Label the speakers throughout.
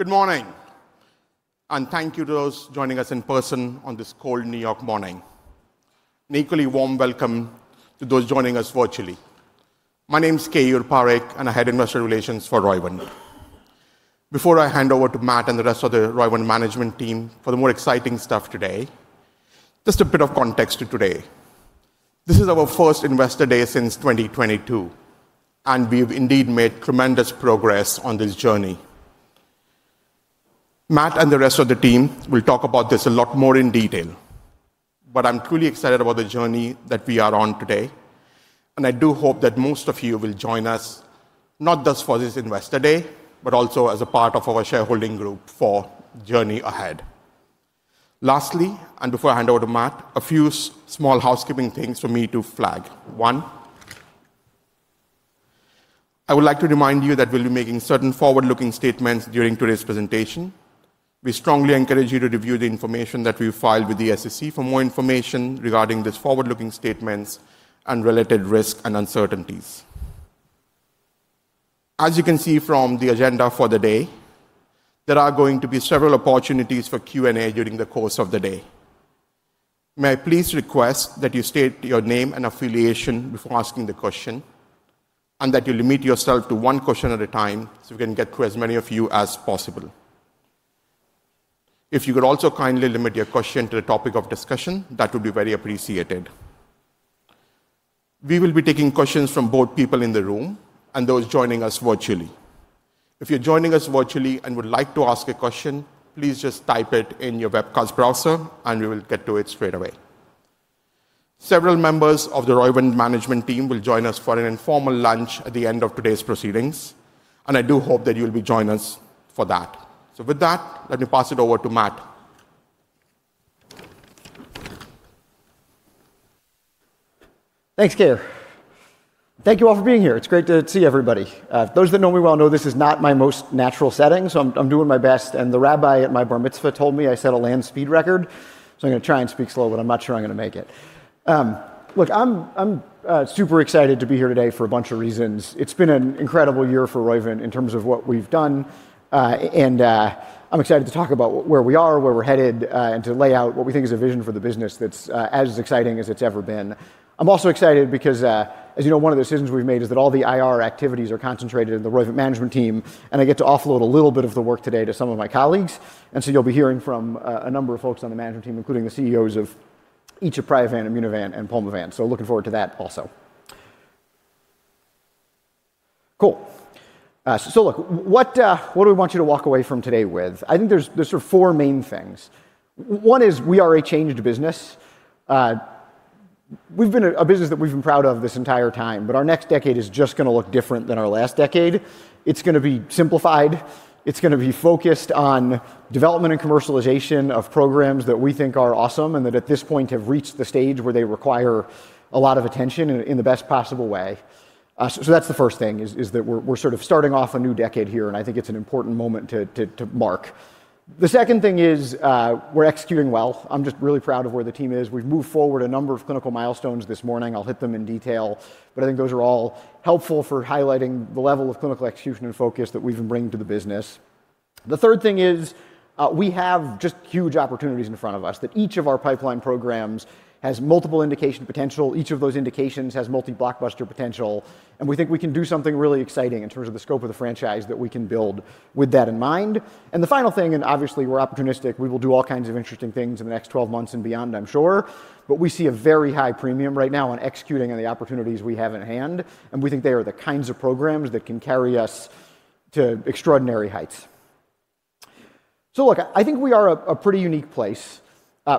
Speaker 1: Good morning, and thank you to those joining us in person on this cold New York morning. An equally warm welcome to those joining us virtually. My name's Keyur Parekh, and I head investor relations for Roivant. Before I hand over to Matt and the rest of the Roivant management team for the more exciting stuff today, just a bit of context to today. This is our first Investor Day since 2022, and we've indeed made tremendous progress on this journey. Matt and the rest of the team will talk about this a lot more in detail, but I'm truly excited about the journey that we are on today, and I do hope that most of you will join us, not just for this Investor Day, but also as a part of our shareholding group for the journey ahead. Lastly, and before I hand over to Matt, a few small housekeeping things for me to flag. One, I would like to remind you that we'll be making certain forward-looking statements during today's presentation. We strongly encourage you to review the information that we've filed with the SEC for more information regarding these forward-looking statements and related risks and uncertainties. As you can see from the agenda for the day, there are going to be several opportunities for Q&A during the course of the day. May I please request that you state your name and affiliation before asking the question, and that you limit yourself to one question at a time so we can get through as many of you as possible? If you could also kindly limit your question to the topic of discussion, that would be very appreciated. We will be taking questions from both people in the room and those joining us virtually. If you're joining us virtually and would like to ask a question, please just type it in your webcast browser, and we will get to it straight away. Several members of the Roivant management team will join us for an informal lunch at the end of today's proceedings, and I do hope that you'll be joining us for that. So with that, let me pass it over to Matt.
Speaker 2: Thanks, Key. Thank you all for being here. It's great to see everybody. Those that know me well know this is not my most natural setting, so I'm doing my best. And the Rabbi at my Bar Mitzvah told me I set a land speed record, so I'm going to try and speak slow, but I'm not sure I'm going to make it. Look, I'm super excited to be here today for a bunch of reasons. It's been an incredible year for Roivant in terms of what we've done, and I'm excited to talk about where we are, where we're headed, and to lay out what we think is a vision for the business that's as exciting as it's ever been. I'm also excited because, as you know, one of the decisions we've made is that all the IR activities are concentrated in the Roivant management team, and I get to offload a little bit of the work today to some of my colleagues. And so you'll be hearing from a number of folks on the management team, including the CEOs of each of Priovant, Immunovant, and Pulmovant. So looking forward to that also. Cool. So look, what do we want you to walk away from today with? I think there's sort of four main things. One is we are a changed business. We've been a business that we've been proud of this entire time, but our next decade is just going to look different than our last decade. It's going to be simplified. It's going to be focused on development and commercialization of programs that we think are awesome and that at this point have reached the stage where they require a lot of attention in the best possible way. So that's the first thing, is that we're sort of starting off a new decade here, and I think it's an important moment to mark. The second thing is we're executing well. I'm just really proud of where the team is. We've moved forward a number of clinical milestones this morning. I'll hit them in detail, but I think those are all helpful for highlighting the level of clinical execution and focus that we've been bringing to the business. The third thing is we have just huge opportunities in front of us that each of our pipeline programs has multiple indication potential. Each of those indications has multi-blockbuster potential, and we think we can do something really exciting in terms of the scope of the franchise that we can build with that in mind. And the final thing, and obviously we're opportunistic, we will do all kinds of interesting things in the next 12 months and beyond, I'm sure, but we see a very high premium right now on executing on the opportunities we have in hand, and we think they are the kinds of programs that can carry us to extraordinary heights. So look, I think we are a pretty unique place.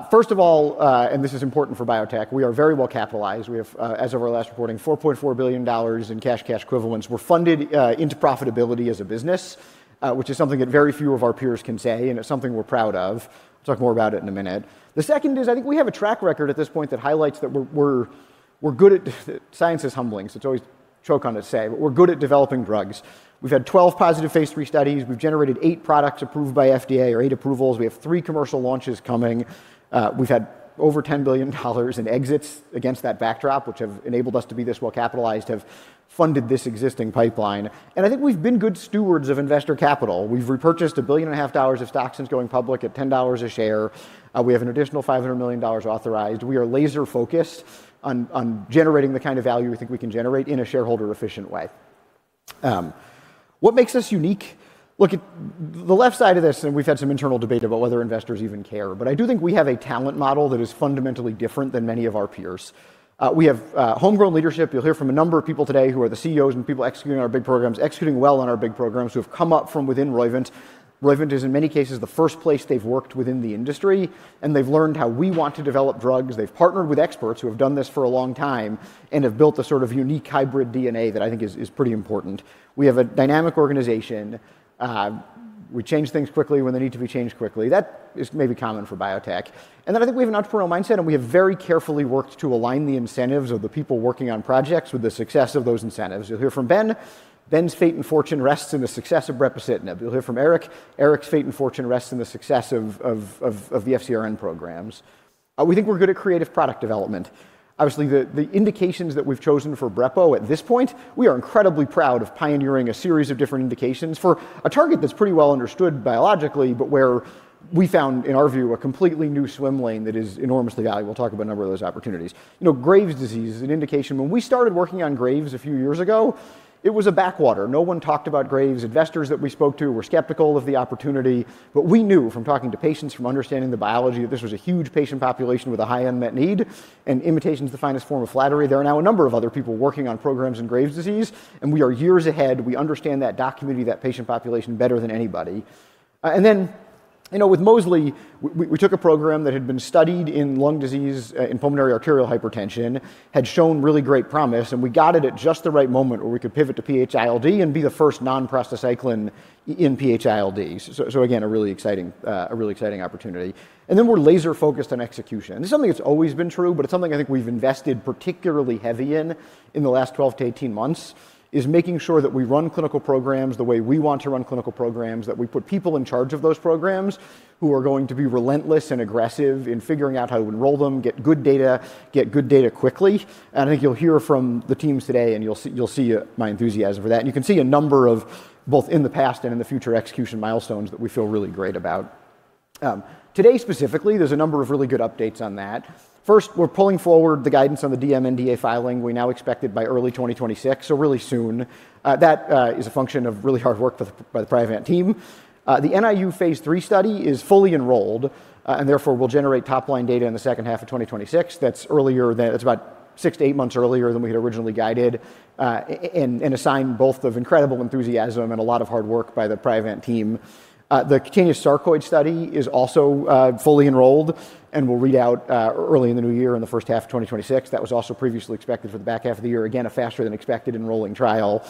Speaker 2: First of all, and this is important for biotech, we are very well capitalized. We have, as of our last reporting, $4.4 billion in cash and cash equivalents. We're funded into profitability as a business, which is something that very few of our peers can say, and it's something we're proud of. I'll talk more about it in a minute. The second is I think we have a track record at this point that highlights that we're good at science. It's humbling, so it's always a joke on its side, but we're good at developing drugs. We've had 12+ phase III studies. We've generated eight products approved by FDA, or eight approvals. We have three commercial launches coming. We've had over $10 billion in exits against that backdrop, which have enabled us to be this well capitalized, have funded this existing pipeline, and I think we've been good stewards of investor capital. We've repurchased $1.5 billion of stock since going public at $10 a share. We have an additional $500 million authorized. We are laser-focused on generating the kind of value we think we can generate in a shareholder-efficient way. What makes us unique? Look, the left side of this, and we've had some internal debate about whether investors even care, but I do think we have a talent model that is fundamentally different than many of our peers. We have homegrown leadership. You'll hear from a number of people today who are the CEOs and people executing on our big programs, executing well on our big programs who have come up from within Roivant. Roivant is, in many cases, the first place they've worked within the industry, and they've learned how we want to develop drugs. They've partnered with experts who have done this for a long time and have built a sort of unique hybrid DNA that I think is pretty important. We have a dynamic organization. We change things quickly when they need to be changed quickly. That is maybe common for biotech. And then I think we have an entrepreneurial mindset, and we have very carefully worked to align the incentives of the people working on projects with the success of those incentives. You'll hear from Ben. Ben's fate and fortune rests in the success of brepocitinib. You'll hear from Eric. Eric's fate and fortune rests in the success of the FcRn programs. We think we're good at creative product development. Obviously, the indications that we've chosen for Brepo at this point, we are incredibly proud of pioneering a series of different indications for a target that's pretty well understood biologically, but where we found, in our view, a completely new swim lane that is enormously valuable. We'll talk about a number of those opportunities. You know, Graves' disease is an indication. When we started working on Graves' a few years ago, it was a backwater. No one talked about Graves'. Investors that we spoke to were skeptical of the opportunity, but we knew from talking to patients, from understanding the biology that this was a huge patient population with a high unmet need and imitation is the finest form of flattery. There are now a number of other people working on programs in Graves' disease, and we are years ahead. We understand that documenting that patient population better than anybody, and then, you know, with mosliciguat, we took a program that had been studied in lung disease, in pulmonary arterial hypertension, had shown really great promise, and we got it at just the right moment where we could pivot to PH-ILD and be the first non-prostacyclin in PH-ILD. So again, a really exciting opportunity, and then we're laser-focused on execution. This is something that's always been true, but it's something I think we've invested particularly heavily in the last 12-18 months, is making sure that we run clinical programs the way we want to run clinical programs, that we put people in charge of those programs who are going to be relentless and aggressive in figuring out how to enroll them, get good data, get good data quickly. And I think you'll hear from the teams today, and you'll see my enthusiasm for that. And you can see a number of both in the past and in the future execution milestones that we feel really great about. Today, specifically, there's a number of really good updates on that. First, we're pulling forward the guidance on the DM NDA filing. We now expect it by early 2026, so really soon. That is a function of really hard work by the Priovant team. The NIU phase III study is fully enrolled and therefore will generate top-line data in the second half of 2026. That's earlier than it’s about six to eight months earlier than we had originally guided and is due both to incredible enthusiasm and a lot of hard work by the Priovant team. The cutaneous sarcoid study is also fully enrolled and will read out early in the new year in the first half of 2026. That was also previously expected for the back half of the year. Again, a faster-than-expected enrolling trial.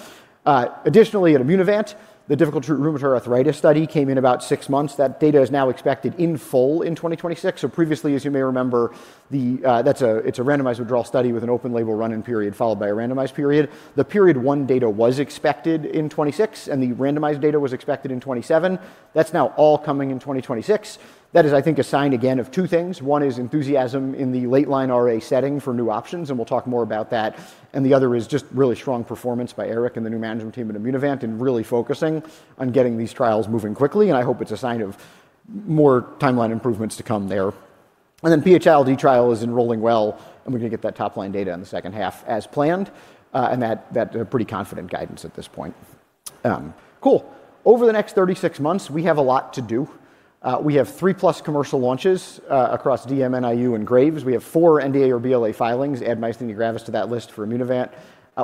Speaker 2: Additionally, at Immunovant, the difficult-to-treat rheumatoid arthritis study came in about six months. That data is now expected in full in 2026. So previously, as you may remember, that's a randomized withdrawal study with an open-label run-in period followed by a randomized period. The period one data was expected in 2026, and the randomized data was expected in 2027. That's now all coming in 2026. That is, I think, a sign again of two things. One is enthusiasm in the late-line RA setting for new options, and we'll talk more about that. And the other is just really strong performance by Eric and the new management team at Immunovant and really focusing on getting these trials moving quickly. And I hope it's a sign of more timeline improvements to come there. And then PH-ILD trial is enrolling well, and we're going to get that top-line data in the second half as planned. And that's a pretty confident guidance at this point. Cool. Over the next 36 months, we have a lot to do. We have three plus commercial launches across DM, NIU and Graves. We have four NDA or BLA filings. Add myasthenia and Graves to that list for Immunovant.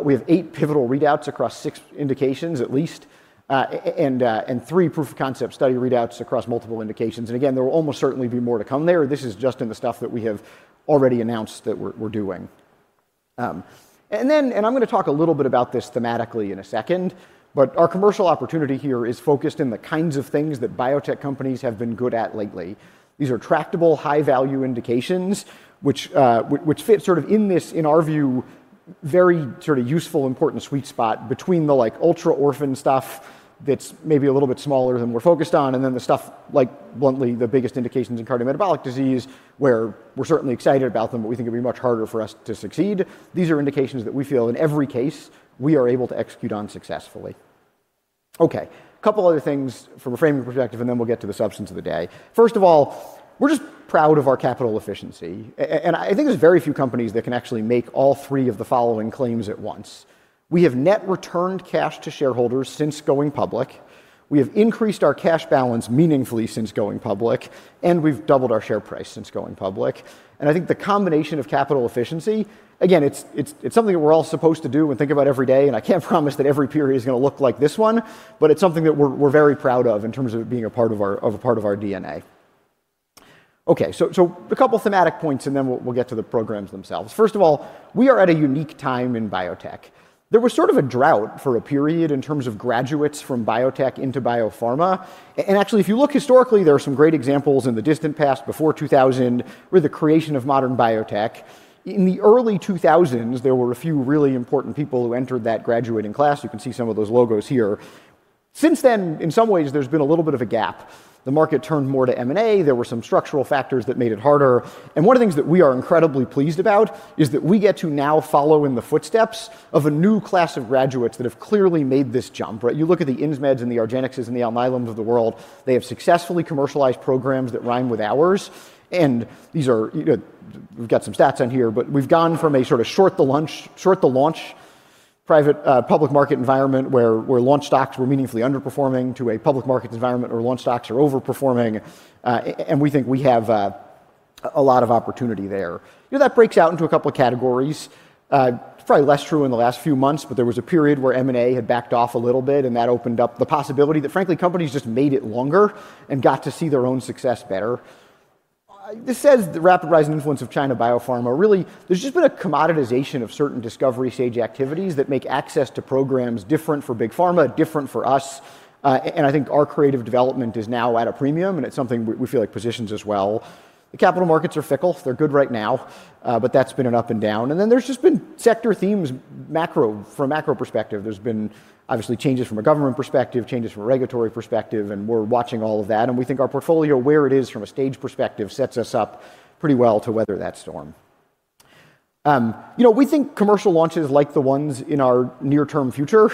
Speaker 2: We have eight pivotal readouts across six indications, at least, and three proof-of-concept study readouts across multiple indications. And again, there will almost certainly be more to come there. This is just in the stuff that we have already announced that we're doing. And then I'm going to talk a little bit about this thematically in a second, but our commercial opportunity here is focused in the kinds of things that biotech companies have been good at lately. These are tractable, high-value indications, which fit sort of in this, in our view, very sort of useful, important sweet spot between the ultra-orphan stuff that's maybe a little bit smaller than we're focused on, and then the stuff like, bluntly, the biggest indications in cardiometabolic disease, where we're certainly excited about them, but we think it'd be much harder for us to succeed. These are indications that we feel in every case we are able to execute on successfully. Okay, a couple other things from a framing perspective, and then we'll get to the substance of the day. First of all, we're just proud of our capital efficiency. And I think there's very few companies that can actually make all three of the following claims at once. We have net returned cash to shareholders since going public. We have increased our cash balance meaningfully since going public, and we've doubled our share price since going public. And I think the combination of capital efficiency, again, it's something that we're all supposed to do and think about every day. And I can't promise that every period is going to look like this one, but it's something that we're very proud of in terms of being a part of our DNA. Okay, so a couple of thematic points, and then we'll get to the programs themselves. First of all, we are at a unique time in biotech. There was sort of a drought for a period in terms of graduates from biotech into biopharma. And actually, if you look historically, there are some great examples in the distant past before 2000 with the creation of modern biotech. In the early 2000s, there were a few really important people who entered that graduating class. You can see some of those logos here. Since then, in some ways, there's been a little bit of a gap. The market turned more to M&A. There were some structural factors that made it harder. One of the things that we are incredibly pleased about is that we get to now follow in the footsteps of a new class of graduates that have clearly made this jump. You look at the Insmeds and the argenxes and the Alnylams of the world. They have successfully commercialized programs that rhyme with ours. These are, we've got some stats on here, but we've gone from a sort of short the launch private public market environment where launch stocks were meaningfully underperforming to a public market environment where launch stocks are overperforming. And we think we have a lot of opportunity there. That breaks out into a couple of categories. It's probably less true in the last few months, but there was a period where M&A had backed off a little bit, and that opened up the possibility that, frankly, companies just made it longer and got to see their own success better. This says the rapid rise and influence of China biopharma. Really, there's just been a commoditization of certain discovery stage activities that make access to programs different for big pharma, different for us. And I think our creative development is now at a premium, and it's something we feel like positions us well. The capital markets are fickle. They're good right now, but that's been an up and down. And then there's just been sector themes from a macro perspective. There's been obviously changes from a government perspective, changes from a regulatory perspective, and we're watching all of that, and we think our portfolio, where it is from a stage perspective, sets us up pretty well to weather that storm. You know, we think commercial launches like the ones in our near-term future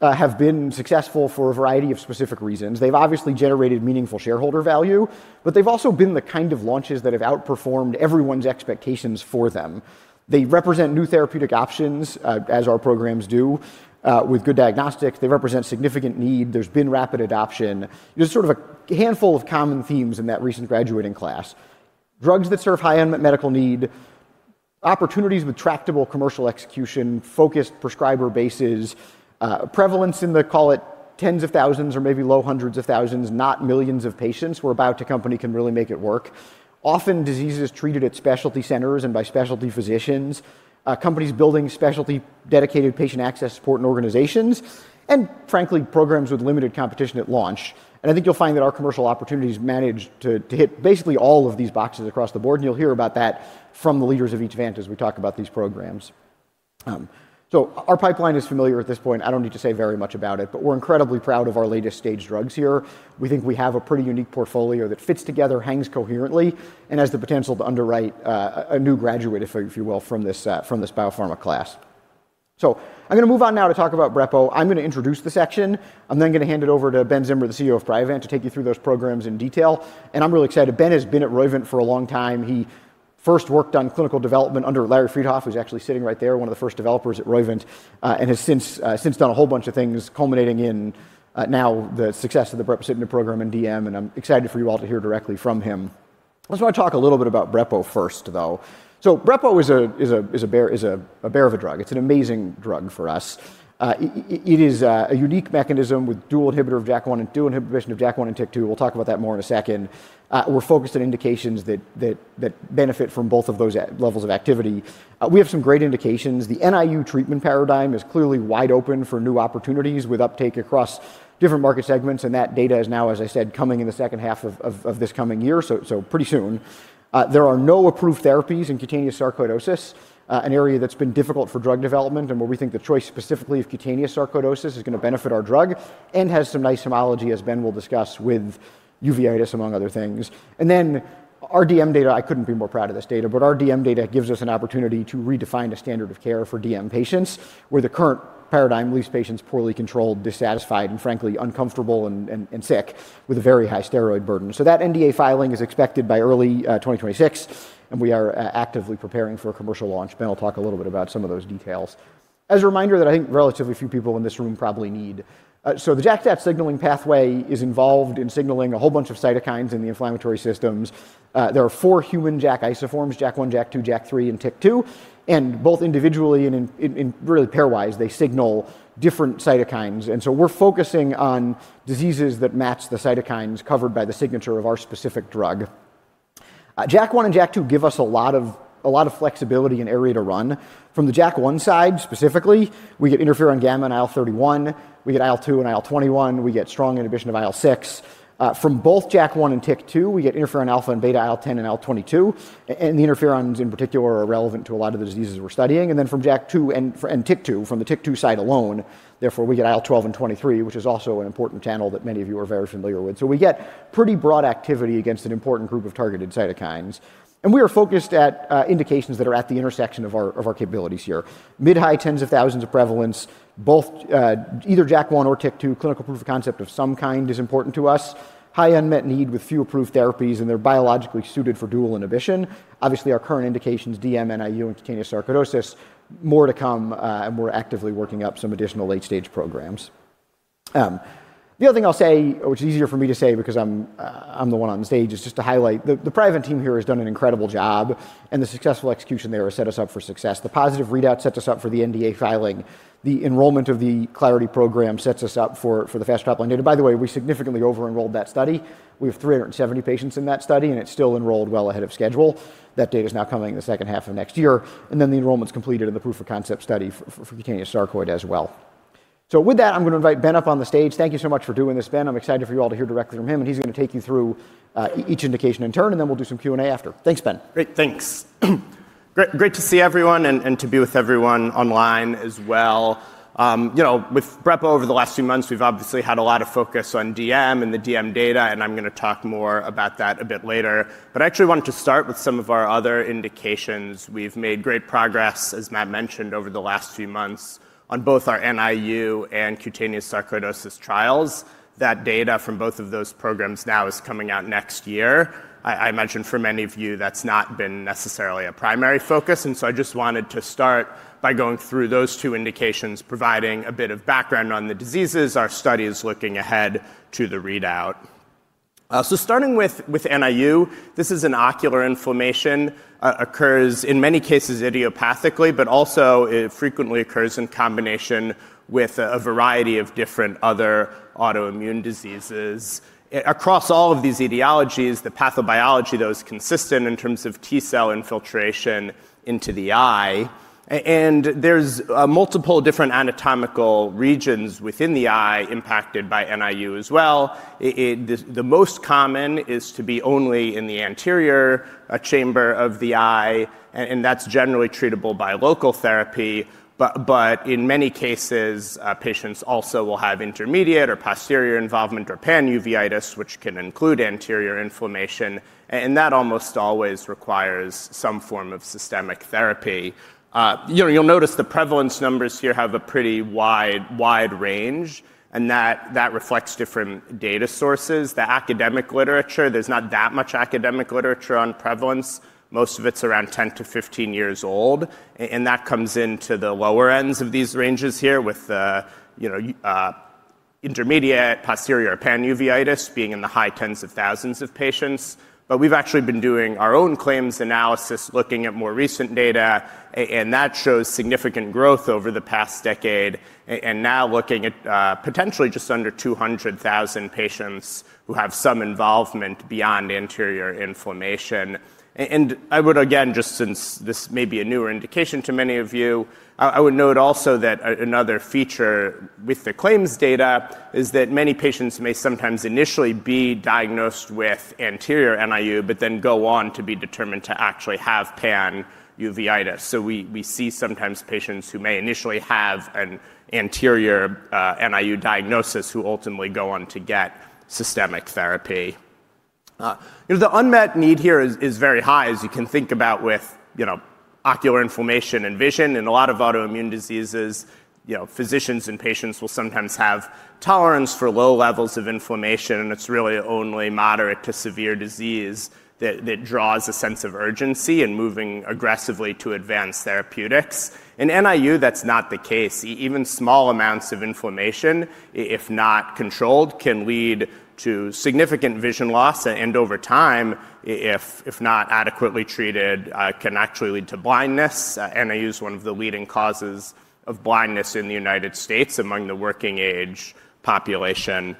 Speaker 2: have been successful for a variety of specific reasons. They've obviously generated meaningful shareholder value, but they've also been the kind of launches that have outperformed everyone's expectations for them. They represent new therapeutic options, as our programs do, with good diagnostics. They represent significant need. There's been rapid adoption. There's sort of a handful of common themes in that recent graduating class: drugs that serve high unmet medical need, opportunities with tractable commercial execution, focused prescriber bases, prevalence in the, call it, tens of thousands or maybe low hundreds of thousands, not millions of patients, where biotech company can really make it work. Often diseases treated at specialty centers and by specialty physicians, companies building specialty dedicated patient access support and organizations, and frankly, programs with limited competition at launch, and I think you'll find that our commercial opportunities manage to hit basically all of these boxes across the board, and you'll hear about that from the leaders of each vent as we talk about these programs, so our pipeline is familiar at this point. I don't need to say very much about it, but we're incredibly proud of our latest stage drugs here. We think we have a pretty unique portfolio that fits together, hangs coherently, and has the potential to underwrite a new graduate, if you will, from this biopharma class. So I'm going to move on now to talk about Brepo. I'm going to introduce the section. I'm then going to hand it over to Ben Zimmer, the CEO of Priovant, to take you through those programs in detail. And I'm really excited. Ben has been at Roivant for a long time. He first worked on clinical development under Larry Friedhoff, who's actually sitting right there, one of the first developers at Roivant, and has since done a whole bunch of things, culminating in now the success of the brepocitinib program and DM. And I'm excited for you all to hear directly from him. I just want to talk a little bit about brepo first, though. Brepo is a bear of a drug. It's an amazing drug for us. It is a unique mechanism with dual inhibitor of JAK1 and dual inhibition of JAK1 and TYK2. We'll talk about that more in a second. We're focused on indications that benefit from both of those levels of activity. We have some great indications. The NIU treatment paradigm is clearly wide open for new opportunities with uptake across different market segments. That data is now, as I said, coming in the second half of this coming year, so pretty soon. There are no approved therapies in cutaneous sarcoidosis, an area that's been difficult for drug development and where we think the choice specifically of cutaneous sarcoidosis is going to benefit our drug and has some nice homology, as Ben will discuss, with uveitis, among other things. Then our DM data, I couldn't be more proud of this data, but our DM data gives us an opportunity to redefine a standard of care for DM patients where the current paradigm leaves patients poorly controlled, dissatisfied, and frankly, uncomfortable and sick with a very high steroid burden. So that NDA filing is expected by early 2026, and we are actively preparing for a commercial launch. Ben will talk a little bit about some of those details as a reminder that I think relatively few people in this room probably need. So the JAK-STAT signaling pathway is involved in signaling a whole bunch of cytokines in the inflammatory systems. There are four human JAK isoforms: JAK1, JAK2, JAK3, and TYK2. And both individually and really pairwise, they signal different cytokines. And so we're focusing on diseases that match the cytokines covered by the signature of our specific drug. JAK1 and JAK2 give us a lot of flexibility and area to run. From the JAK1 side, specifically, we get interferon gamma and IL-31. We get IL-2 and IL-21. We get strong inhibition of IL-6. From both JAK1 and TYK2, we get interferon alpha and beta, IL-10 and IL-22. And the interferons in particular are relevant to a lot of the diseases we're studying. And then from JAK2 and TYK2, from the TYK2 side alone, therefore we get IL-12 and IL-23, which is also an important channel that many of you are very familiar with. So we get pretty broad activity against an important group of targeted cytokines. We are focused at indications that are at the intersection of our capabilities here: mid-high, tens of thousands of prevalence, both either JAK1 or TYK2, clinical proof of concept of some kind is important to us, high unmet need with few approved therapies, and they're biologically suited for dual inhibition. Obviously, our current indications, DM, NIU and cutaneous sarcoidosis, more to come, and we're actively working up some additional late-stage programs. The other thing I'll say, which is easier for me to say because I'm the one on the stage, is just to highlight the Priovant team here has done an incredible job, and the successful execution there has set us up for success. The positive readout sets us up for the NDA filing. The enrollment of the CLARITY program sets us up for the fast-track line data. By the way, we significantly over-enrolled that study. We have 370 patients in that study, and it's still enrolled well ahead of schedule. That data is now coming in the second half of next year, and then the enrollment's completed in the proof of concept study for cutaneous sarcoid as well, so with that, I'm going to invite Ben up on the stage. Thank you so much for doing this, Ben. I'm excited for you all to hear directly from him, and he's going to take you through each indication in turn, and then we'll do some Q&A after. Thanks, Ben.
Speaker 3: Great, thanks. Great to see everyone and to be with everyone online as well. With brepo over the last few months, we've obviously had a lot of focus on DM and the DM data, and I'm going to talk more about that a bit later. But I actually wanted to start with some of our other indications. We've made great progress, as Matt mentioned, over the last few months on both our NIU and cutaneous sarcoidosis trials. That data from both of those programs now is coming out next year. I imagine for many of you, that's not been necessarily a primary focus. And so I just wanted to start by going through those two indications, providing a bit of background on the diseases, our studies, looking ahead to the readout. So starting with NIU, this is an ocular inflammation. It occurs in many cases idiopathically, but also it frequently occurs in combination with a variety of different other autoimmune diseases. Across all of these etiologies, the pathobiology though is consistent in terms of T-cell infiltration into the eye, and there's multiple different anatomical regions within the eye impacted by NIU as well. The most common is to be only in the anterior chamber of the eye, and that's generally treatable by local therapy, but in many cases, patients also will have intermediate or posterior involvement or panuveitis, which can include anterior inflammation, and that almost always requires some form of systemic therapy. You'll notice the prevalence numbers here have a pretty wide range, and that reflects different data sources. The academic literature, there's not that much academic literature on prevalence. Most of it's around 10 years old-15 years old. That comes into the lower ends of these ranges here with intermediate posterior panuveitis being in the high tens of thousands of patients. But we've actually been doing our own claims analysis looking at more recent data, and that shows significant growth over the past decade. Now looking at potentially just under 200,000 patients who have some involvement beyond anterior inflammation. I would again, just since this may be a newer indication to many of you, note also that another feature with the claims data is that many patients may sometimes initially be diagnosed with anterior NIU, but then go on to be determined to actually have panuveitis. We see sometimes patients who may initially have an anterior NIU diagnosis who ultimately go on to get systemic therapy. The unmet need here is very high, as you can think about with ocular inflammation and vision. In a lot of autoimmune diseases, physicians and patients will sometimes have tolerance for low levels of inflammation, and it's really only moderate to severe disease that draws a sense of urgency and moving aggressively to advanced therapeutics. In NIU, that's not the case. Even small amounts of inflammation, if not controlled, can lead to significant vision loss, and over time, if not adequately treated, can actually lead to blindness. NIU is one of the leading causes of blindness in the United States among the working-age population,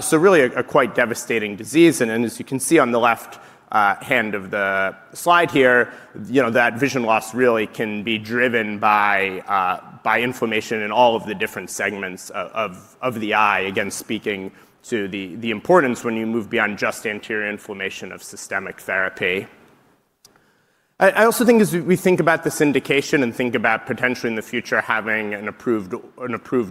Speaker 3: so really a quite devastating disease. As you can see on the left hand of the slide here, that vision loss really can be driven by inflammation in all of the different segments of the eye, again, speaking to the importance when you move beyond just anterior inflammation of systemic therapy. I also think as we think about this indication and think about potentially in the future having an approved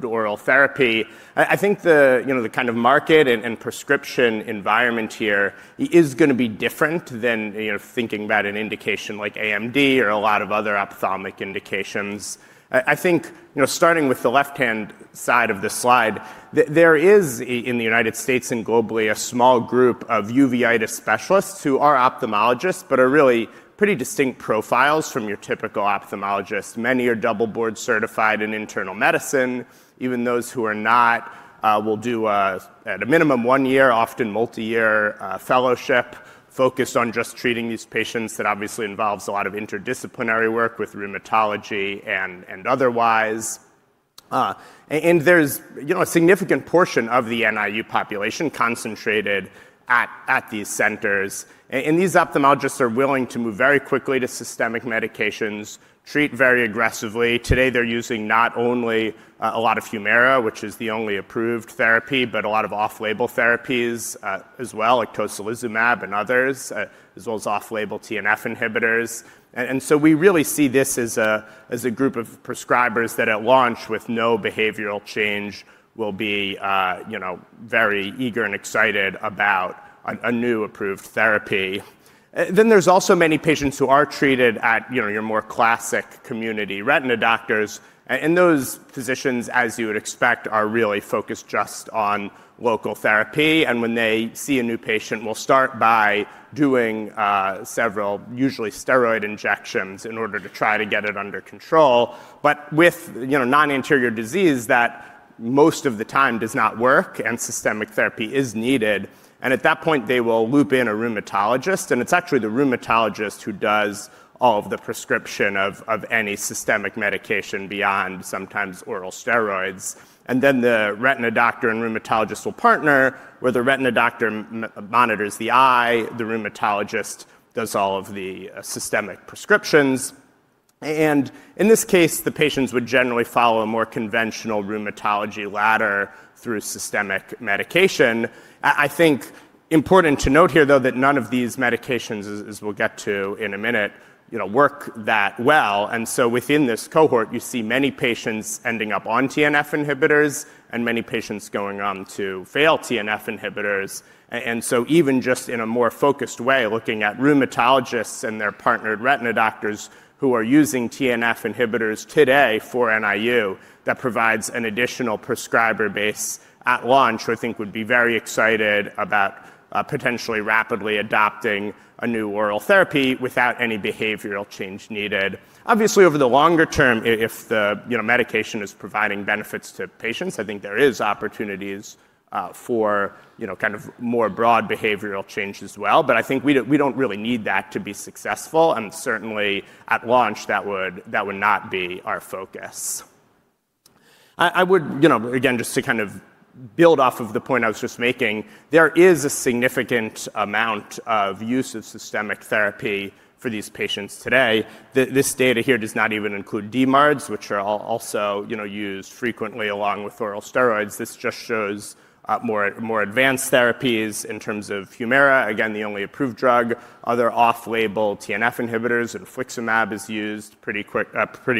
Speaker 3: oral therapy, I think the kind of market and prescription environment here is going to be different than thinking about an indication like AMD or a lot of other ophthalmic indications. I think starting with the left-hand side of the slide, there is in the United States and globally a small group of uveitis specialists who are ophthalmologists, but are really pretty distinct profiles from your typical ophthalmologist. Many are double board certified in internal medicine. Even those who are not will do at a minimum one year, often multi-year fellowship focused on just treating these patients. That obviously involves a lot of interdisciplinary work with rheumatology and otherwise, and there's a significant portion of the NIU population concentrated at these centers, and these ophthalmologists are willing to move very quickly to systemic medications, treat very aggressively. Today they're using not only a lot of Humira, which is the only approved therapy, but a lot of off-label therapies as well, like tocilizumab and others, as well as off-label TNF inhibitors, and so we really see this as a group of prescribers that at launch with no behavioral change will be very eager and excited about a new approved therapy, then there's also many patients who are treated at your more classic community retina doctors. Those physicians, as you would expect, are really focused just on local therapy. When they see a new patient, they will start by doing several, usually, steroid injections in order to try to get it under control. With non-anterior disease, that most of the time does not work and systemic therapy is needed. At that point, they will loop in a rheumatologist. It's actually the rheumatologist who does all of the prescription of any systemic medication beyond sometimes oral steroids. The retina doctor and rheumatologist will partner where the retina doctor monitors the eye, the rheumatologist does all of the systemic prescriptions. In this case, the patients would generally follow a more conventional rheumatology ladder through systemic medication. I think it's important to note here though that none of these medications, as we'll get to in a minute, work that well. And so within this cohort, you see many patients ending up on TNF inhibitors and many patients going on to fail TNF inhibitors. And so even just in a more focused way, looking at rheumatologists and their partnered retina doctors who are using TNF inhibitors today for NIU, that provides an additional prescriber base at launch, I think would be very excited about potentially rapidly adopting a new oral therapy without any behavioral change needed. Obviously, over the longer term, if the medication is providing benefits to patients, I think there are opportunities for kind of more broad behavioral change as well. But I think we don't really need that to be successful. And certainly at launch, that would not be our focus. I would again just to kind of build off of the point I was just making. There is a significant amount of use of systemic therapy for these patients today. This data here does not even include DMARDs, which are also used frequently along with oral steroids. This just shows more advanced therapies in terms of Humira, again, the only approved drug. Other off-label TNF inhibitors and infliximab is used pretty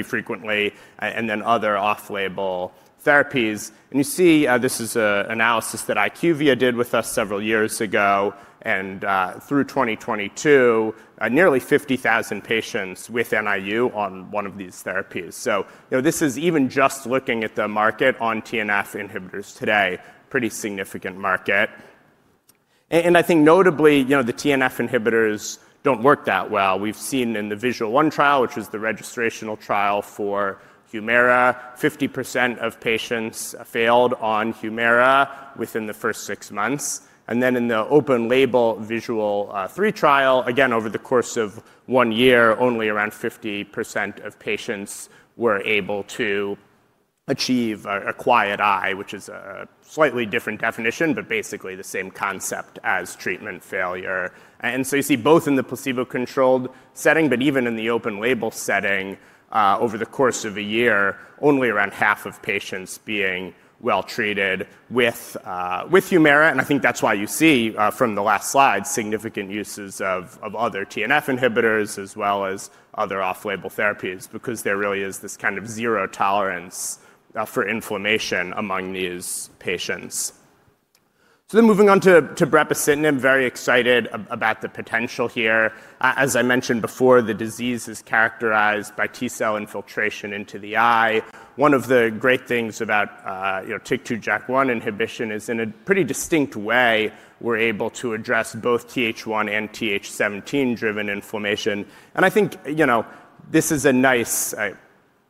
Speaker 3: frequently, and then other off-label therapies. And you see this is an analysis that IQVIA did with us several years ago. And through 2022, nearly 50,000 patients with NIU on one of these therapies. So this is even just looking at the market on TNF inhibitors today, pretty significant market. And I think notably, the TNF inhibitors don't work that well. We've seen in the VISUAL I trial, which was the registrational trial for Humira, 50% of patients failed on Humira within the first six months. And then in the open-label VISUAL III trial, again, over the course of one year, only around 50% of patients were able to achieve a quiet eye, which is a slightly different definition, but basically the same concept as treatment failure. And so you see both in the placebo-controlled setting, but even in the open-label setting, over the course of a year, only around half of patients being well treated with Humira. And I think that's why you see from the last slide significant uses of other TNF inhibitors as well as other off-label therapies because there really is this kind of zero tolerance for inflammation among these patients. So then moving on to brepocitinib, very excited about the potential here. As I mentioned before, the disease is characterized by T-cell infiltration into the eye. One of the great things about TYK2/JAK1 inhibition is in a pretty distinct way, we're able to address both Th1 and Th17-driven inflammation. I think this is a nice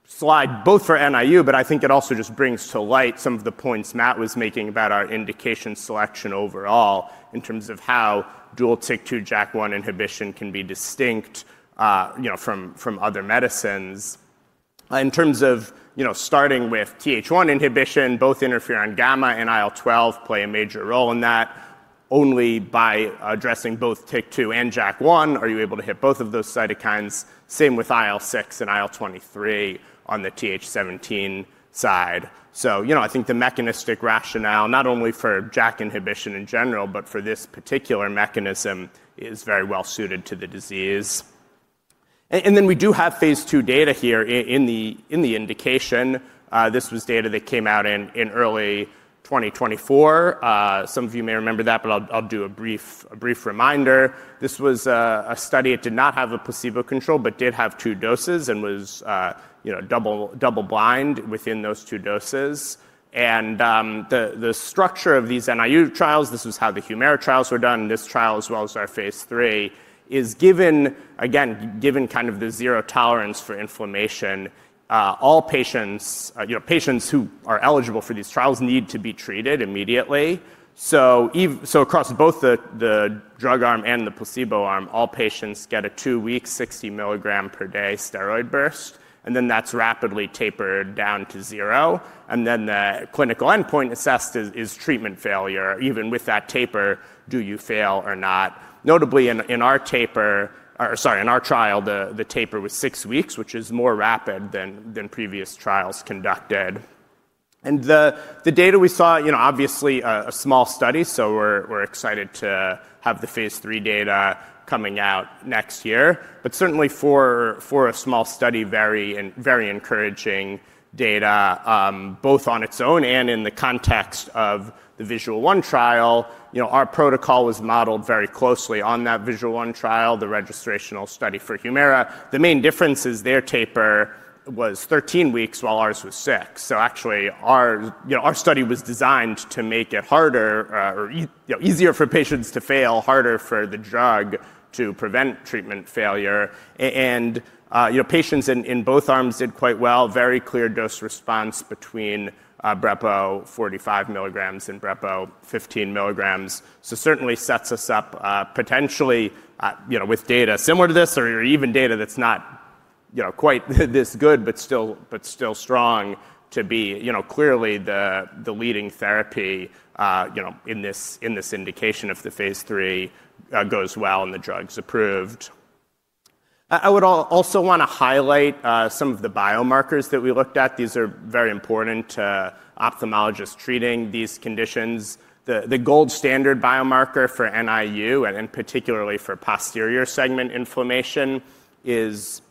Speaker 3: slide both for NIU, but I think it also just brings to light some of the points Matt was making about our indication selection overall in terms of how dual TYK2/JAK1 inhibition can be distinct from other medicines. In terms of starting with Th1 inhibition, both interferon gamma and IL-12 play a major role in that. Only by addressing both TYK2 and JAK1 are you able to hit both of those cytokines. Same with IL-6 and IL-23 on the Th17 side. I think the mechanistic rationale, not only for JAK inhibition in general, but for this particular mechanism is very well suited to the disease. And then we do have phase II data here in the indication. This was data that came out in early 2024. Some of you may remember that, but I'll do a brief reminder. This was a study. It did not have a placebo control, but did have two doses and was double-blind within those two doses. And the structure of these NIU trials, this was how the Humira trials were done. This trial, as well as our phase III, is given, again, given kind of the zero tolerance for inflammation. All patients who are eligible for these trials need to be treated immediately. So across both the drug arm and the placebo arm, all patients get a two-week 60 mg per day steroid burst. Then that's rapidly tapered down to zero. And then the clinical endpoint assessed is treatment failure. Even with that taper, do you fail or not? Notably in our taper, or sorry, in our trial, the taper was six weeks, which is more rapid than previous trials conducted. And the data we saw, obviously a small study, so we're excited to have the phase III data coming out next year. But certainly for a small study, very encouraging data, both on its own and in the context of the VISUAL I trial. Our protocol was modeled very closely on that VISUAL I trial, the registrational study for Humira. The main difference is their taper was 13 weeks while ours was six. So actually our study was designed to make it harder or easier for patients to fail, harder for the drug to prevent treatment failure. Patients in both arms did quite well, very clear dose response between brepo 45 mg and brepo 15 mg. Certainly sets us up potentially with data similar to this or even data that's not quite this good, but still strong to be clearly the leading therapy in this indication if the phase III goes well and the drug's approved. I would also want to highlight some of the biomarkers that we looked at. These are very important to ophthalmologists treating these conditions. The gold standard biomarker for NIU and particularly for posterior segment inflammation is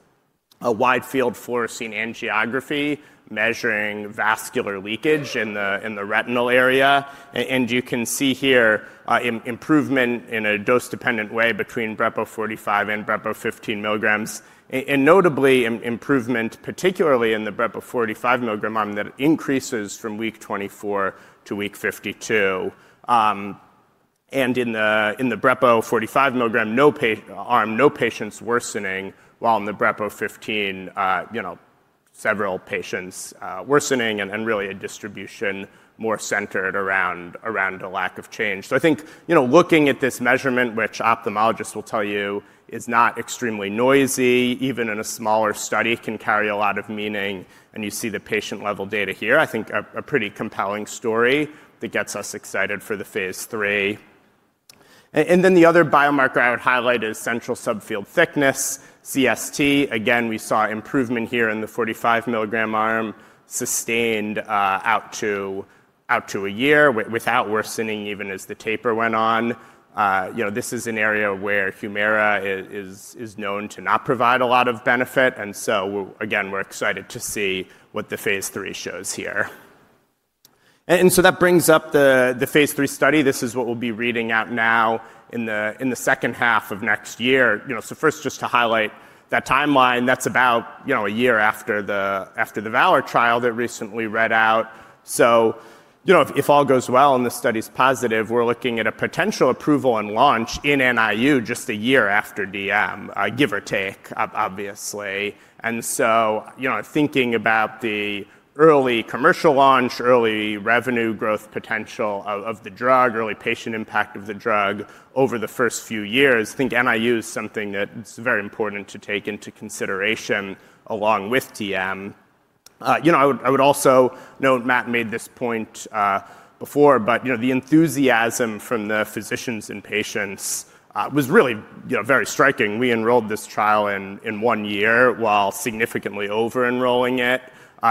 Speaker 3: a wide field fluorescein angiography measuring vascular leakage in the retinal area. You can see here improvement in a dose-dependent way between brepo 45 and brepo 15 mg. Notably improvement, particularly in the brepo 45 mg arm that increases from Week 24 to Week 52. In the brepo 45 mg arm, no patients worsening, while in the brepo 15, several patients worsening and really a distribution more centered around a lack of change. I think looking at this measurement, which ophthalmologists will tell you is not extremely noisy, even in a smaller study can carry a lot of meaning. You see the patient-level data here, I think a pretty compelling story that gets us excited for the phase III. Then the other biomarker I would highlight is Central Subfield Thickness, CST. Again, we saw improvement here in the 45 mg arm sustained out to a year without worsening even as the taper went on. This is an area where Humira is known to not provide a lot of benefit. We're excited to see what the phase III shows here. That brings up the phase III study. This is what we'll be reading out now in the second half of next year. So first, just to highlight that timeline, that's about a year after the VALOR trial that recently read out. So if all goes well and the study's positive, we're looking at a potential approval and launch in NIU just a year after DM, give or take, obviously. And so thinking about the early commercial launch, early revenue growth potential of the drug, early patient impact of the drug over the first few years, I think NIU is something that's very important to take into consideration along with DM. I would also note Matt made this point before, but the enthusiasm from the physicians and patients was really very striking. We enrolled this trial in one year while significantly over-enrolling it.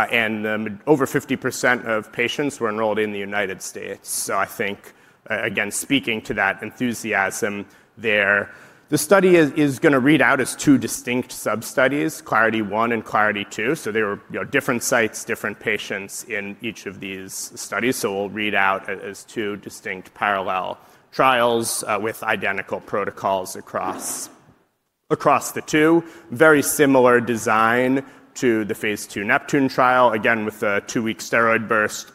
Speaker 3: And over 50% of patients were enrolled in the United States. So I think, again, speaking to that enthusiasm there, the study is going to read out as two distinct sub studies, CLARITY-1 and CLARITY-2. So they were different sites, different patients in each of these studies. So we'll read out as two distinct parallel trials with identical protocols across the two. Very similar design to the phase II NEPTUNE trial, again with a two-week steroid burst,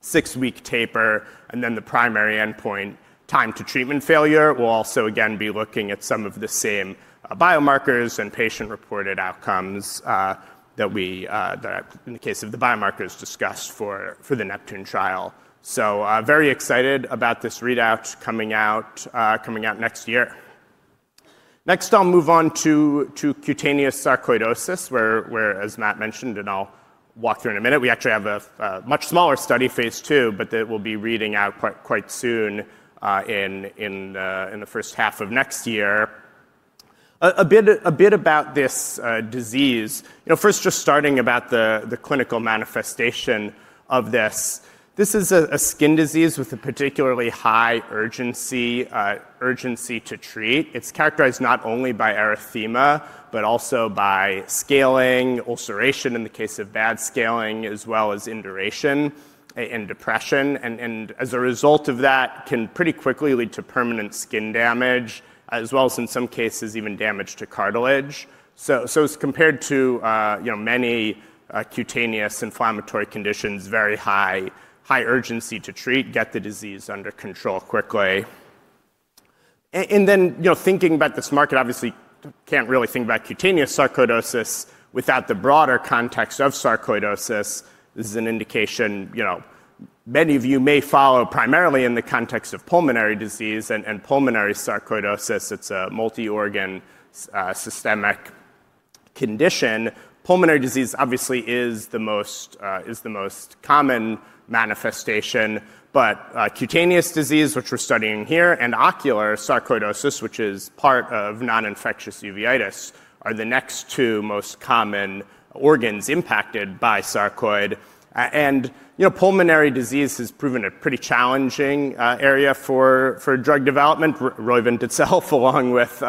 Speaker 3: six-week taper, and then the primary endpoint time to treatment failure. We'll also again be looking at some of the same biomarkers and patient-reported outcomes that we, in the case of the biomarkers, discussed for the NEPTUNE trial. So very excited about this readout coming out next year. Next, I'll move on to cutaneous sarcoidosis, where, as Matt mentioned, and I'll walk through in a minute, we actually have a much smaller study, phase II, but that we'll be reading out quite soon in the first half of next year. A bit about this disease, first just starting about the clinical manifestation of this. This is a skin disease with a particularly high urgency to treat. It's characterized not only by erythema, but also by scaling, ulceration in the case of bad scaling, as well as induration and depression. And as a result of that, can pretty quickly lead to permanent skin damage, as well as in some cases even damage to cartilage, so it's compared to many cutaneous inflammatory conditions, very high urgency to treat, get the disease under control quickly. And then thinking about this market, obviously can't really think about cutaneous sarcoidosis without the broader context of sarcoidosis. This is an indication many of you may follow primarily in the context of pulmonary disease and pulmonary sarcoidosis. It's a multi-organ systemic condition. Pulmonary disease obviously is the most common manifestation, but cutaneous disease, which we're studying here, and ocular sarcoidosis, which is part of non-infectious uveitis, are the next two most common organs impacted by sarcoid. And pulmonary disease has proven a pretty challenging area for drug development. Roivant itself, along with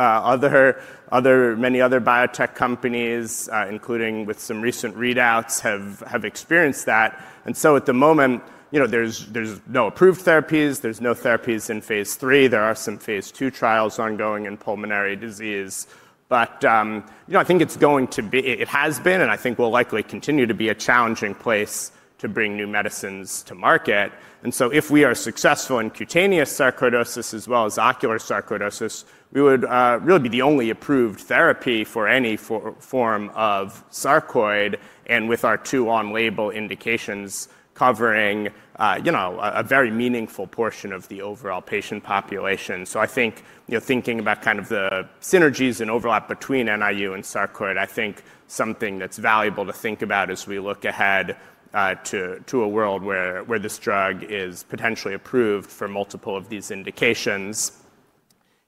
Speaker 3: many other biotech companies, including with some recent readouts, have experienced that. And so at the moment, there's no approved therapies, there's no therapies in phase III. There are some phase II trials ongoing in pulmonary disease. But I think it's going to be, it has been, and I think will likely continue to be a challenging place to bring new medicines to market. And so if we are successful in cutaneous sarcoidosis as well as ocular sarcoidosis, we would really be the only approved therapy for any form of sarcoid, and with our two on-label indications covering a very meaningful portion of the overall patient population. So I think thinking about kind of the synergies and overlap between NIU and sarcoid, I think something that's valuable to think about as we look ahead to a world where this drug is potentially approved for multiple of these indications.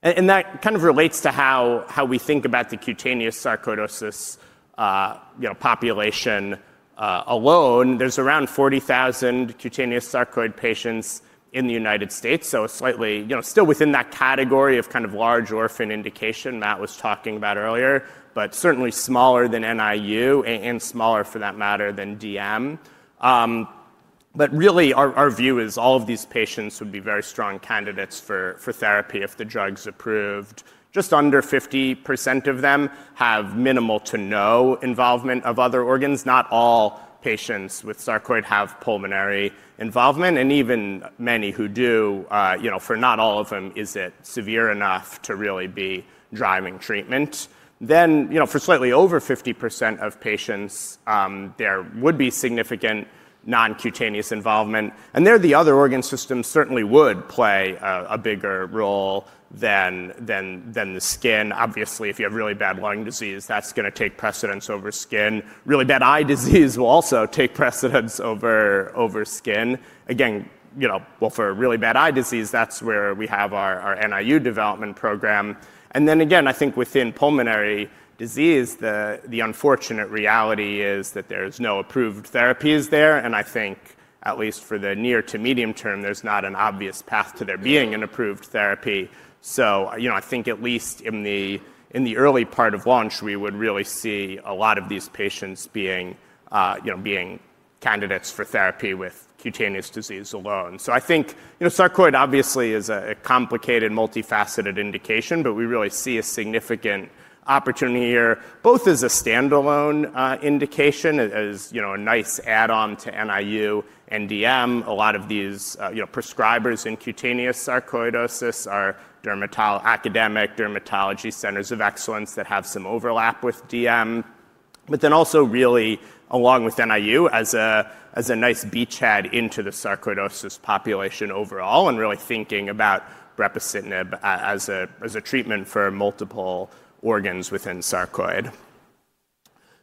Speaker 3: And that kind of relates to how we think about the cutaneous sarcoidosis population alone. There's around 40,000 cutaneous sarcoid patients in the United States, so slightly still within that category of kind of large orphan indication Matt was talking about earlier, but certainly smaller than NIU and smaller for that matter than DM. But really our view is all of these patients would be very strong candidates for therapy if the drug's approved. Just under 50% of them have minimal to no involvement of other organs. Not all patients with sarcoid have pulmonary involvement, and even many who do, for not all of them is it severe enough to really be driving treatment. Then for slightly over 50% of patients, there would be significant non-cutaneous involvement. And there the other organ systems certainly would play a bigger role than the skin. Obviously, if you have really bad lung disease, that's going to take precedence over skin. Really bad eye disease will also take precedence over skin. Again, well, for really bad eye disease, that's where we have our NIU development program, and then again, I think within pulmonary disease, the unfortunate reality is that there's no approved therapies there, and I think at least for the near to medium term, there's not an obvious path to there being an approved therapy, so I think at least in the early part of launch, we would really see a lot of these patients being candidates for therapy with cutaneous disease alone, so I think sarcoid obviously is a complicated multifaceted indication, but we really see a significant opportunity here, both as a standalone indication, as a nice add-on to NIU and DM. A lot of these prescribers in cutaneous sarcoidosis are academic dermatology centers of excellence that have some overlap with DM. But then also really along with NIU as a nice beachhead into the sarcoidosis population overall and really thinking about brepocitinib as a treatment for multiple organs within sarcoid.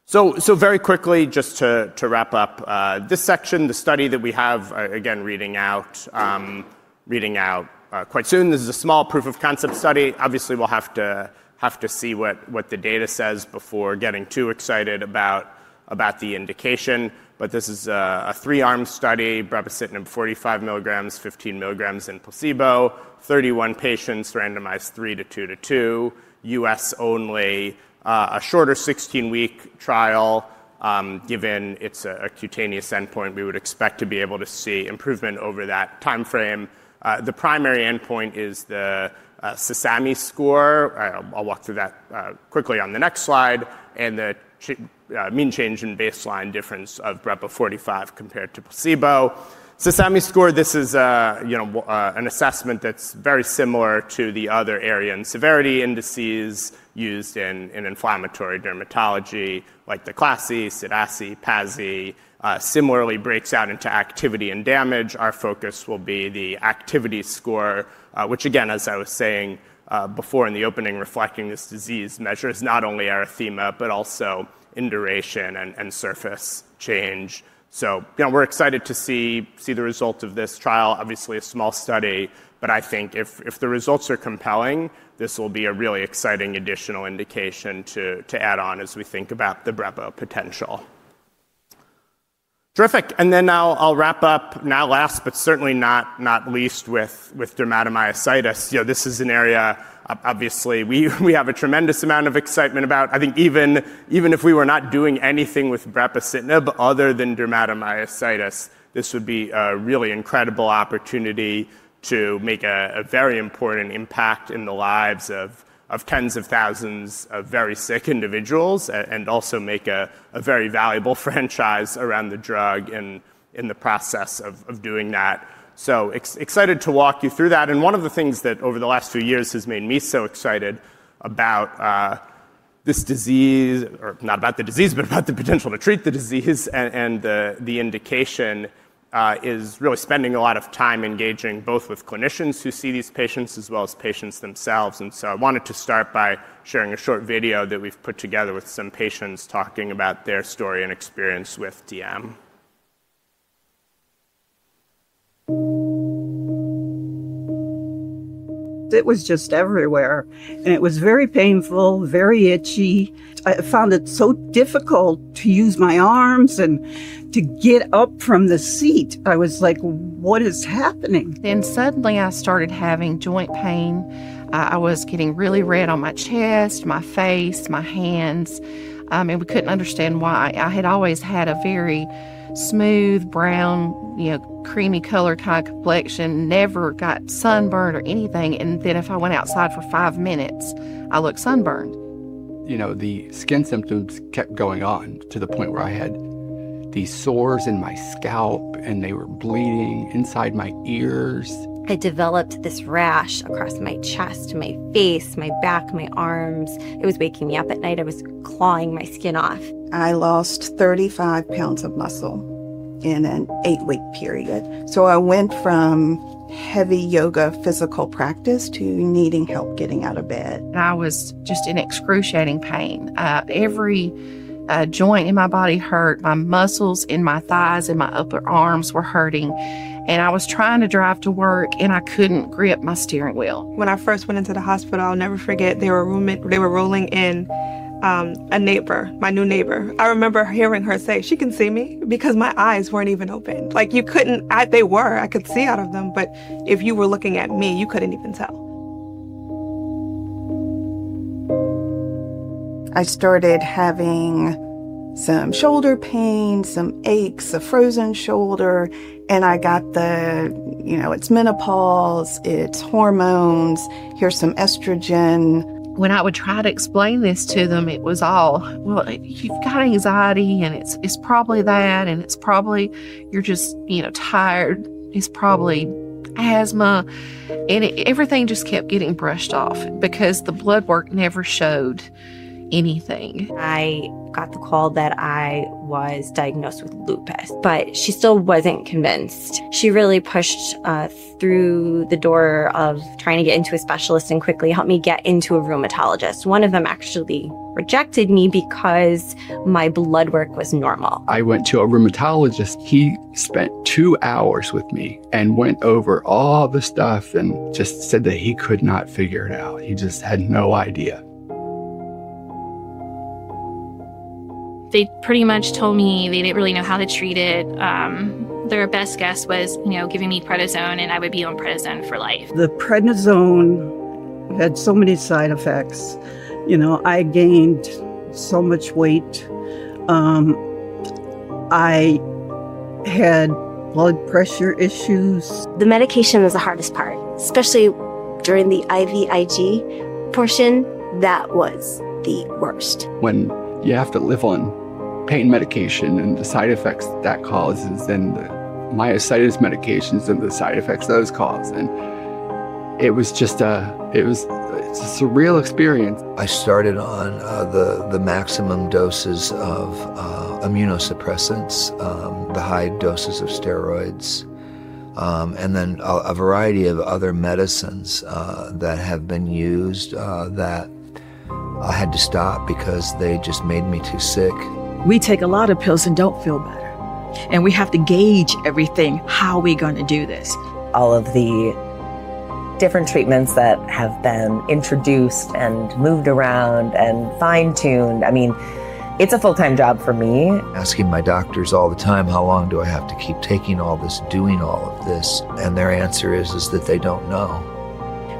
Speaker 3: So very quickly, just to wrap up this section, the study that we have again reading out quite soon. This is a small proof of concept study. Obviously, we'll have to see what the data says before getting too excited about the indication. But this is a three-arm study, brepocitinib 45 mg, 15 mg in placebo, 31 patients randomized 3:2:2, U.S. only, a shorter 16-week trial. Given it's a cutaneous endpoint, we would expect to be able to see improvement over that timeframe. The primary endpoint is the CSAMI Score. I'll walk through that quickly on the next slide. And the mean change in baseline difference of brepo 45 compared to placebo. CSAMI Score, this is an assessment that's very similar to the other area and severity indices used in inflammatory dermatology like the CLASI, CDASI, PASI. Similarly, it breaks out into activity and damage. Our focus will be the activity score, which again, as I was saying before in the opening, reflecting this disease measures not only erythema, but also induration and surface change. So we're excited to see the results of this trial. Obviously, a small study, but I think if the results are compelling, this will be a really exciting additional indication to add on as we think about the brepo potential. Terrific. And then I'll wrap up now last, but certainly not least with dermatomyositis. This is an area obviously we have a tremendous amount of excitement about. I think even if we were not doing anything with brepocitinib other than dermatomyositis, this would be a really incredible opportunity to make a very important impact in the lives of tens of thousands of very sick individuals and also make a very valuable franchise around the drug in the process of doing that. So excited to walk you through that. One of the things that over the last few years has made me so excited about this disease, or not about the disease, but about the potential to treat the disease and the indication is really spending a lot of time engaging both with clinicians who see these patients as well as patients themselves. I wanted to start by sharing a short video that we've put together with some patients talking about their story and experience with DM. It was just everywhere. It was very painful, very itchy. I found it so difficult to use my arms and to get up from the seat. I was like, "What is happening?" Then suddenly I started having joint pain. I was getting really red on my chest, my face, my hands. And we couldn't understand why. I had always had a very smooth, brown, creamy color kind of complexion, never got sunburned or anything. And then if I went outside for five minutes, I looked sunburned. The skin symptoms kept going on to the point where I had these sores in my scalp and they were bleeding inside my ears. I developed this rash across my chest, my face, my back, my arms. It was waking me up at night. I was clawing my skin off. I lost 35 lbs of muscle in an eight-week period. So I went from heavy yoga physical practice to needing help getting out of bed. I was just in excruciating pain. Every joint in my body hurt. My muscles in my thighs and my upper arms were hurting. And I was trying to drive to work and I couldn't grip my steering wheel. When I first went into the hospital, I'll never forget, they were rolling in a neighbor, my new neighbor. I remember hearing her say, "She can see me," because my eyes weren't even open. Like you couldn't, they were, I could see out of them, but if you were looking at me, you couldn't even tell. I started having some shoulder pain, some aches, a frozen shoulder. And I got the, you know, it's menopause, it's hormones, here's some estrogen. When I would try to explain this to them, it was all, "Well, you've got anxiety and it's probably that and it's probably you're just tired. It's probably asthma." And everything just kept getting brushed off because the blood work never showed anything. I got the call that I was diagnosed with lupus, but she still wasn't convinced. She really pushed through the door of trying to get into a specialist and quickly helped me get into a rheumatologist. One of them actually rejected me because my blood work was normal. I went to a rheumatologist. He spent two hours with me and went over all the stuff and just said that he could not figure it out. He just had no idea. They pretty much told me they didn't really know how to treat it. Their best guess was giving me prednisone and I would be on prednisone for life. The prednisone had so many side effects. I gained so much weight. I had blood pressure issues. The medication is the hardest part, especially during the IVIG portion. That was the worst. When you have to live on pain medication and the side effects that causes and the myositis medications and the side effects those cause. It was just a surreal experience. I started on the maximum doses of immunosuppressants, the high doses of steroids, and then a variety of other medicines that have been used that I had to stop because they just made me too sick. We take a lot of pills and don't feel better. We have to gauge everything, how are we going to do this? All of the different treatments that have been introduced and moved around and fine-tuned, I mean, it's a full-time job for me. Asking my doctors all the time, "How long do I have to keep taking all this, doing all of this?" And their answer is that they don't know.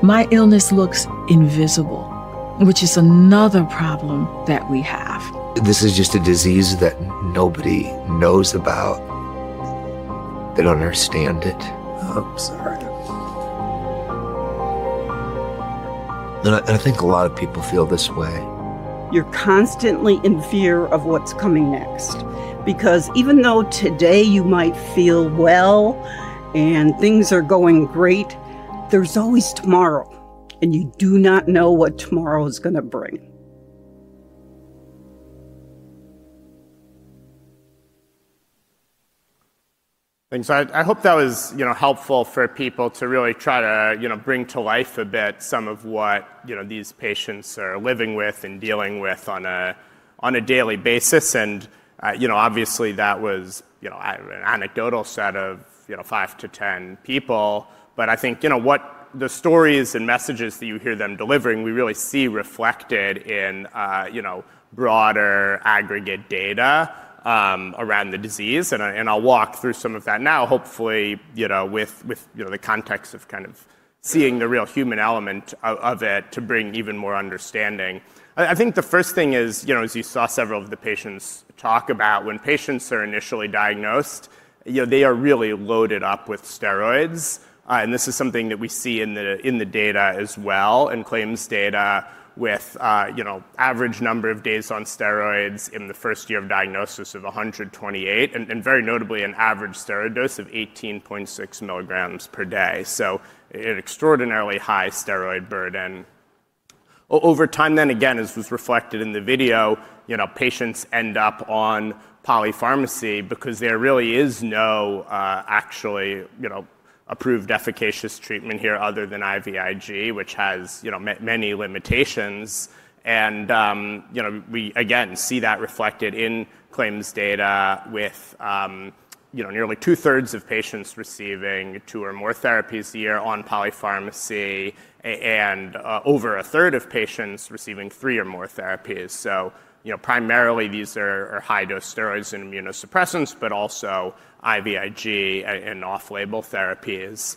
Speaker 3: My illness looks invisible, which is another problem that we have. This is just a disease that nobody knows about. They don't understand it. I'm sorry. And I think a lot of people feel this way. You're constantly in fear of what's coming next. Because even though today you might feel well and things are going great, there's always tomorrow. And you do not know what tomorrow is going to bring. Thanks. I hope that was helpful for people to really try to bring to life a bit some of what these patients are living with and dealing with on a daily basis. And obviously that was an anecdotal set of five to 10 people. But I think what the stories and messages that you hear them delivering, we really see reflected in broader aggregate data around the disease. And I'll walk through some of that now, hopefully with the context of kind of seeing the real human element of it to bring even more understanding. I think the first thing is, as you saw several of the patients talk about, when patients are initially diagnosed, they are really loaded up with steroids. This is something that we see in the data as well, in claims data with average number of days on steroids in the first year of diagnosis of 128, and very notably an average steroid dose of 18.6 mg per day. An extraordinarily high steroid burden. Over time then, again, as was reflected in the video, patients end up on polypharmacy because there really is no actually approved efficacious treatment here other than IVIG, which has many limitations. We, again, see that reflected in claims data with nearly 2/3 of patients receiving two or more therapies a year on polypharmacy and over 1/3 of patients receiving three or more therapies. Primarily these are high-dose steroids and immunosuppressants, but also IVIG and off-label therapies.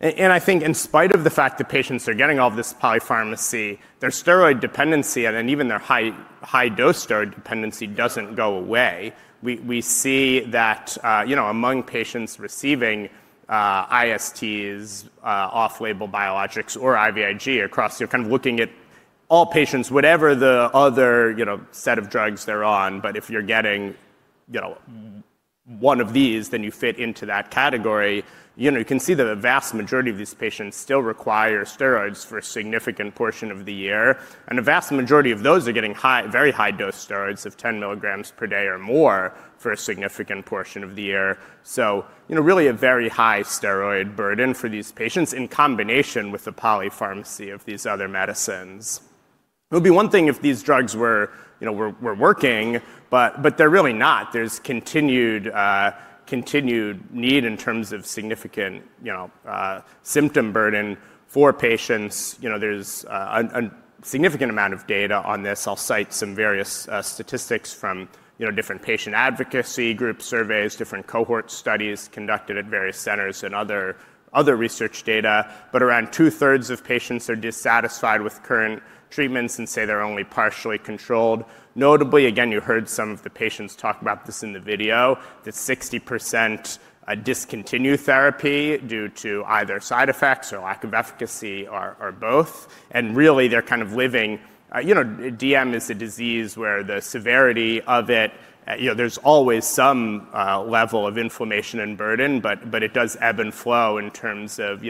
Speaker 3: I think in spite of the fact that patients are getting all this polypharmacy, their steroid dependency and even their high-dose steroid dependency doesn't go away. We see that among patients receiving ISTs, off-label biologics or IVIG across. You're kind of looking at all patients, whatever the other set of drugs they're on, but if you're getting one of these, then you fit into that category. You can see that a vast majority of these patients still require steroids for a significant portion of the year. A vast majority of those are getting very high-dose steroids of 10 mg per day or more for a significant portion of the year, so really a very high steroid burden for these patients in combination with the polypharmacy of these other medicines. It would be one thing if these drugs were working, but they're really not. There's continued need in terms of significant symptom burden for patients. There's a significant amount of data on this. I'll cite some various statistics from different patient advocacy group surveys, different cohort studies conducted at various centers and other research data. But around 2/3 of patients are dissatisfied with current treatments and say they're only partially controlled. Notably, again, you heard some of the patients talk about this in the video, that 60% discontinue therapy due to either side effects or lack of efficacy or both. And really they're kind of living, DM is a disease where the severity of it, there's always some level of inflammation and burden, but it does ebb and flow in terms of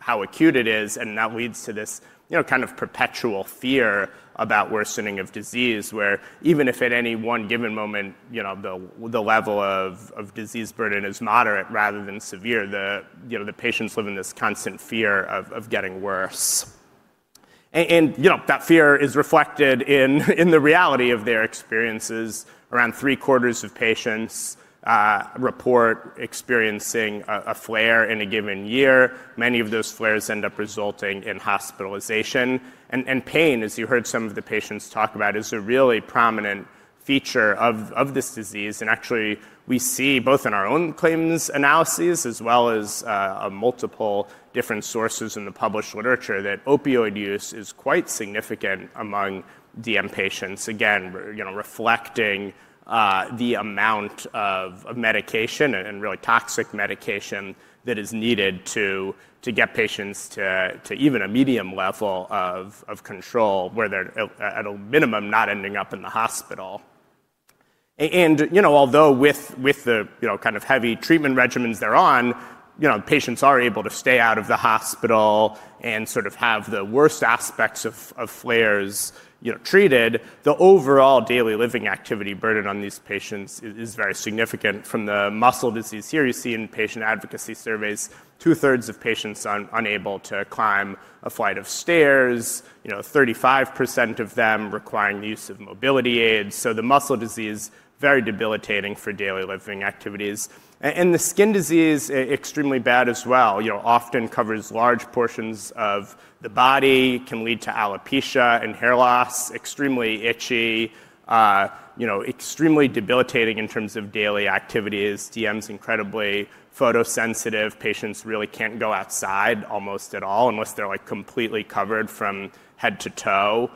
Speaker 3: how acute it is. And that leads to this kind of perpetual fear about worsening of disease, where even if at any one given moment the level of disease burden is moderate rather than severe, the patients live in this constant fear of getting worse. And that fear is reflected in the reality of their experiences. Around 3/4 of patients report experiencing a flare in a given year. Many of those flares end up resulting in hospitalization. And pain, as you heard some of the patients talk about, is a really prominent feature of this disease. And actually we see both in our own claims analyses as well as multiple different sources in the published literature that opioid use is quite significant among DM patients. Again, reflecting the amount of medication and really toxic medication that is needed to get patients to even a medium level of control where they're at a minimum not ending up in the hospital, and although with the kind of heavy treatment regimens they're on, patients are able to stay out of the hospital and sort of have the worst aspects of flares treated, the overall daily living activity burden on these patients is very significant. From the muscle disease here, you see in patient advocacy surveys, 2/3 of patients are unable to climb a flight of stairs, 35% of them requiring the use of mobility aids, so the muscle disease is very debilitating for daily living activities, and the skin disease is extremely bad as well, often covers large portions of the body, can lead to alopecia and hair loss, extremely itchy, extremely debilitating in terms of daily activities. DM is incredibly photosensitive. Patients really can't go outside almost at all unless they're completely covered from head to toe.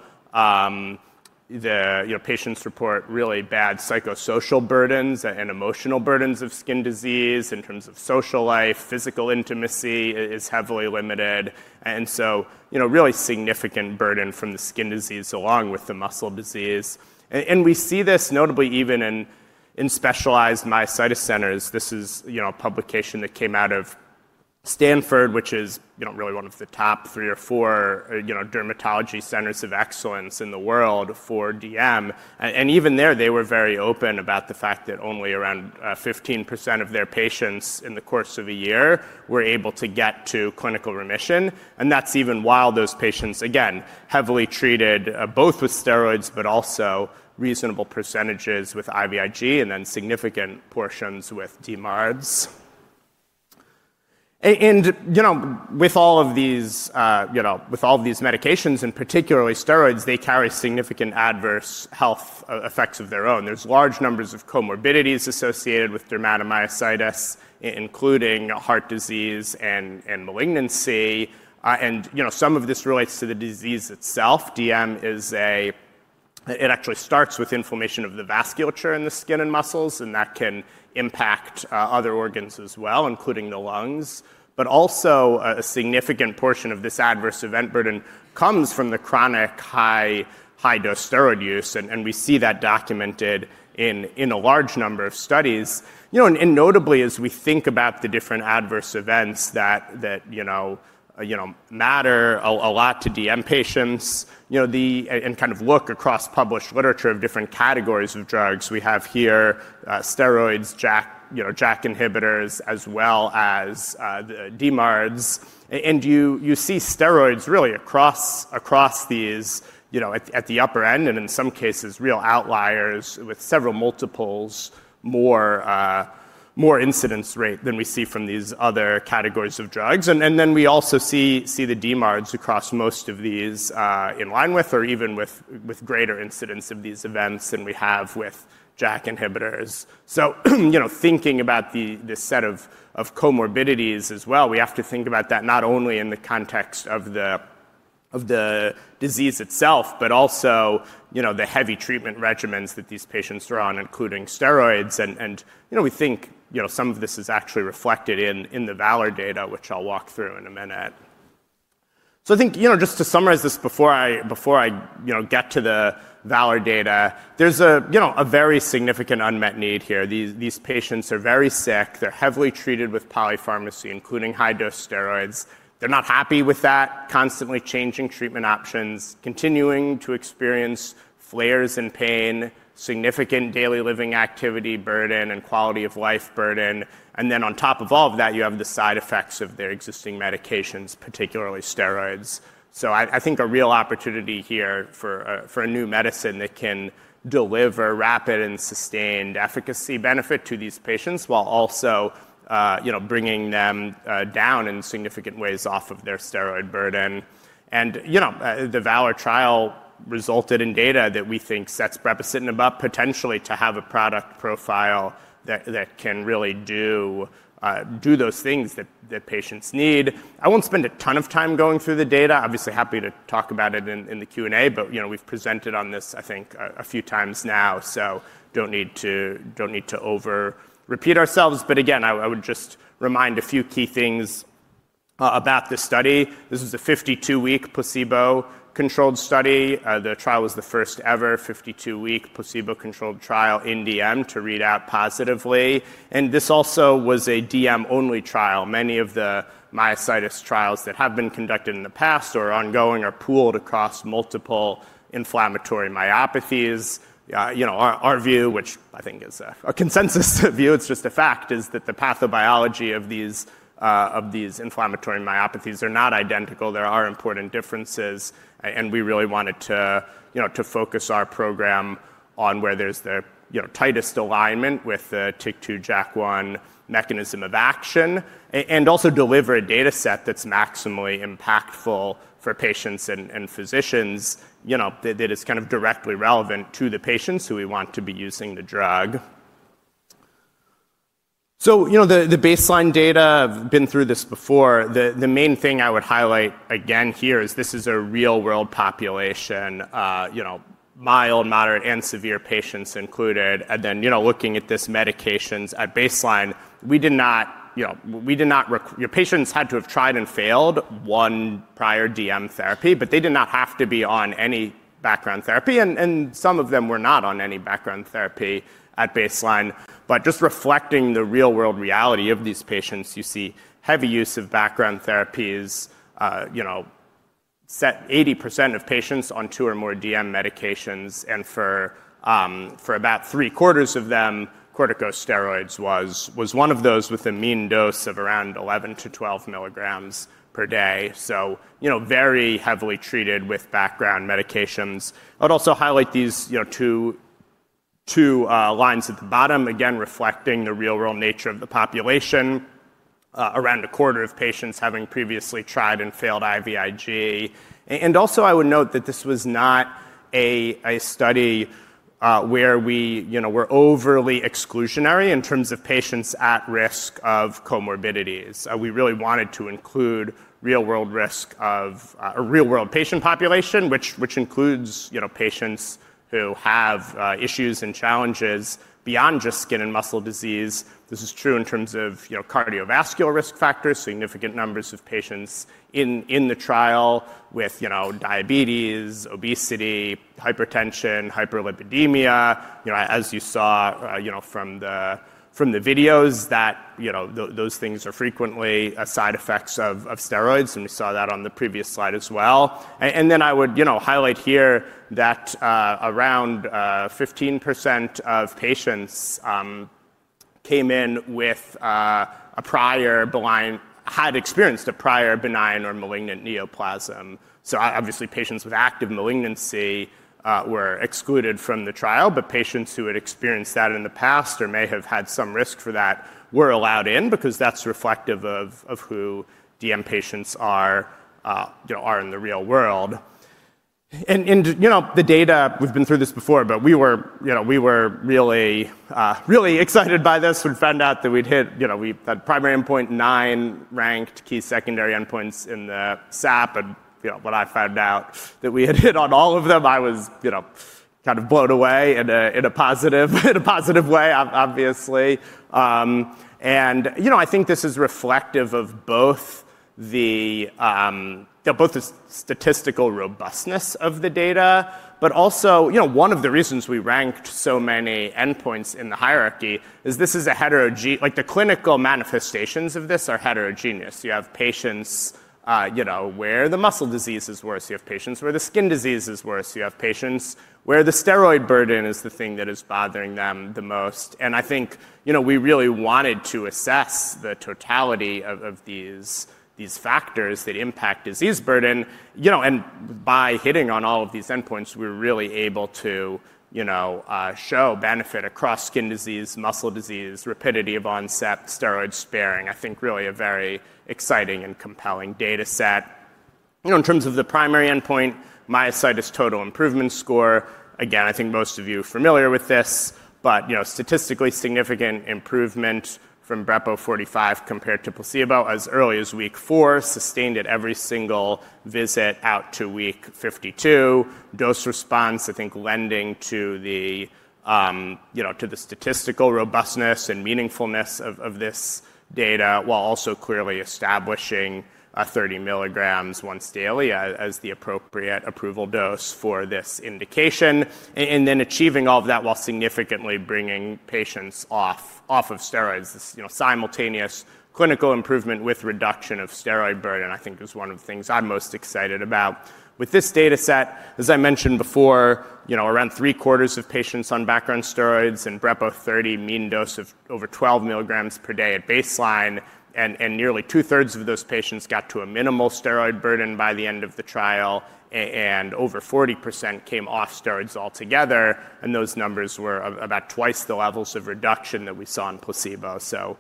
Speaker 3: Patients report really bad psychosocial burdens and emotional burdens of skin disease in terms of social life. Physical intimacy is heavily limited, and so really significant burden from the skin disease along with the muscle disease. We see this notably even in specialized myositis centers. This is a publication that came out of Stanford, which is really one of the top three or four dermatology centers of excellence in the world for DM. Even there, they were very open about the fact that only around 15% of their patients in the course of a year were able to get to clinical remission. That's even while those patients, again, heavily treated both with steroids, but also reasonable percentages with IVIG and then significant portions with DMARDs. With all of these medications, and particularly steroids, they carry significant adverse health effects of their own. There's large numbers of comorbidities associated with dermatomyositis, including heart disease and malignancy. Some of this relates to the disease itself. DM is a, it actually starts with inflammation of the vasculature in the skin and muscles, and that can impact other organs as well, including the lungs. But also a significant portion of this adverse event burden comes from the chronic high-dose steroid use. We see that documented in a large number of studies. Notably, as we think about the different adverse events that matter a lot to DM patients, and kind of look across published literature of different categories of drugs, we have here steroids, JAK inhibitors, as well as DMARDs. You see steroids really across these at the upper end, and in some cases real outliers with several multiples more incidence rate than we see from these other categories of drugs. Then we also see the DMARDs across most of these in line with or even with greater incidence of these events than we have with JAK inhibitors. Thinking about this set of comorbidities as well, we have to think about that not only in the context of the disease itself, but also the heavy treatment regimens that these patients are on, including steroids. We think some of this is actually reflected in the VALOR data, which I'll walk through in a minute. I think just to summarize this before I get to the VALOR data, there's a very significant unmet need here. These patients are very sick. They're heavily treated with polypharmacy, including high-dose steroids. They're not happy with that, constantly changing treatment options, continuing to experience flares in pain, significant daily living activity burden and quality of life burden. And then on top of all of that, you have the side effects of their existing medications, particularly steroids. So I think a real opportunity here for a new medicine that can deliver rapid and sustained efficacy benefit to these patients while also bringing them down in significant ways off of their steroid burden. And the VALOR trial resulted in data that we think sets precedent about potentially to have a product profile that can really do those things that patients need. I won't spend a ton of time going through the data. Obviously, happy to talk about it in the Q&A, but we've presented on this, I think, a few times now. Don't need to overrepeat ourselves. But again, I would just remind a few key things about this study. This was a 52-week placebo-controlled study. The trial was the first ever 52-week placebo-controlled trial in DM to read out positively. This also was a DM-only trial. Many of the myositis trials that have been conducted in the past or ongoing are pooled across multiple inflammatory myopathies. Our view, which I think is a consensus view, it's just a fact, is that the pathobiology of these inflammatory myopathies are not identical. There are important differences. We really wanted to focus our program on where there's the tightest alignment with the TYK2/JAK1 mechanism of action and also deliver a data set that's maximally impactful for patients and physicians that is kind of directly relevant to the patients who we want to be using the drug. So the baseline data, I've been through this before. The main thing I would highlight again here is this is a real-world population, mild, moderate, and severe patients included. And then looking at these medications at baseline, we did not, your patients had to have tried and failed one prior DM therapy, but they did not have to be on any background therapy. And some of them were not on any background therapy at baseline. But just reflecting the real-world reality of these patients, you see heavy use of background therapies with 80% of patients on two or more DM medications. And for about 3/4 of them, corticosteroids was one of those with a mean dose of around 11 mg-12 mg per day. So very heavily treated with background medications. I'd also highlight these two lines at the bottom, again, reflecting the real-world nature of the population. Around a quarter of patients having previously tried and failed IVIG, and also I would note that this was not a study where we were overly exclusionary in terms of patients at risk of comorbidities. We really wanted to include real-world risk of a real-world patient population, which includes patients who have issues and challenges beyond just skin and muscle disease. This is true in terms of cardiovascular risk factors, significant numbers of patients in the trial with diabetes, obesity, hypertension, hyperlipidemia. As you saw from the videos, those things are frequently side effects of steroids, and we saw that on the previous slide as well, and then I would highlight here that around 15% of patients had experienced a prior benign or malignant neoplasm. Obviously patients with active malignancy were excluded from the trial, but patients who had experienced that in the past or may have had some risk for that were allowed in because that's reflective of who DM patients are in the real world. The data, we've been through this before, but we were really excited by this. We found out that we'd hit, we had primary endpoint nine ranked key secondary endpoints in the SAP. When I found out that we had hit on all of them, I was kind of blown away in a positive way, obviously. I think this is reflective of both the statistical robustness of the data, but also one of the reasons we ranked so many endpoints in the hierarchy is this is a heterogeneous, like the clinical manifestations of this are heterogeneous. You have patients where the muscle disease is worse. You have patients where the skin disease is worse. You have patients where the steroid burden is the thing that is bothering them the most. And I think we really wanted to assess the totality of these factors that impact disease burden. And by hitting on all of these endpoints, we were really able to show benefit across skin disease, muscle disease, rapidity of onset, steroid sparing. I think really a very exciting and compelling data set. In terms of the primary endpoint, Myositis Total Improvement Score, again, I think most of you are familiar with this, but statistically significant improvement from brepo 45 mg compared to placebo as early as week four, sustained at every single visit out to Week 52. Dose-response, I think, leading to the statistical robustness and meaningfulness of this data while also clearly establishing 30 mg once daily as the appropriate approval dose for this indication. Then achieving all of that while significantly bringing patients off of steroids. This simultaneous clinical improvement with reduction of steroid burden, I think, is one of the things I'm most excited about with this data set. As I mentioned before, around 3/4 of patients on background steroids and brepo 30 mg, mean dose of over 12 mg per day at baseline. Nearly 2/3 of those patients got to a minimal steroid burden by the end of the trial. Over 40% came off steroids altogether. Those numbers were about 2x the levels of reduction that we saw in placebo. So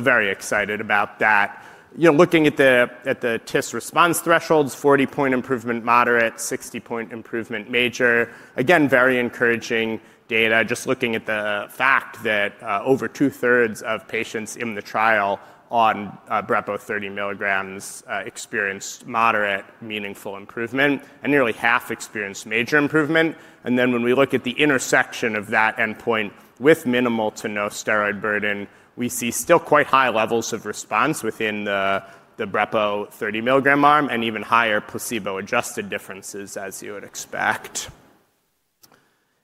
Speaker 3: very excited about that. Looking at the TIS response thresholds, 40-point improvement moderate, 60-point improvement major. Again, very encouraging data. Just looking at the fact that over 2/3 of patients in the trial on brepo 30 mg experienced moderate meaningful improvement and nearly half experienced major improvement, and then when we look at the intersection of that endpoint with minimal to no steroid burden, we see still quite high levels of response within the brepo 30-mg arm and even higher placebo-adjusted differences, as you would expect,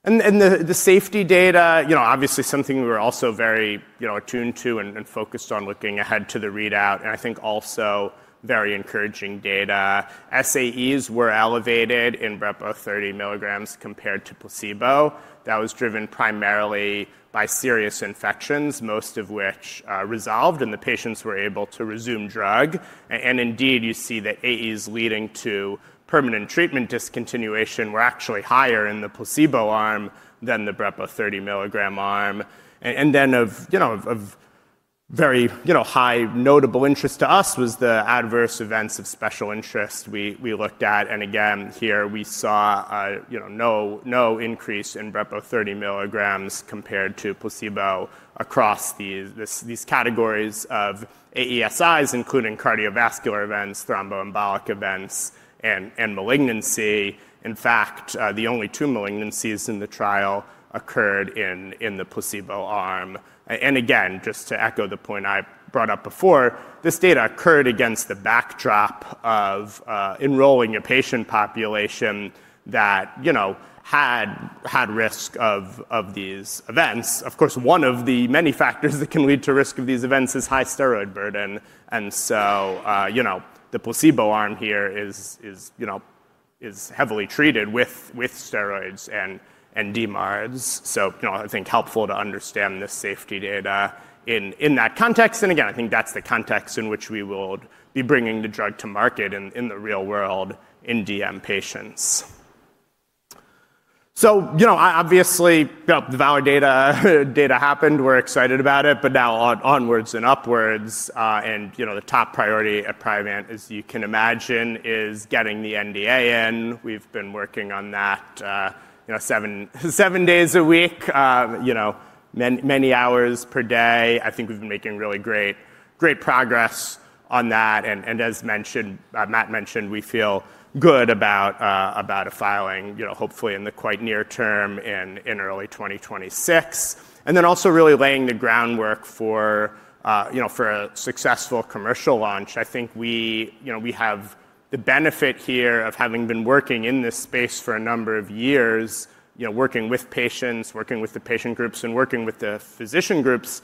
Speaker 3: and the safety data, obviously something we were also very attuned to and focused on looking ahead to the readout, and I think also very encouraging data. SAEs were elevated in brepo 30 mg compared to placebo. That was driven primarily by serious infections, most of which resolved, and the patients were able to resume drug. And indeed, you see that AEs leading to permanent treatment discontinuation were actually higher in the placebo arm than the brepo 30 mg arm. And then of very high notable interest to us was the adverse events of special interest we looked at. And again, here we saw no increase in brepo 30 mg compared to placebo across these categories of AESIs, including cardiovascular events, thromboembolic events, and malignancy. In fact, the only two malignancies in the trial occurred in the placebo arm. And again, just to echo the point I brought up before, this data occurred against the backdrop of enrolling a patient population that had risk of these events. Of course, one of the many factors that can lead to risk of these events is high steroid burden. And so the placebo arm here is heavily treated with steroids and DMARDs. I think it's helpful to understand this safety data in that context. Again, I think that's the context in which we will be bringing the drug to market in the real world in DM patients. Obviously, the VALOR data happened. We're excited about it, but now onwards and upwards. The top priority at Priovant, as you can imagine, is getting the NDA in. We've been working on that seven days a week, many hours per day. I think we've been making really great progress on that. As Matt mentioned, we feel good about a filing, hopefully in the quite near term in early 2026. Then also really laying the groundwork for a successful commercial launch. I think we have the benefit here of having been working in this space for a number of years, working with patients, working with the patient groups, and working with the physician groups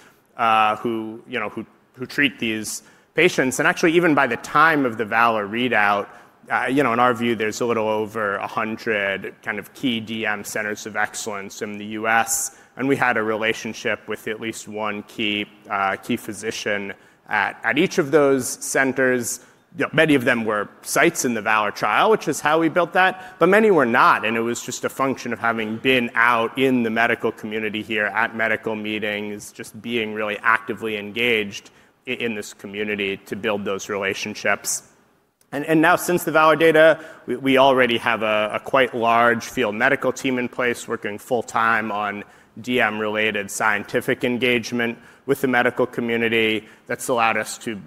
Speaker 3: who treat these patients, and actually, even by the time of the VALOR readout, in our view, there's a little over 100 kind of key DM centers of excellence in the U.S., and we had a relationship with at least one key physician at each of those centers. Many of them were sites in the VALOR trial, which is how we built that, but many were not, and it was just a function of having been out in the medical community here at medical meetings, just being really actively engaged in this community to build those relationships. And now since the VALOR data, we already have a quite large field medical team in place working full-time on DM-related scientific engagement with the medical community. That's allowed us to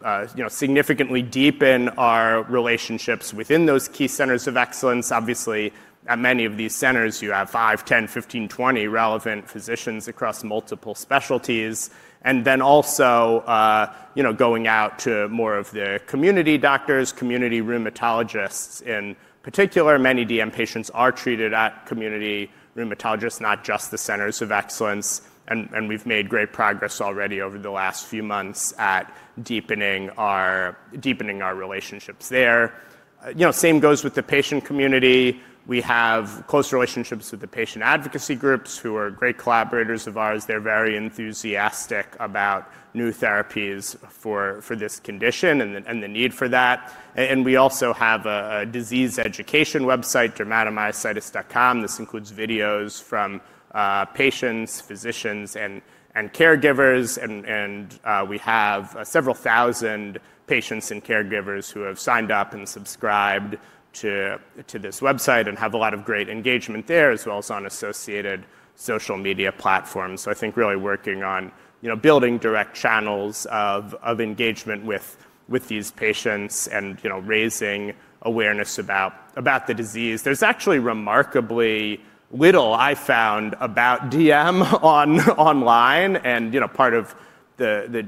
Speaker 3: significantly deepen our relationships within those key centers of excellence. Obviously, at many of these centers, you have five, 10, 15, 20 relevant physicians across multiple specialties. And then also going out to more of the community doctors, community rheumatologists in particular. Many DM patients are treated at community rheumatologists, not just the centers of excellence. And we've made great progress already over the last few months at deepening our relationships there. Same goes with the patient community. We have close relationships with the patient advocacy groups who are great collaborators of ours. They're very enthusiastic about new therapies for this condition and the need for that. And we also have a disease education website, dermatomyositis.com. This includes videos from patients, physicians, and caregivers, and we have several thousand patients and caregivers who have signed up and subscribed to this website and have a lot of great engagement there, as well as on associated social media platforms. So I think really working on building direct channels of engagement with these patients and raising awareness about the disease. There's actually remarkably little I found about DM online. And part of the,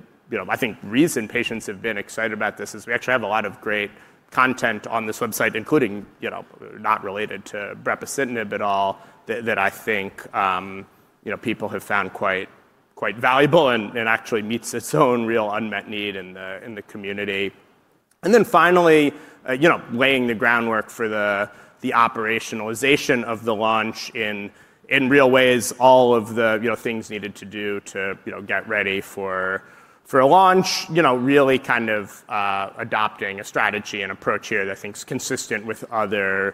Speaker 3: I think, reason patients have been excited about this is we actually have a lot of great content on this website, including not related to brepocitinib at all, that I think people have found quite valuable and actually meets its own real unmet need in the community. And then finally, laying the groundwork for the operationalization of the launch in real ways, all of the things needed to do to get ready for a launch, really kind of adopting a strategy and approach here that I think is consistent with other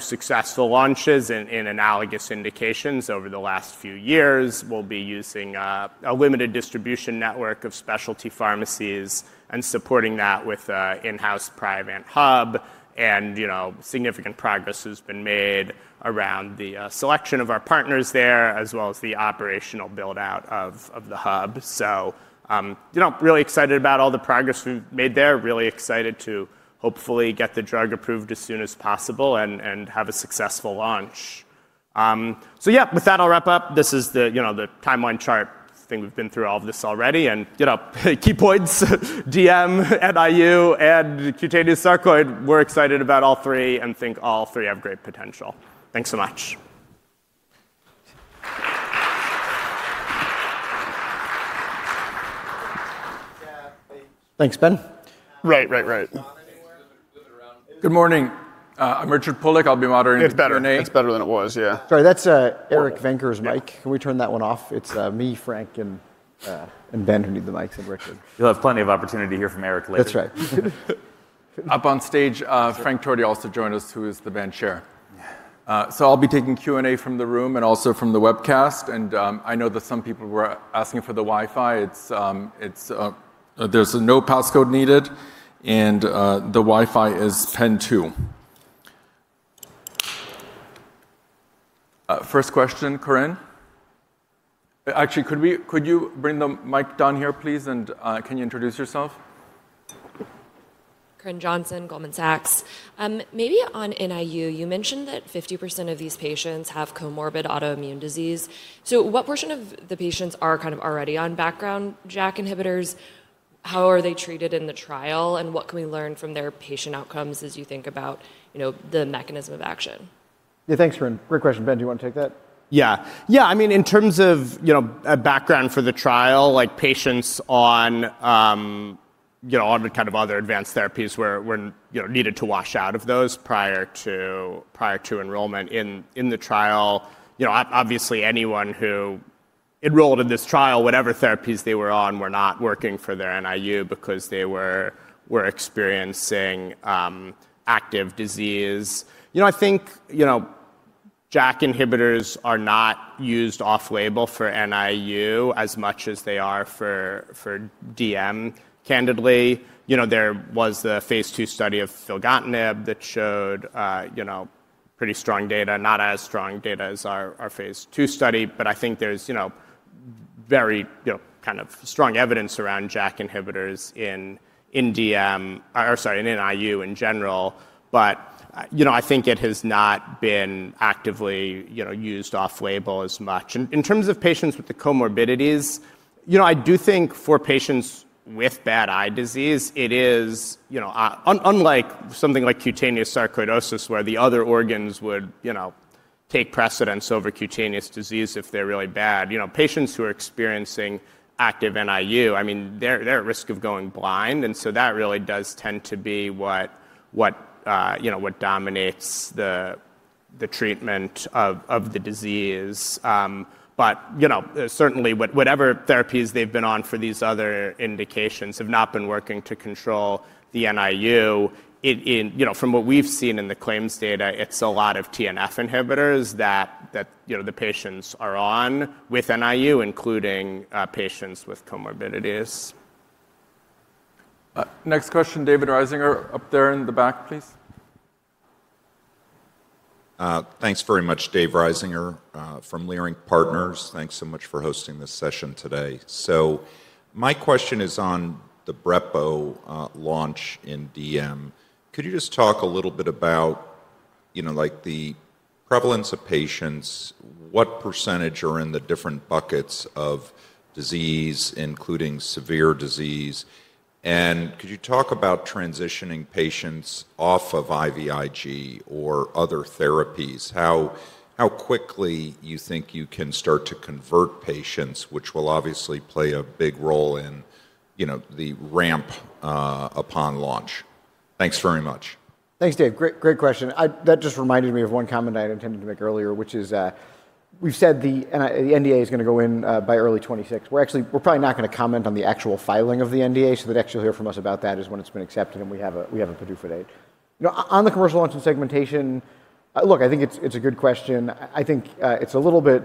Speaker 3: successful launches in analogous indications over the last few years. We'll be using a limited distribution network of specialty pharmacies and supporting that with an in-house Priovant hub. And significant progress has been made around the selection of our partners there, as well as the operational buildout of the hub. So really excited about all the progress we've made there. Really excited to hopefully get the drug approved as soon as possible and have a successful launch. So yeah, with that, I'll wrap up. This is the timeline chart thing. We've been through all of this already. Key points, DM, NIU, and cutaneous sarcoid, we're excited about all three and think all three have great potential. Thanks so much.
Speaker 2: Thanks, Ben.
Speaker 3: Right, right, right.
Speaker 4: Good morning. I'm Richard Pulik. I'll be moderating today.
Speaker 5: It's better than it was, yeah.
Speaker 2: Sorry, that's Eric Venker's mic. Can we turn that one off? It's me, Frank, and Ben who need the mics and Richard.
Speaker 4: You'll have plenty of opportunity to hear from Eric later.
Speaker 2: That's right.
Speaker 4: Up on stage, Frank Torti also joined us, who is the Vant Chair. So I'll be taking Q&A from the room and also from the webcast. And I know that some people were asking for the Wi-Fi. There's no passcode needed. And the Wi-Fi is Pen2. First question, Corinne? Actually, could you bring the mic down here, please? And can you introduce yourself?
Speaker 6: Corinne Jenkins, Goldman Sachs. Maybe on NIU, you mentioned that 50% of these patients have comorbid autoimmune disease. So what portion of the patients are kind of already on background JAK inhibitors? How are they treated in the trial? And what can we learn from their patient outcomes as you think about the mechanism of action?
Speaker 2: Yeah, thanks, Corinne. Great question. Ben, do you want to take that?
Speaker 3: Yeah. Yeah, I mean, in terms of background for the trial, like patients on kind of other advanced therapies were needed to wash out of those prior to enrollment in the trial. Obviously, anyone who enrolled in this trial, whatever therapies they were on, were not working for their NIU because they were experiencing active disease. I think JAK inhibitors are not used off-label for NIU as much as they are for DM, candidly. There was the phase II study of filgotinib that showed pretty strong data, not as strong data as our phase II study. But I think there's very kind of strong evidence around JAK inhibitors in DM, or sorry, in NIU in general. But I think it has not been actively used off-label as much. In terms of patients with the comorbidities, I do think for patients with bad eye disease, it is unlike something like cutaneous sarcoidosis where the other organs would take precedence over cutaneous disease if they're really bad. Patients who are experiencing active NIU, I mean, they're at risk of going blind. That really does tend to be what dominates the treatment of the disease. Certainly, whatever therapies they've been on for these other indications have not been working to control the NIU. From what we've seen in the claims data, it's a lot of TNF inhibitors that the patients are on with NIU, including patients with comorbidities.
Speaker 4: Next question, David Risinger up there in the back, please.
Speaker 7: Thanks very much, Dave Risinger from Leerink Partners. Thanks so much for hosting this session today. So my question is on the brepo launch in DM. Could you just talk a little bit about the prevalence of patients? What percentage are in the different buckets of disease, including severe disease? And could you talk about transitioning patients off of IVIG or other therapies? How quickly you think you can start to convert patients, which will obviously play a big role in the ramp upon launch? Thanks very much.
Speaker 2: Thanks, Dave. Great question. That just reminded me of one comment I intended to make earlier, which is we've said the NDA is going to go in by early 2026. We're probably not going to comment on the actual filing of the NDA. So the next you'll hear from us about that is when it's been accepted and we have a PDUFA date. On the commercial launch and segmentation, look, I think it's a good question. I think it's a little bit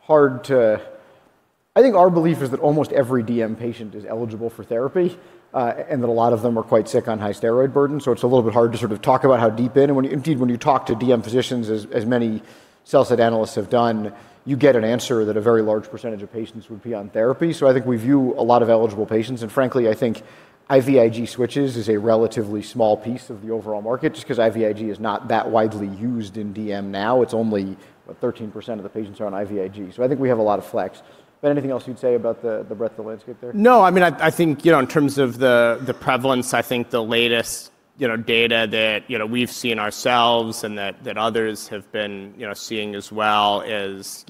Speaker 2: hard. I think our belief is that almost every DM patient is eligible for therapy and that a lot of them are quite sick on high steroid burden. So it's a little bit hard to sort of talk about how deep in. And indeed, when you talk to DM physicians, as many sell-side analysts have done, you get an answer that a very large percentage of patients would be on therapy. So I think we view a lot of eligible patients. And frankly, I think IVIG switches is a relatively small piece of the overall market just because IVIG is not that widely used in DM now. It's only about 13% of the patients are on IVIG. So I think we have a lot of flex. Ben, anything else you'd say about the breadth of the landscape there?
Speaker 3: No, I mean, I think in terms of the prevalence, I think the latest data that we've seen ourselves and that others have been seeing as well is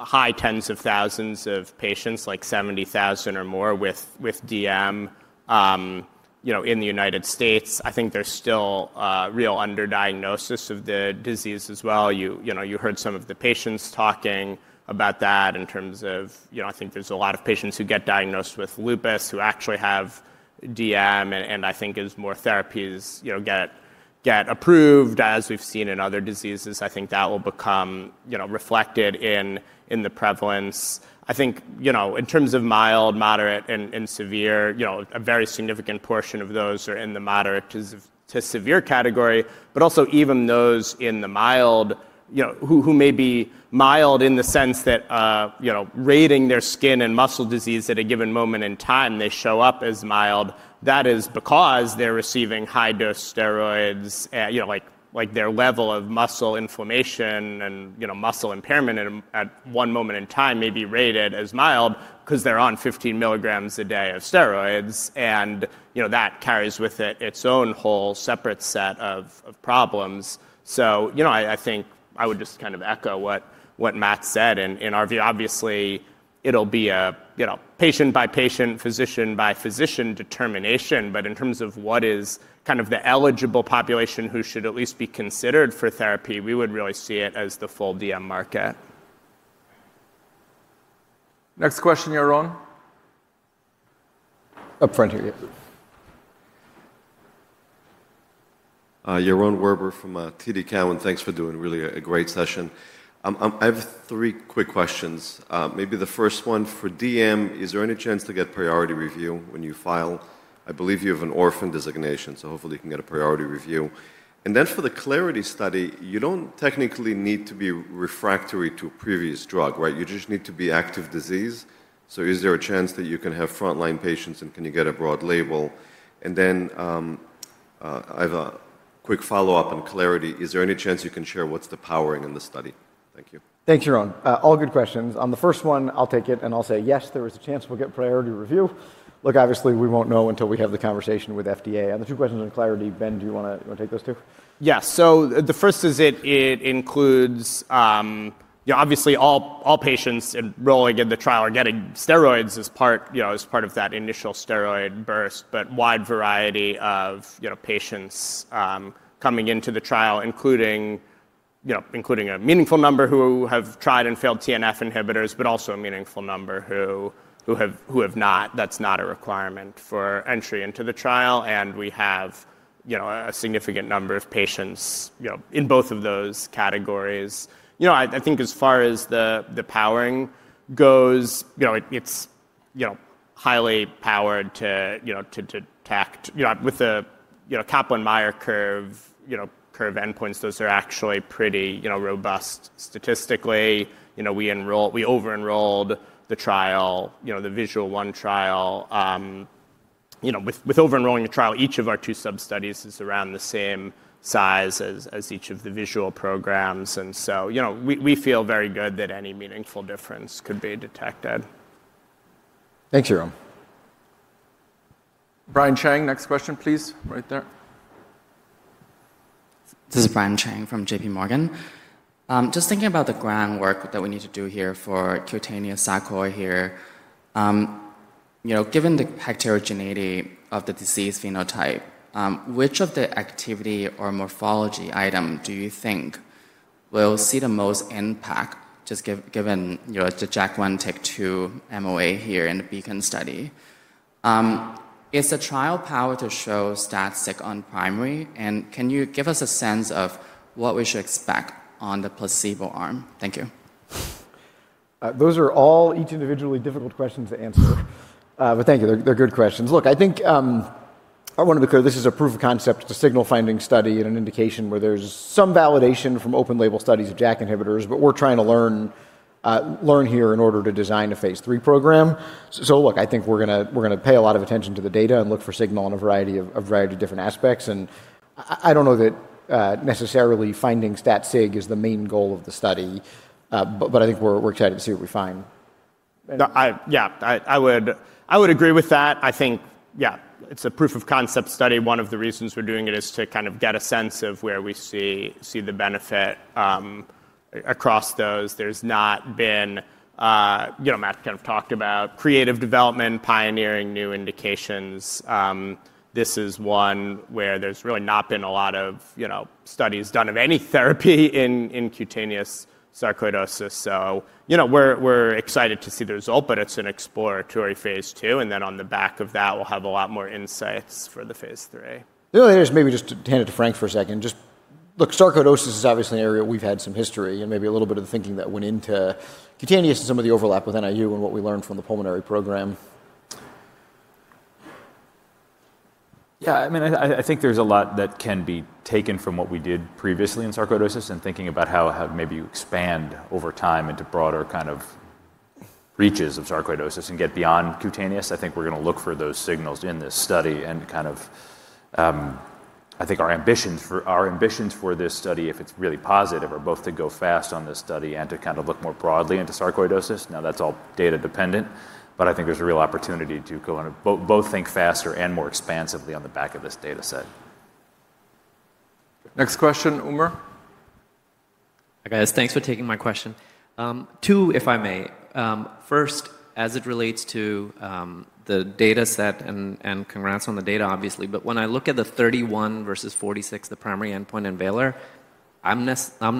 Speaker 3: high tens of thousands of patients, like 70,000 or more with DM in the United States. I think there's still real underdiagnosis of the disease as well. You heard some of the patients talking about that in terms of. I think there's a lot of patients who get diagnosed with lupus who actually have DM, and I think as more therapies get approved, as we've seen in other diseases, I think that will become reflected in the prevalence. I think in terms of mild, moderate, and severe, a very significant portion of those are in the moderate to severe category. But also even those in the mild, who may be mild in the sense that rating their skin and muscle disease at a given moment in time, they show up as mild, that is because they're receiving high-dose steroids, like their level of muscle inflammation and muscle impairment at one moment in time may be rated as mild because they're on 15 mg a day of steroids, and that carries with it its own whole separate set of problems, so I think I would just kind of echo what Matt said. In our view, obviously, it'll be a patient-by-patient, physician-by-physician determination, but in terms of what is kind of the eligible population who should at least be considered for therapy, we would really see it as the full DM market.
Speaker 4: Next question, Yaron. Up front here, yeah.
Speaker 8: Yaron Werber from TD Cowen. Thanks for doing really a great session. I have three quick questions. Maybe the first one for DM, is there any chance to get priority review when you file? I believe you have an orphan designation, so hopefully you can get a priority review. And then for the CLARITY study, you don't technically need to be refractory to a previous drug, right? You just need to be active disease. So is there a chance that you can have frontline patients and can you get a broad label? And then I have a quick follow-up on CLARITY. Is there any chance you can share what's the powering in the study? Thank you.
Speaker 2: Thanks, Yaron. All good questions. On the first one, I'll take it and I'll say, yes, there is a chance we'll get priority review. Look, obviously, we won't know until we have the conversation with FDA. On the two questions on CLARITY, Ben, do you want to take those two?
Speaker 3: Yeah. So the first is it includes obviously all patients enrolling in the trial are getting steroids as part of that initial steroid burst, but wide variety of patients coming into the trial, including a meaningful number who have tried and failed TNF inhibitors, but also a meaningful number who have not. That's not a requirement for entry into the trial. And we have a significant number of patients in both of those categories. I think as far as the powering goes, it's highly powered to detect. With the Kaplan-Meier curve endpoints, those are actually pretty robust statistically. We over-enrolled the trial, the VISUAL I trial. With over-enrolling the trial, each of our two sub-studies is around the same size as each of the VISUAL programs. And so we feel very good that any meaningful difference could be detected.
Speaker 4: Thanks, Yaron. Brian Cheng, next question, please, right there.
Speaker 9: This is Brian Cheng from JPMorgan. Just thinking about the groundwork that we need to do here for cutaneous sarcoid here, given the heterogeneity of the disease phenotype, which of the activity or morphology item do you think will see the most impact, just given the JAK1, TYK2, MOA here in the BEACON study? Is the trial power to show stat sig on primary? And can you give us a sense of what we should expect on the placebo arm? Thank you.
Speaker 2: Those are all each individually difficult questions to answer. But thank you. They're good questions. Look, I think I want to be clear. This is a proof of concept, a signal-finding study and an indication where there's some validation from open-label studies of JAK inhibitors, but we're trying to learn here in order to design a phase III program. So look, I think we're going to pay a lot of attention to the data and look for signal in a variety of different aspects. And I don't know that necessarily finding stat sig is the main goal of the study, but I think we're excited to see what we find.
Speaker 3: Yeah, I would agree with that. I think, yeah, it's a proof of concept study. One of the reasons we're doing it is to kind of get a sense of where we see the benefit across those. There's not been, Matt kind of talked about, creative development, pioneering new indications. This is one where there's really not been a lot of studies done of any therapy in cutaneous sarcoidosis. So we're excited to see the result, but it's an exploratory phase II. And then on the back of that, we'll have a lot more insights for the phase III.
Speaker 2: Really, maybe just to hand it to Frank for a second. Just look, sarcoidosis is obviously an area we've had some history and maybe a little bit of the thinking that went into cutaneous and some of the overlap with NIU and what we learned from the pulmonary program.
Speaker 10: Yeah, I mean, I think there's a lot that can be taken from what we did previously in sarcoidosis and thinking about how maybe you expand over time into broader kind of reaches of sarcoidosis and get beyond cutaneous. I think we're going to look for those signals in this study and kind of I think our ambitions for this study, if it's really positive, are both to go fast on this study and to kind of look more broadly into sarcoidosis. Now, that's all data dependent, but I think there's a real opportunity to both think faster and more expansively on the back of this data set.
Speaker 4: Next question, Umer.
Speaker 11: Hi, guys. Thanks for taking my question. Two, if I may. First, as it relates to the data set and congrats on the data, obviously, but when I look at the 31% versus 46%, the primary endpoint in VALOR, I'm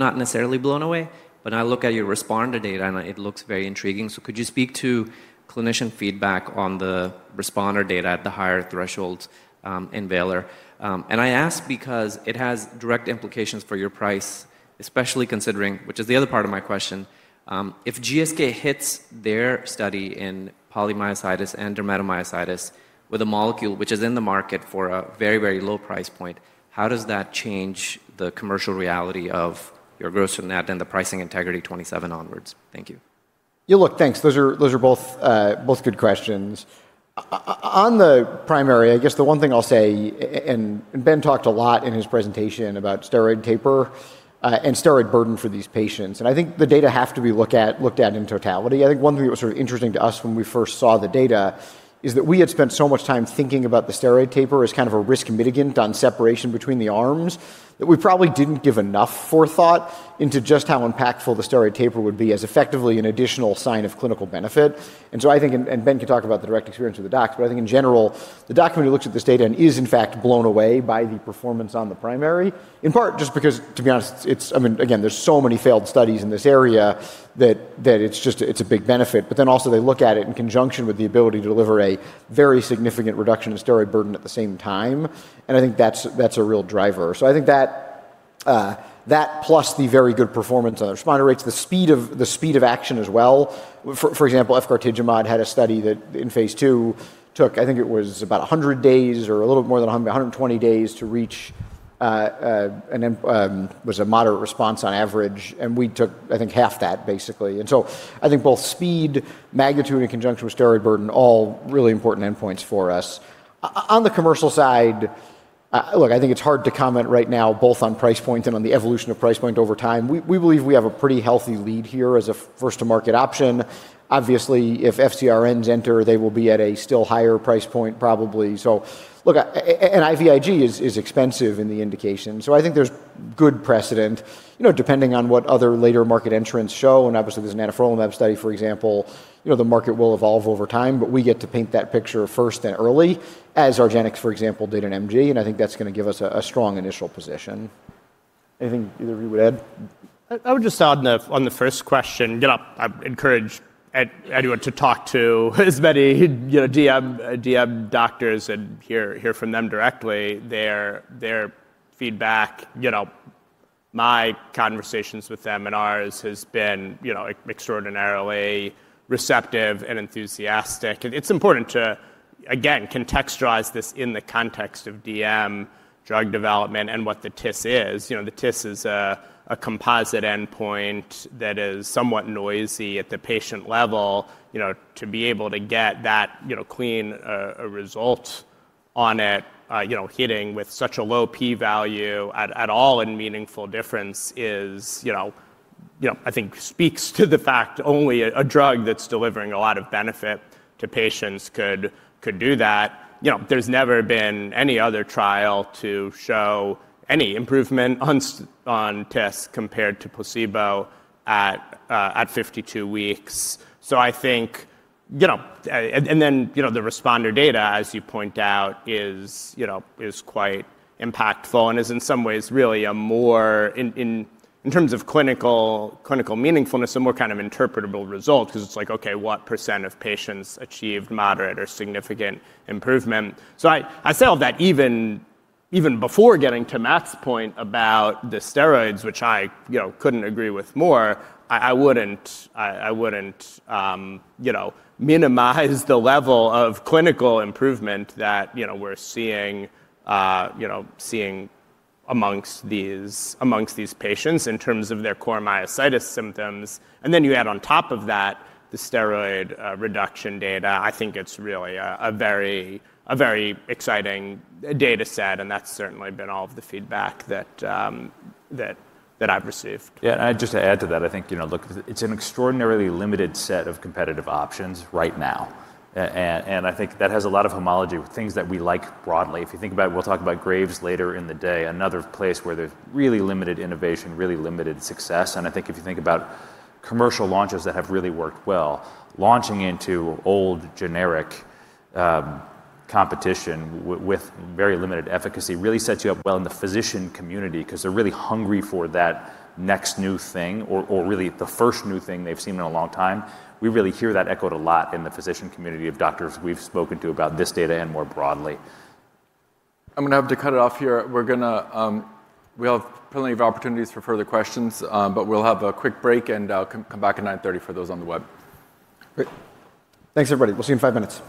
Speaker 11: not necessarily blown away, but I look at your responder data and it looks very intriguing. So could you speak to clinician feedback on the responder data at the higher thresholds in VALOR? And I ask because it has direct implications for your price, especially considering, which is the other part of my question, if GSK hits their study in polymyositis and dermatomyositis with a molecule which is in the market for a very, very low price point, how does that change the commercial reality of your gross net and the pricing integrity 2027 onwards? Thank you.
Speaker 2: Yeah, look, thanks. Those are both good questions. On the primary, I guess the one thing I'll say, and Ben talked a lot in his presentation about steroid taper and steroid burden for these patients, and I think the data have to be looked at in totality. I think one thing that was sort of interesting to us when we first saw the data is that we had spent so much time thinking about the steroid taper as kind of a risk mitigant on separation between the arms that we probably didn't give enough forethought into just how impactful the steroid taper would be as effectively an additional sign of clinical benefit. I think, and Ben can talk about the direct experience of the docs, but I think in general, the doctor who looks at this data and is in fact blown away by the performance on the primary, in part just because, to be honest, I mean, again, there's so many failed studies in this area that it's a big benefit. But then also they look at it in conjunction with the ability to deliver a very significant reduction in steroid burden at the same time. I think that's a real driver. So I think that plus the very good performance on the responder rates, the speed of action as well. For example, efgartigimod had a study that in phase II took, I think it was about 100 days or a little bit more than 120 days to reach and was a moderate response on average. And we took, I think, half that basically. So I think both speed, magnitude, and conjunction with steroid burden are all really important endpoints for us. On the commercial side, look. I think it's hard to comment right now both on price points and on the evolution of price points over time. We believe we have a pretty healthy lead here as a first-to-market option. Obviously, if FcRns enter, they will be at a still higher price point probably. So look, and IVIG is expensive in the indication. So I think there's good precedent depending on what other later market entrants show. And obviously, there's an anifrolumab study, for example. The market will evolve over time, but we get to paint that picture first and early as argenx, for example, did in MG. And I think that's going to give us a strong initial position. Anything either of you would add?
Speaker 3: I would just add on the first question, I encourage anyone to talk to as many DM doctors and hear from them directly. Their feedback, my conversations with them and ours has been extraordinarily receptive and enthusiastic. It's important to, again, contextualize this in the context of DM drug development and what the TIS is. The TIS is a composite endpoint that is somewhat noisy at the patient level. To be able to get that clean result on it, hitting with such a low p-value at all in meaningful difference is, I think, speaks to the fact only a drug that's delivering a lot of benefit to patients could do that. There's never been any other trial to show any improvement on TIS compared to placebo at 52 weeks. So I think, and then the responder data, as you point out, is quite impactful and is in some ways really a more, in terms of clinical meaningfulness, a more kind of interpretable result because it's like, okay, what percent of patients achieved moderate or significant improvement? So I say all that even before getting to Matt's point about the steroids, which I couldn't agree with more. I wouldn't minimize the level of clinical improvement that we're seeing amongst these patients in terms of their core myositis symptoms. And then you add on top of that the steroid reduction data. I think it's really a very exciting data set, and that's certainly been all of the feedback that I've received.
Speaker 10: Yeah, and I'd just add to that. I think, look, it's an extraordinarily limited set of competitive options right now. And I think that has a lot of homology with things that we like broadly. If you think about, we'll talk about Graves later in the day, another place where there's really limited innovation, really limited success. And I think if you think about commercial launches that have really worked well, launching into old generic competition with very limited efficacy really sets you up well in the physician community because they're really hungry for that next new thing or really the first new thing they've seen in a long time. We really hear that echoed a lot in the physician community of doctors we've spoken to about this data and more broadly.
Speaker 4: I'm going to have to cut it off here. We'll have plenty of opportunities for further questions, but we'll have a quick break and come back at 9:30 A.M. for those on the web.
Speaker 2: Thanks, everybody. We'll see you in five minutes.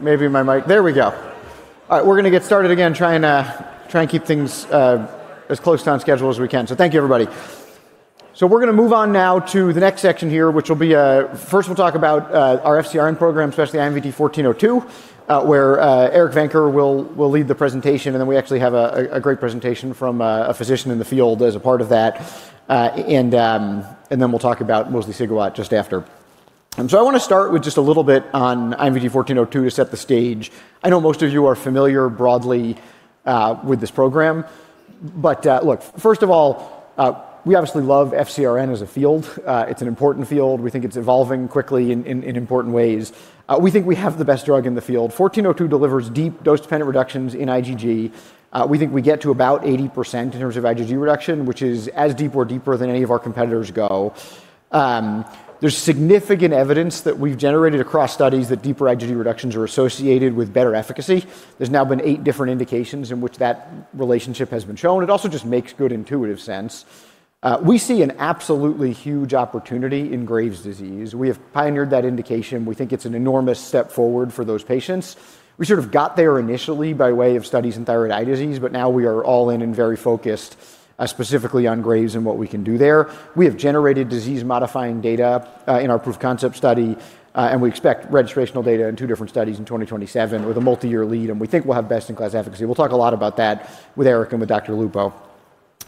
Speaker 2: All right, we're going to get started again trying to keep things as close to on schedule as we can. So thank you, everybody. So we're going to move on now to the next section here, which will be first we'll talk about our FcRn program, especially IMVT-1402, where Eric Venker will lead the presentation. And then we actually have a great presentation from a physician in the field as a part of that. And then we'll talk about mosliciguat just after. So I want to start with just a little bit on IMVT-1402 to set the stage. I know most of you are familiar broadly with this program. But look, first of all, we obviously love FcRn as a field. It's an important field. We think it's evolving quickly in important ways. We think we have the best drug in the field. 1402 delivers deep dose-dependent reductions in IgG. We think we get to about 80% in terms of IgG reduction, which is as deep or deeper than any of our competitors go. There's significant evidence that we've generated across studies that deeper IgG reductions are associated with better efficacy. There's now been eight different indications in which that relationship has been shown. It also just makes good intuitive sense. We see an absolutely huge opportunity in Graves' disease. We have pioneered that indication. We think it's an enormous step forward for those patients. We sort of got there initially by way of studies in thyroid eye disease, but now we are all in and very focused specifically on Graves and what we can do there. We have generated disease-modifying data in our proof-of-concept study, and we expect registrational data in two different studies in 2027 with a multi-year lead, and we think we'll have best-in-class efficacy. We'll talk a lot about that with Eric and with Dr. Lupo.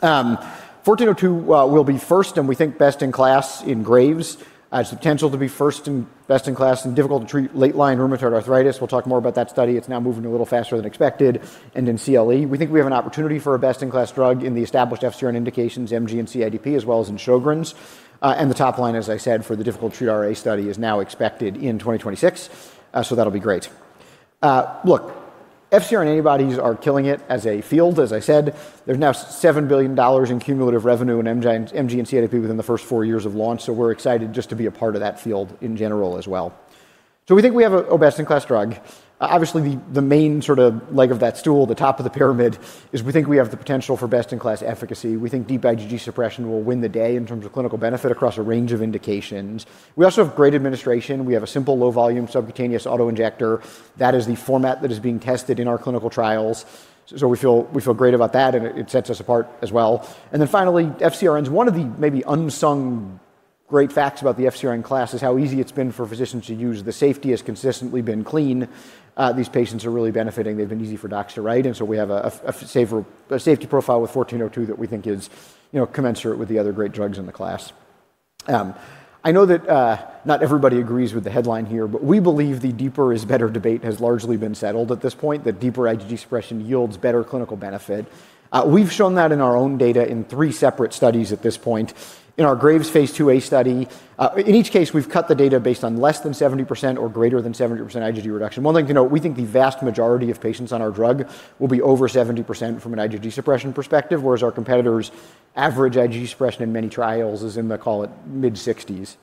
Speaker 2: 1402 will be first, and we think best-in-class in Graves. It's potential to be first and best-in-class in difficult-to-treat late-line rheumatoid arthritis. We'll talk more about that study. It's now moving a little faster than expected, and in CLE, we think we have an opportunity for a best-in-class drug in the established FcRn indications, MG and CIDP, as well as in Sjögren's. The top line, as I said, for the difficult-to-treat RA study is now expected in 2026. That'll be great. Look, FcRn antibodies are killing it as a field. As I said, there's now $7 billion in cumulative revenue in MG and CIDP within the first four years of launch. We're excited just to be a part of that field in general as well. We think we have a best-in-class drug. Obviously, the main sort of leg of that stool, the top of the pyramid, is we think we have the potential for best-in-class efficacy. We think deep IgG suppression will win the day in terms of clinical benefit across a range of indications. We also have great administration. We have a simple low-volume subcutaneous autoinjector. That is the format that is being tested in our clinical trials. So we feel great about that, and it sets us apart as well. And then finally, FcRn's one of the maybe unsung great facts about the FcRn class is how easy it's been for physicians to use. The safety has consistently been clean. These patients are really benefiting. They've been easy for docs to write. And so we have a safety profile with 1402 that we think is commensurate with the other great drugs in the class. I know that not everybody agrees with the headline here, but we believe the deeper is better debate has largely been settled at this point, that deeper IgG suppression yields better clinical benefit. We've shown that in our own data in three separate studies at this point. In our Graves phase II-A study, in each case, we've cut the data based on less than 70% or greater than 70% IgG reduction. One thing to note, we think the vast majority of patients on our drug will be over 70% from an IgG suppression perspective, whereas our competitors' average IgG suppression in many trials is in the, call it, mid-60s,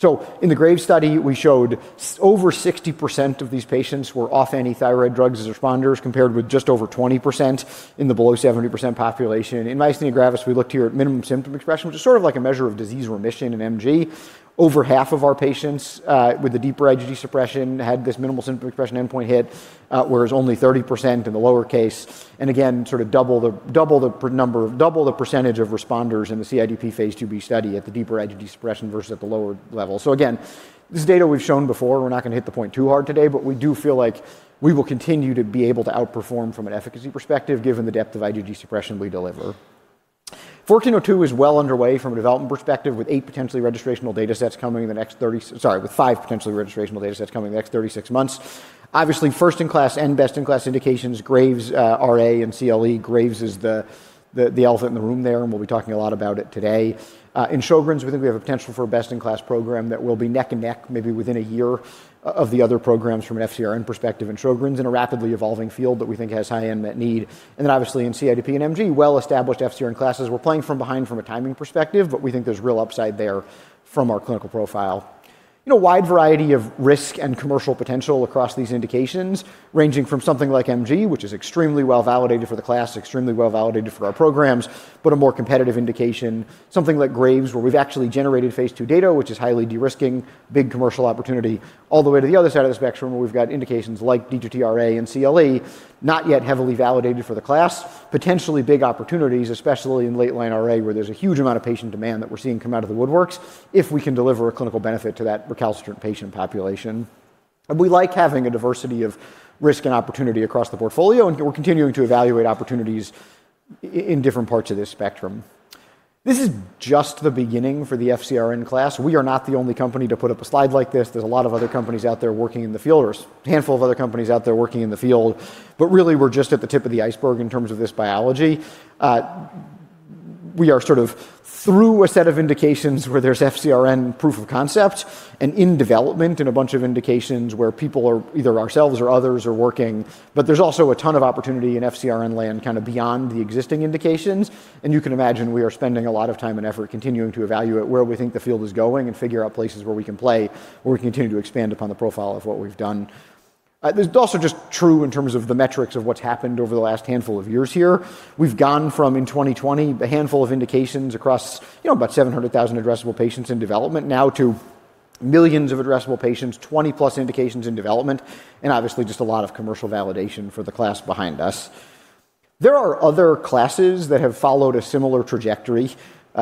Speaker 2: so in the Graves study, we showed over 60% of these patients were off any thyroid drugs as responders, compared with just over 20% in the below 70% population. In myasthenia gravis, we looked here at minimum symptom expression, which is sort of like a measure of disease remission in MG. Over half of our patients with the deeper IgG suppression had this minimal symptom expression endpoint hit, whereas only 30% in the lower case, and again, sort of double the number, double the percentage of responders in the CIDP phase II-B study at the deeper IgG suppression versus at the lower level, so again, this data we've shown before. We're not going to hit the point too hard today, but we do feel like we will continue to be able to outperform from an efficacy perspective given the depth of IgG suppression we deliver. 1402 is well underway from a development perspective with eight potentially registrational data sets coming in the next 30, sorry, with five potentially registrational data sets coming in the next 36 months. Obviously, first-in-class and best-in-class indications, Graves, RA and CLE. Graves is the elephant in the room there, and we'll be talking a lot about it today. In Sjögren's, we think we have a potential for a best-in-class program that will be neck and neck maybe within a year of the other programs from an FcRn perspective in Sjögren's in a rapidly evolving field that we think has high unmet need. And then obviously in CIDP and MG, well-established FcRn classes. We're playing from behind from a timing perspective, but we think there's real upside there from our clinical profile. Wide variety of risk and commercial potential across these indications, ranging from something like MG, which is extremely well validated for the class, extremely well validated for our programs, but a more competitive indication, something like Graves where we've actually generated phase II data, which is highly de-risking, big commercial opportunity, all the way to the other side of the spectrum where we've got indications like D2T RA and CLE, not yet heavily validated for the class, potentially big opportunities, especially in late-line RA where there's a huge amount of patient demand that we're seeing come out of the woodworks if we can deliver a clinical benefit to that recalcitrant patient population. We like having a diversity of risk and opportunity across the portfolio, and we're continuing to evaluate opportunities in different parts of this spectrum. This is just the beginning for the FcRn class. We are not the only company to put up a slide like this. There's a lot of other companies out there working in the field or a handful of other companies out there working in the field. But really, we're just at the tip of the iceberg in terms of this biology. We are sort of through a set of indications where there's FcRn proof of concept and in development in a bunch of indications where people are either ourselves or others are working. But there's also a ton of opportunity in FcRn land kind of beyond the existing indications. You can imagine we are spending a lot of time and effort continuing to evaluate where we think the field is going and figure out places where we can play, where we can continue to expand upon the profile of what we've done. There's also just as true in terms of the metrics of what's happened over the last handful of years here. We've gone from in 2020, a handful of indications across about 700,000 addressable patients in development now to millions of addressable patients, 20+ indications in development, and obviously just a lot of commercial validation for the class behind us. There are other classes that have followed a similar trajectory.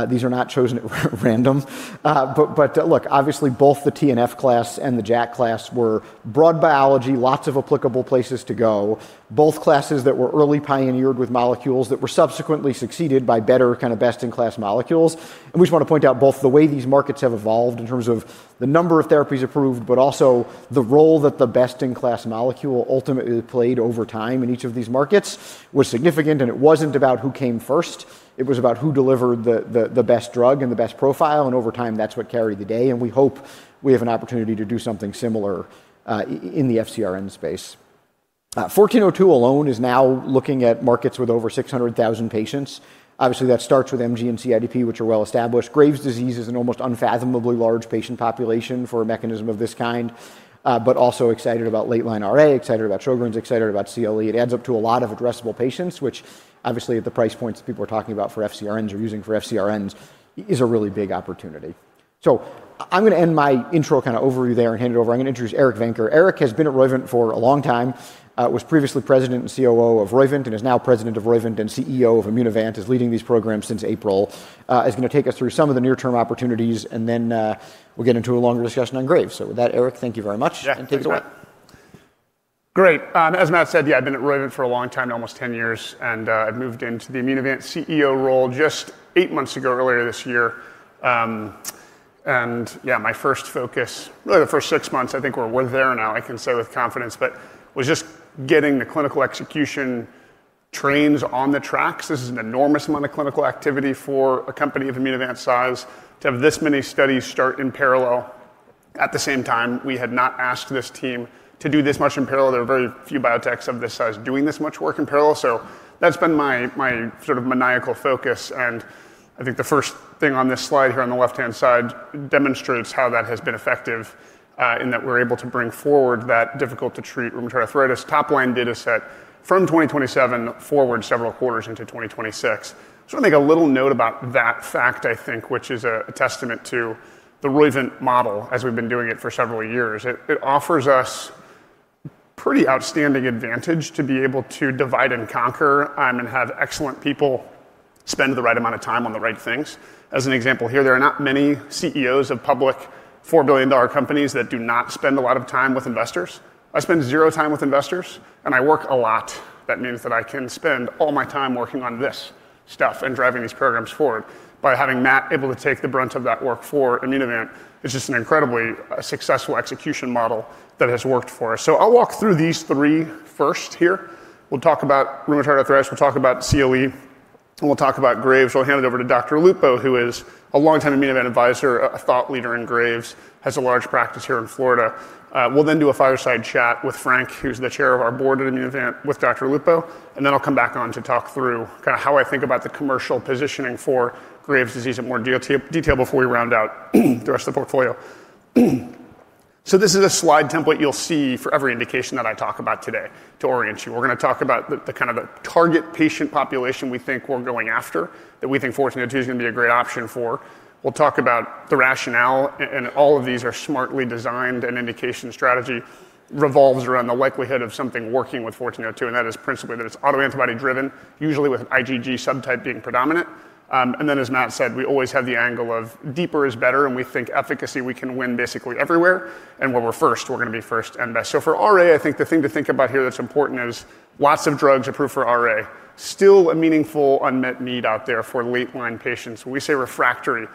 Speaker 2: These are not chosen at random. But look, obviously both the TNF class and the JAK class were broad biology, lots of applicable places to go, both classes that were early pioneered with molecules that were subsequently succeeded by better kind of best-in-class molecules. And we just want to point out both the way these markets have evolved in terms of the number of therapies approved, but also the role that the best-in-class molecule ultimately played over time in each of these markets was significant. And it wasn't about who came first. It was about who delivered the best drug and the best profile. And over time, that's what carried the day. And we hope we have an opportunity to do something similar in the FcRn space. 1402 alone is now looking at markets with over 600,000 patients. Obviously, that starts with MG and CIDP, which are well established. Graves' disease is an almost unfathomably large patient population for a mechanism of this kind, but also excited about late-line RA, excited about Sjögren's, excited about CLE. It adds up to a lot of addressable patients, which obviously at the price points that people are talking about for FcRns or using for FcRns is a really big opportunity. So I'm going to end my intro kind of overview there and hand it over. I'm going to introduce Eric Venker. Eric has been at Roivant for a long time, was previously president and COO of Roivant, and is now president of Roivant and CEO of Immunovant, is leading these programs since April, is going to take us through some of the near-term opportunities, and then we'll get into a longer discussion on Graves. So with that, Eric, thank you very much. Yeah, take it away.
Speaker 5: Great. As Matt said, yeah, I've been at Roivant for a long time, almost 10 years, and I've moved into the Immunovant CEO role just eight months ago earlier this year. Yeah, my first focus, really the first six months, I think we're there now, I can say with confidence, but was just getting the clinical execution trains on the tracks. This is an enormous amount of clinical activity for a company of Immunovant size to have this many studies start in parallel. At the same time, we had not asked this team to do this much in parallel. There are very few biotechs of this size doing this much work in parallel. So that's been my sort of maniacal focus. I think the first thing on this slide here on the left-hand side demonstrates how that has been effective in that we're able to bring forward that difficult-to-treat rheumatoid arthritis top-line data set from 2027 forward several quarters into 2026. I'll make a little note about that fact, I think, which is a testament to the Roivant model as we've been doing it for several years. It offers us pretty outstanding advantage to be able to divide and conquer and have excellent people spend the right amount of time on the right things. As an example here, there are not many CEOs of public $4 billion companies that do not spend a lot of time with investors. I spend zero time with investors, and I work a lot. That means that I can spend all my time working on this stuff and driving these programs forward. By having Matt able to take the brunt of that work for Immunovant, it's just an incredibly successful execution model that has worked for us. So I'll walk through these three first here. We'll talk about rheumatoid arthritis. We'll talk about CLE. We'll talk about Graves. We'll hand it over to Dr. Lupo, who is a longtime Immunovant advisor, a thought leader in Graves, has a large practice here in Florida. We'll then do a fireside chat with Frank, who's the Chair of our Board at Immunovant, with Dr. Lupo. And then I'll come back on to talk through kind of how I think about the commercial positioning for Graves' disease at more detail before we round out the rest of the portfolio. So this is a slide template you'll see for every indication that I talk about today to orient you. We're going to talk about the kind of target patient population we think we're going after, that we think 1402 is going to be a great option for. We'll talk about the rationale, and all of these are smartly designed, and indication strategy revolves around the likelihood of something working with 1402, and that is principally that it's autoantibody-driven, usually with an IgG subtype being predominant. And then, as Matt said, we always have the angle of deeper is better, and we think efficacy we can win basically everywhere. And when we're first, we're going to be first and best. So for RA, I think the thing to think about here that's important is lots of drugs approved for RA, still a meaningful unmet need out there for late-line patients. When we say refractory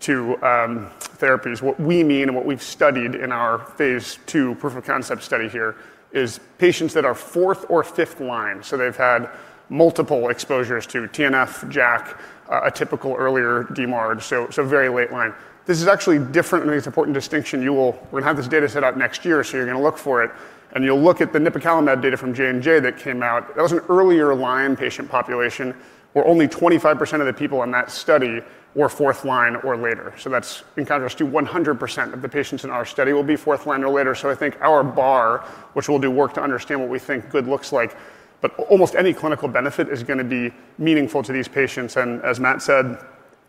Speaker 5: to therapies, what we mean and what we've studied in our phase II proof of concept study here is patients that are fourth or fifth line. So they've had multiple exposures to TNF, JAK, a typical earlier DMARD, so very late line. This is actually different. I think it's an important distinction. We're going to have this data set out next year, so you're going to look for it. And you'll look at the nipocalimab data from J&J that came out. That was an earlier line patient population where only 25% of the people in that study were fourth line or later. So that's in contrast to 100% of the patients in our study will be fourth line or later. So I think our bar, which we'll do work to understand what we think good looks like, but almost any clinical benefit is going to be meaningful to these patients. And as Matt said,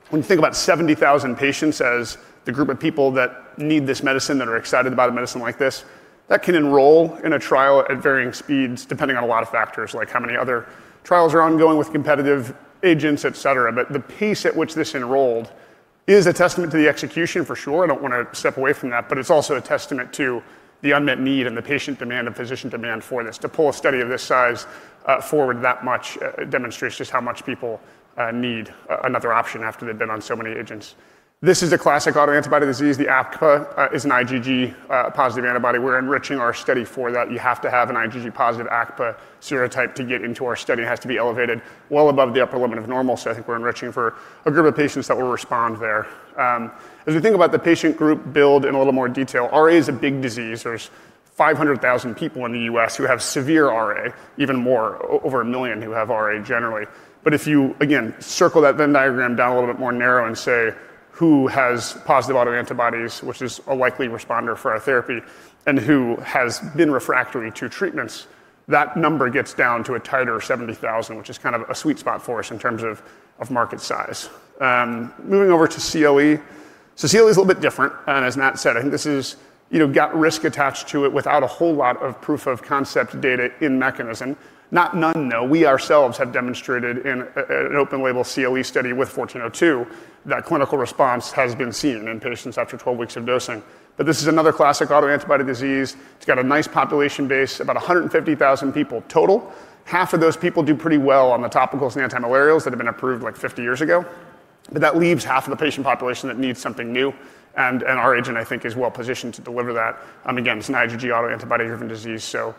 Speaker 5: when you think about 70,000 patients as the group of people that need this medicine, that are excited about a medicine like this, that can enroll in a trial at varying speeds depending on a lot of factors, like how many other trials are ongoing with competitive agents, etc. But the pace at which this enrolled is a testament to the execution for sure. I don't want to step away from that, but it's also a testament to the unmet need and the patient demand and physician demand for this. To pull a study of this size forward that much demonstrates just how much people need another option after they've been on so many agents. This is a classic autoantibody disease. The ACPA is an IgG positive antibody. We're enriching our study for that. You have to have an IgG positive ACPA serotype to get into our study. It has to be elevated well above the upper limit of normal. So I think we're enriching for a group of patients that will respond there. As we think about the patient group build in a little more detail, RA is a big disease. There's 500,000 people in the U.S. who have severe RA, even more, over a million who have RA generally. But if you, again, circle that Venn diagram down a little bit more narrow and say who has positive autoantibodies, which is a likely responder for our therapy, and who has been refractory to treatments, that number gets down to a tighter 70,000, which is kind of a sweet spot for us in terms of market size. Moving over to CLE. So CLE is a little bit different. And as Matt said, I think this has got risk attached to it without a whole lot of proof of concept data in mechanism. Not none, though. We ourselves have demonstrated in an open-label CLE study with 1402 that clinical response has been seen in patients after 12 weeks of dosing. But this is another classic autoantibody disease. It's got a nice population base, about 150,000 people total. Half of those people do pretty well on the topicals and antimalarials that have been approved like 50 years ago. But that leaves half of the patient population that needs something new. And our agent, I think, is well positioned to deliver that. Again, it's an IgG autoantibody-driven disease, so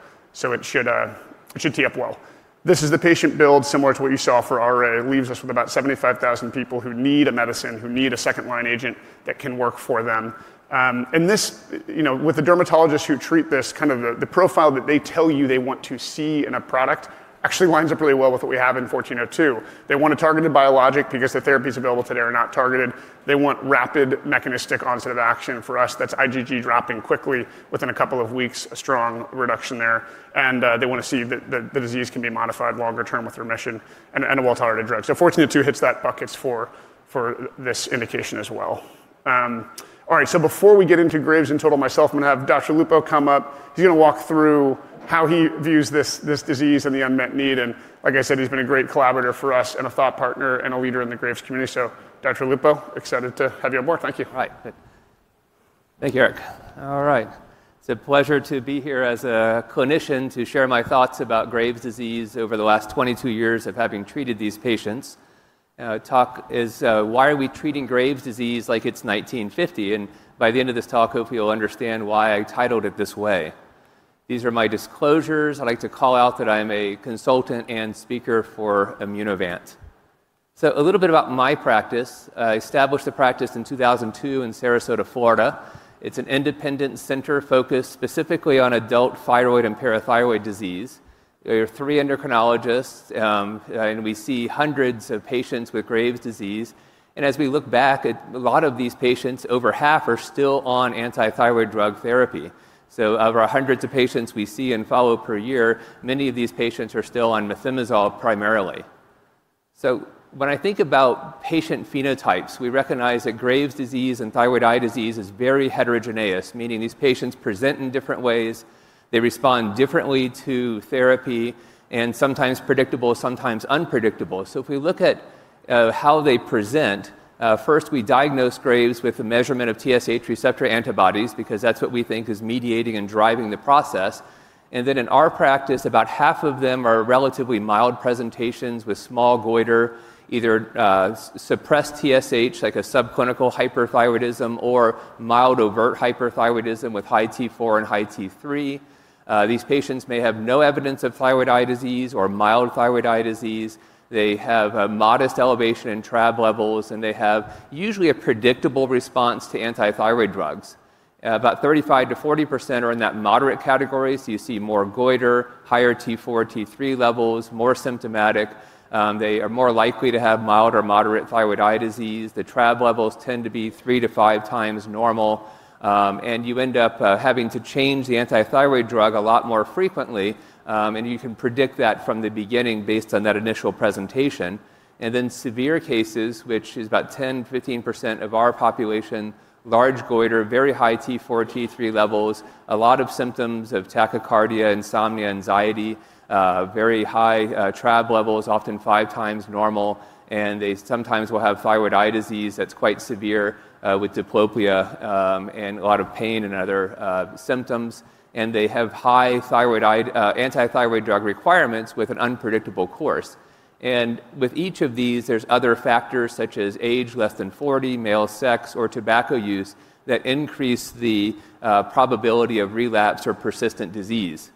Speaker 5: it should tee up well. This is the patient build similar to what you saw for RA. It leaves us with about 75,000 people who need a medicine, who need a second-line agent that can work for them. And this, with the dermatologists who treat this, kind of the profile that they tell you they want to see in a product actually lines up really well with what we have in 1402. They want a targeted biologic because the therapies available today are not targeted. They want rapid mechanistic onset of action for us. That's IgG dropping quickly within a couple of weeks, a strong reduction there. And they want to see that the disease can be modified longer term with remission and a well-tolerated drug. So 1402 hits that bucket for this indication as well. All right, so before we get into Graves' in total, myself, I'm going to have Dr. Lupo come up. He's going to walk through how he views this disease and the unmet need. And like I said, he's been a great collaborator for us and a thought partner and a leader in the Graves' community. So Dr. Lupo, excited to have you on board. Thank you.
Speaker 12: All right. Thank you, Eric. All right. It's a pleasure to be here as a clinician to share my thoughts about Graves' disease over the last 22 years of having treated these patients. The talk is, why are we treating Graves' disease like it's 1950? And by the end of this talk, hopefully you'll understand why I titled it this way. These are my disclosures. I'd like to call out that I'm a consultant and speaker for Immunovant. So a little bit about my practice. I established the practice in 2002 in Sarasota, Florida. It's an independent center focused specifically on adult thyroid and parathyroid disease. There are three endocrinologists, and we see hundreds of patients with Graves' disease. And as we look back, a lot of these patients, over half, are still on antithyroid drug therapy. So of our hundreds of patients we see and follow per year, many of these patients are still on methimazole primarily. When I think about patient phenotypes, we recognize that Graves' disease and thyroid eye disease is very heterogeneous, meaning these patients present in different ways. They respond differently to therapy and sometimes predictable, sometimes unpredictable. If we look at how they present, first, we diagnose Graves' with a measurement of TSH receptor antibodies because that's what we think is mediating and driving the process. And then in our practice, about half of them are relatively mild presentations with small goiter, either suppressed TSH like a subclinical hyperthyroidism or mild overt hyperthyroidism with high T4 and high T3. These patients may have no evidence of thyroid eye disease or mild thyroid eye disease. They have a modest elevation in TRAb levels, and they have usually a predictable response to antithyroid drugs. About 35%-40% are in that moderate category. You see more goiter, higher T4/T3 levels, more symptomatic. They are more likely to have mild or moderate thyroid eye disease. The TRAb levels tend to be 3x-5x normal. You end up having to change the antithyroid drug a lot more frequently. You can predict that from the beginning based on that initial presentation. Severe cases, which is about 10%-15% of our population, large goiter, very high T4/T3 levels, a lot of symptoms of tachycardia, insomnia, anxiety, very high TRAb levels, often 5x normal. They sometimes will have thyroid eye disease that's quite severe with diplopia and a lot of pain and other symptoms. They have high antithyroid drug requirements with an unpredictable course. With each of these, there are other factors such as age, less than 40, male sex, or tobacco use that increase the probability of relapse or persistent disease.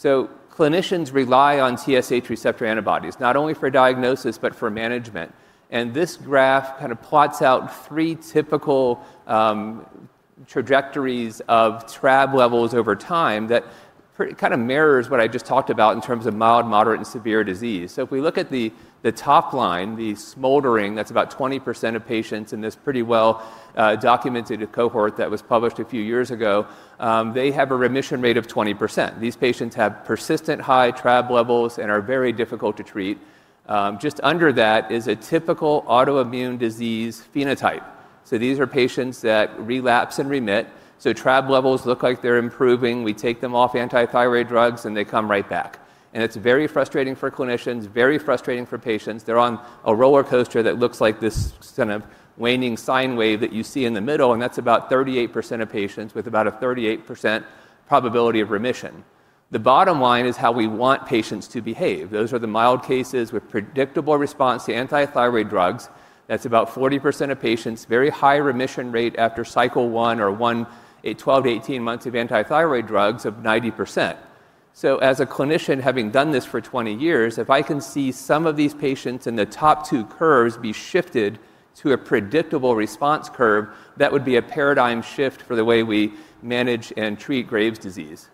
Speaker 12: Clinicians rely on TSH receptor antibodies, not only for diagnosis, but for management. This graph kind of plots out three typical trajectories of TRAb levels over time that kind of mirrors what I just talked about in terms of mild, moderate, and severe disease. If we look at the top line, the smoldering, that's about 20% of patients in this pretty well-documented cohort that was published a few years ago, they have a remission rate of 20%. These patients have persistent high TRAb levels and are very difficult to treat. Just under that is a typical autoimmune disease phenotype. These are patients that relapse and remit. TRAb levels look like they're improving. We take them off antithyroid drugs, and they come right back. It's very frustrating for clinicians, very frustrating for patients. They're on a roller coaster that looks like this kind of waning sine wave that you see in the middle. That's about 38% of patients with about a 38% probability of remission. The bottom line is how we want patients to behave. Those are the mild cases with predictable response to antithyroid drugs. That's about 40% of patients, very high remission rate after cycle one or one 12 months-18 months of antithyroid drugs of 90%. As a clinician having done this for 20 years, if I can see some of these patients in the top two curves be shifted to a predictable response curve, that would be a paradigm shift for the way we manage and treat Graves' disease.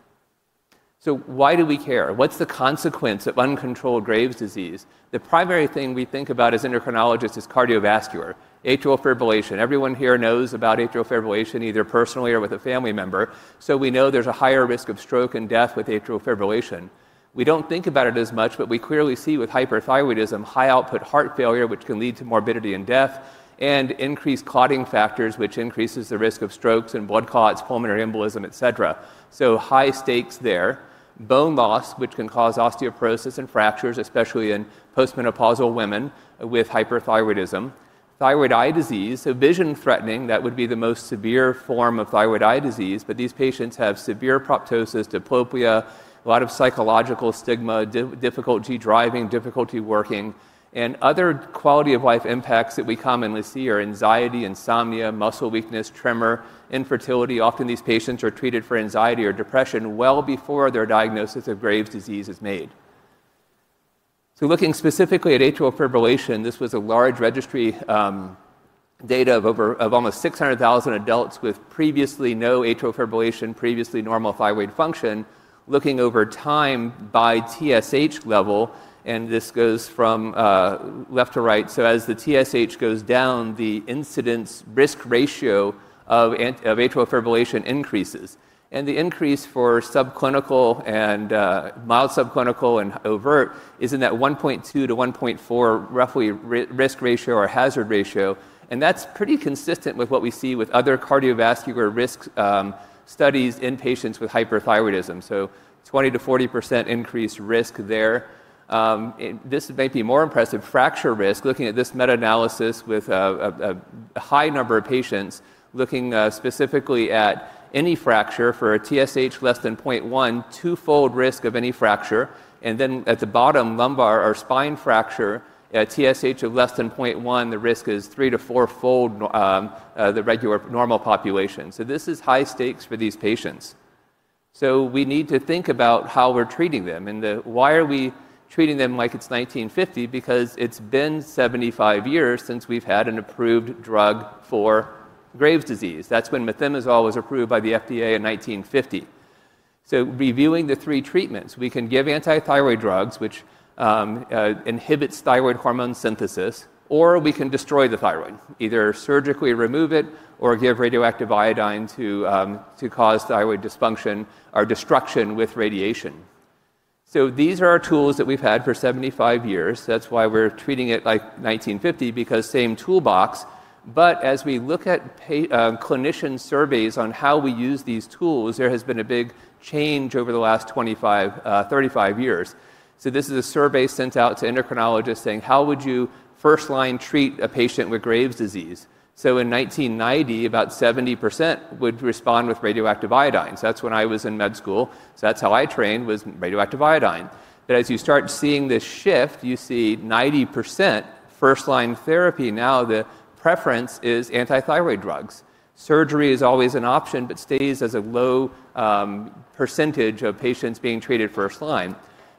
Speaker 12: Why do we care? What's the consequence of uncontrolled Graves' disease? The primary thing we think about as endocrinologists is cardiovascular. Atrial fibrillation. Everyone here knows about atrial fibrillation, either personally or with a family member. So we know there's a higher risk of stroke and death with atrial fibrillation. We don't think about it as much, but we clearly see with hyperthyroidism, high output heart failure, which can lead to morbidity and death, and increased clotting factors, which increases the risk of strokes and blood clots, pulmonary embolism, etc. So high stakes there. Bone loss, which can cause osteoporosis and fractures, especially in postmenopausal women with hyperthyroidism. Thyroid eye disease, so vision threatening, that would be the most severe form of thyroid eye disease. But these patients have severe proptosis, diplopia, a lot of psychological stigma, difficulty driving, difficulty working. Other quality of life impacts that we commonly see are anxiety, insomnia, muscle weakness, tremor, infertility. Often these patients are treated for anxiety or depression well before their diagnosis of Graves' disease is made. Looking specifically at atrial fibrillation, this was a large registry data of almost 600,000 adults with previously no atrial fibrillation, previously normal thyroid function, looking over time by TSH level. This goes from left to right. As the TSH goes down, the incidence risk ratio of atrial fibrillation increases. The increase for subclinical and mild subclinical and overt is in that 1.2-1.4 roughly risk ratio or hazard ratio. That's pretty consistent with what we see with other cardiovascular risk studies in patients with hyperthyroidism. 20%-40% increased risk there. This may be more impressive: fracture risk. Looking at this meta-analysis with a high number of patients looking specifically at any fracture for a TSH less than 0.1, twofold risk of any fracture, and then at the bottom, lumbar or spine fracture, a TSH of less than 0.1, the risk is three- to fourfold the regular normal population. This is high stakes for these patients. We need to think about how we're treating them. Why are we treating them like it's 1950? Because it's been 75 years since we've had an approved drug for Graves' disease. That's when methimazole was approved by the FDA in 1950. Reviewing the three treatments, we can give antithyroid drugs, which inhibits thyroid hormone synthesis, or we can destroy the thyroid, either surgically remove it or give radioactive iodine to cause thyroid dysfunction or destruction with radiation. These are our tools that we've had for 75 years. That's why we're treating it like 1950, because same toolbox. But as we look at clinician surveys on how we use these tools, there has been a big change over the last 35 years. This is a survey sent out to endocrinologists saying, how would you first-line treat a patient with Graves' disease? In 1990, about 70% would respond with radioactive iodine. That's when I was in med school. That's how I trained, was radioactive iodine. But as you start seeing this shift, you see 90% first-line therapy. Now the preference is antithyroid drugs. Surgery is always an option, but stays as a low percentage of patients being treated first-line.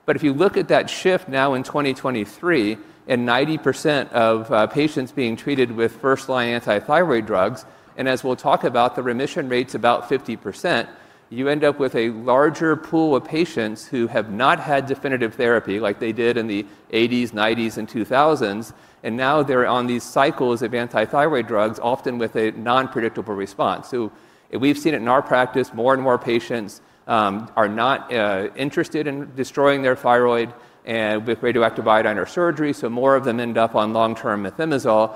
Speaker 12: But if you look at that shift now in 2023, and 90% of patients being treated with first-line antithyroid drugs, and as we'll talk about, the remission rate's about 50%, you end up with a larger pool of patients who have not had definitive therapy like they did in the 1980s, 1990s, and 2000s. And now they're on these cycles of antithyroid drugs, often with a non-predictable response. So we've seen it in our practice. More and more patients are not interested in destroying their thyroid with radioactive iodine or surgery. So more of them end up on long-term methimazole,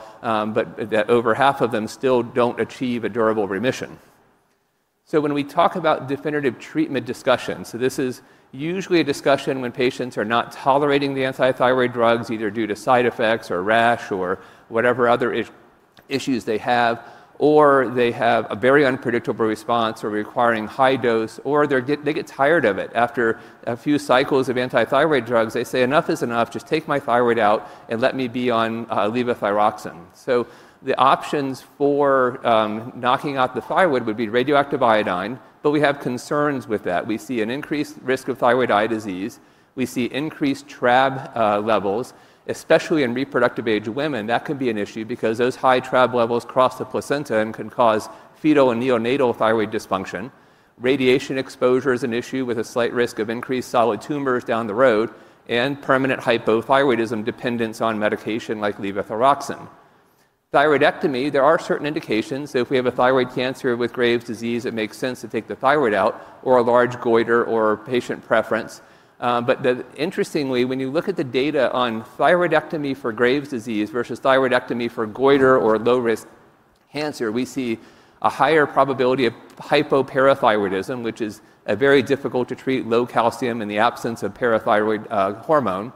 Speaker 12: but over half of them still don't achieve a durable remission. When we talk about definitive treatment discussions, this is usually a discussion when patients are not tolerating the antithyroid drugs, either due to side effects or rash or whatever other issues they have, or they have a very unpredictable response or requiring high dose, or they get tired of it. After a few cycles of antithyroid drugs, they say, "Enough is enough. Just take my thyroid out and let me be on levothyroxine." The options for knocking out the thyroid would be radioactive iodine, but we have concerns with that. We see an increased risk of thyroid eye disease. We see increased TRAb levels, especially in reproductive-age women. That can be an issue because those high TRAb levels cross the placenta and can cause fetal and neonatal thyroid dysfunction. Radiation exposure is an issue with a slight risk of increased solid tumors down the road and permanent hypothyroidism dependence on medication like levothyroxine. Thyroidectomy, there are certain indications. If we have a thyroid cancer with Graves' disease, it makes sense to take the thyroid out or a large goiter or patient preference. But interestingly, when you look at the data on thyroidectomy for Graves' disease versus thyroidectomy for goiter or low-risk cancer, we see a higher probability of hypoparathyroidism, which is very difficult to treat, low calcium in the absence of parathyroid hormone.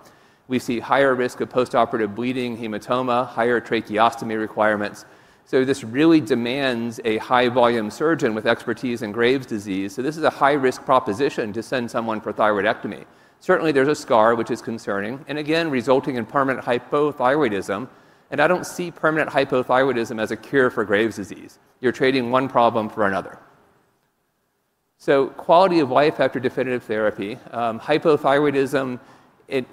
Speaker 12: We see higher risk of postoperative bleeding, hematoma, higher tracheostomy requirements. So this really demands a high-volume surgeon with expertise in Graves' disease. So this is a high-risk proposition to send someone for thyroidectomy. Certainly, there's a scar, which is concerning, and again, resulting in permanent hypothyroidism. I don't see permanent hypothyroidism as a cure for Graves' disease. You're trading one problem for another. Quality of life after definitive therapy. Hypothyroidism,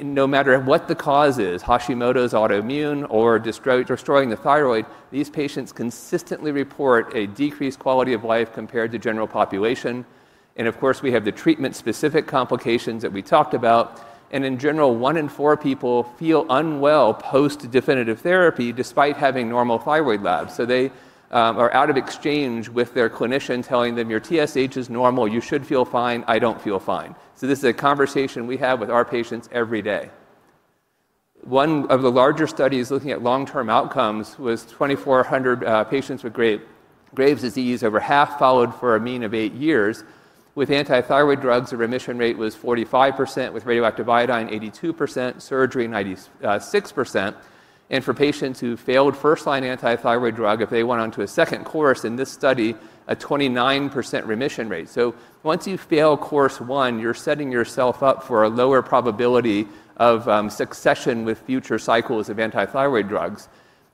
Speaker 12: no matter what the cause is, Hashimoto's autoimmune or destroying the thyroid, these patients consistently report a decreased quality of life compared to general population. Of course, we have the treatment-specific complications that we talked about. In general, one in four people feel unwell post-definitive therapy despite having normal thyroid labs. They are out of sync with their clinician telling them, "Your TSH is normal. You should feel fine. I don't feel fine." This is a conversation we have with our patients every day. One of the larger studies looking at long-term outcomes was 2,400 patients with Graves' disease. Over half followed for a mean of eight years. With antithyroid drugs, the remission rate was 45%, with radioactive iodine 82%, surgery 96%. And for patients who failed first-line antithyroid drug, if they went on to a second course in this study, a 29% remission rate. So once you fail course one, you're setting yourself up for a lower probability of success with future cycles of antithyroid drugs.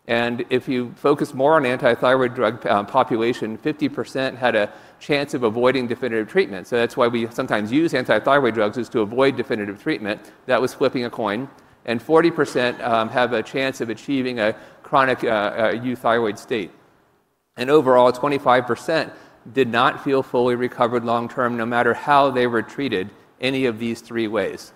Speaker 12: And if you focus more on antithyroid drug population, 50% had a chance of avoiding definitive treatment. So that's why we sometimes use antithyroid drugs is to avoid definitive treatment. That was flipping a coin. And 40% have a chance of achieving a chronic euthyroid state. And overall, 25% did not feel fully recovered long-term, no matter how they were treated any of these three ways.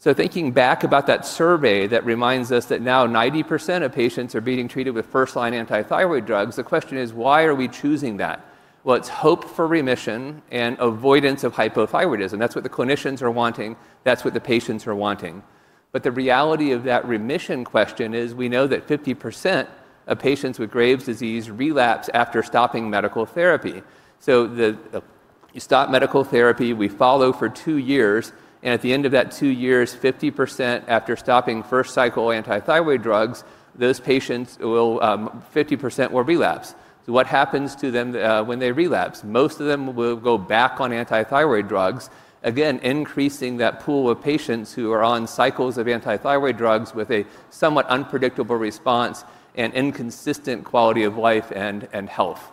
Speaker 12: So thinking back about that survey, that reminds us that now 90% of patients are being treated with first-line antithyroid drugs. The question is, why are we choosing that? Well, it's hope for remission and avoidance of hypothyroidism. That's what the clinicians are wanting. That's what the patients are wanting. But the reality of that remission question is we know that 50% of patients with Graves' disease relapse after stopping medical therapy. So you stop medical therapy, we follow for two years. And at the end of that two years, 50% after stopping first cycle antithyroid drugs, those patients will relapse. So what happens to them when they relapse? Most of them will go back on antithyroid drugs, again, increasing that pool of patients who are on cycles of antithyroid drugs with a somewhat unpredictable response and inconsistent quality of life and health.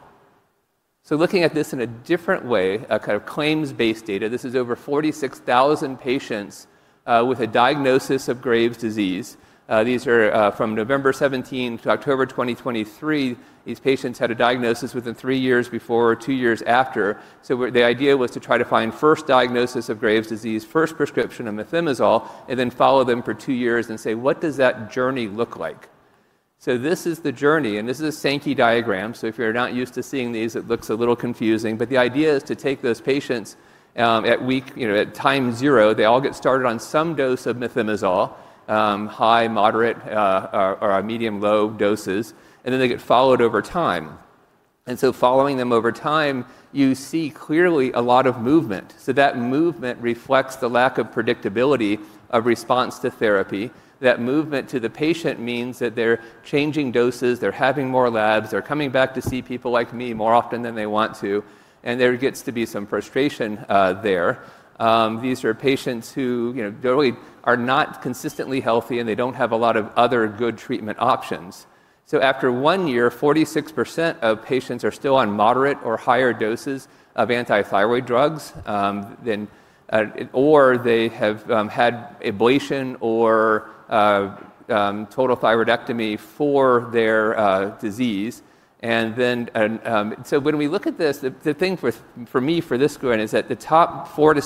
Speaker 12: So looking at this in a different way, a kind of claims-based data, this is over 46,000 patients with a diagnosis of Graves' disease. These are from November 2017 to October 2023. These patients had a diagnosis within three years before or two years after. So the idea was to try to find first diagnosis of Graves' disease, first prescription of methimazole, and then follow them for two years and say, "What does that journey look like?" So this is the journey. And this is a Sankey diagram. So if you're not used to seeing these, it looks a little confusing. But the idea is to take those patients at time zero. They all get started on some dose of methimazole, high, moderate, or medium-low doses, and then they get followed over time. And so following them over time, you see clearly a lot of movement. So that movement reflects the lack of predictability of response to therapy. That movement to the patient means that they're changing doses, they're having more labs, they're coming back to see people like me more often than they want to, and there gets to be some frustration there. These are patients who really are not consistently healthy, and they don't have a lot of other good treatment options. So after one year, 46% of patients are still on moderate or higher doses of antithyroid drugs, or they have had ablation or total thyroidectomy for their disease, and then so when we look at this, the thing for me for this Graves' is that the top 4%-6%,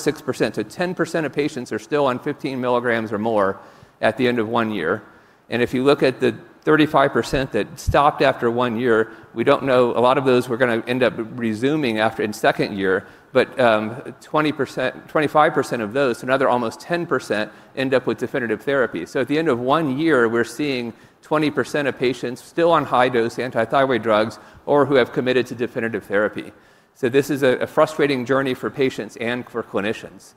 Speaker 12: so 10% of patients are still on 15 mg or more at the end of one year. And if you look at the 35% that stopped after one year, we don't know a lot of those were going to end up resuming after in second year, but 25% of those, another almost 10%, end up with definitive therapy. So at the end of one year, we're seeing 20% of patients still on high-dose antithyroid drugs or who have committed to definitive therapy. So this is a frustrating journey for patients and for clinicians.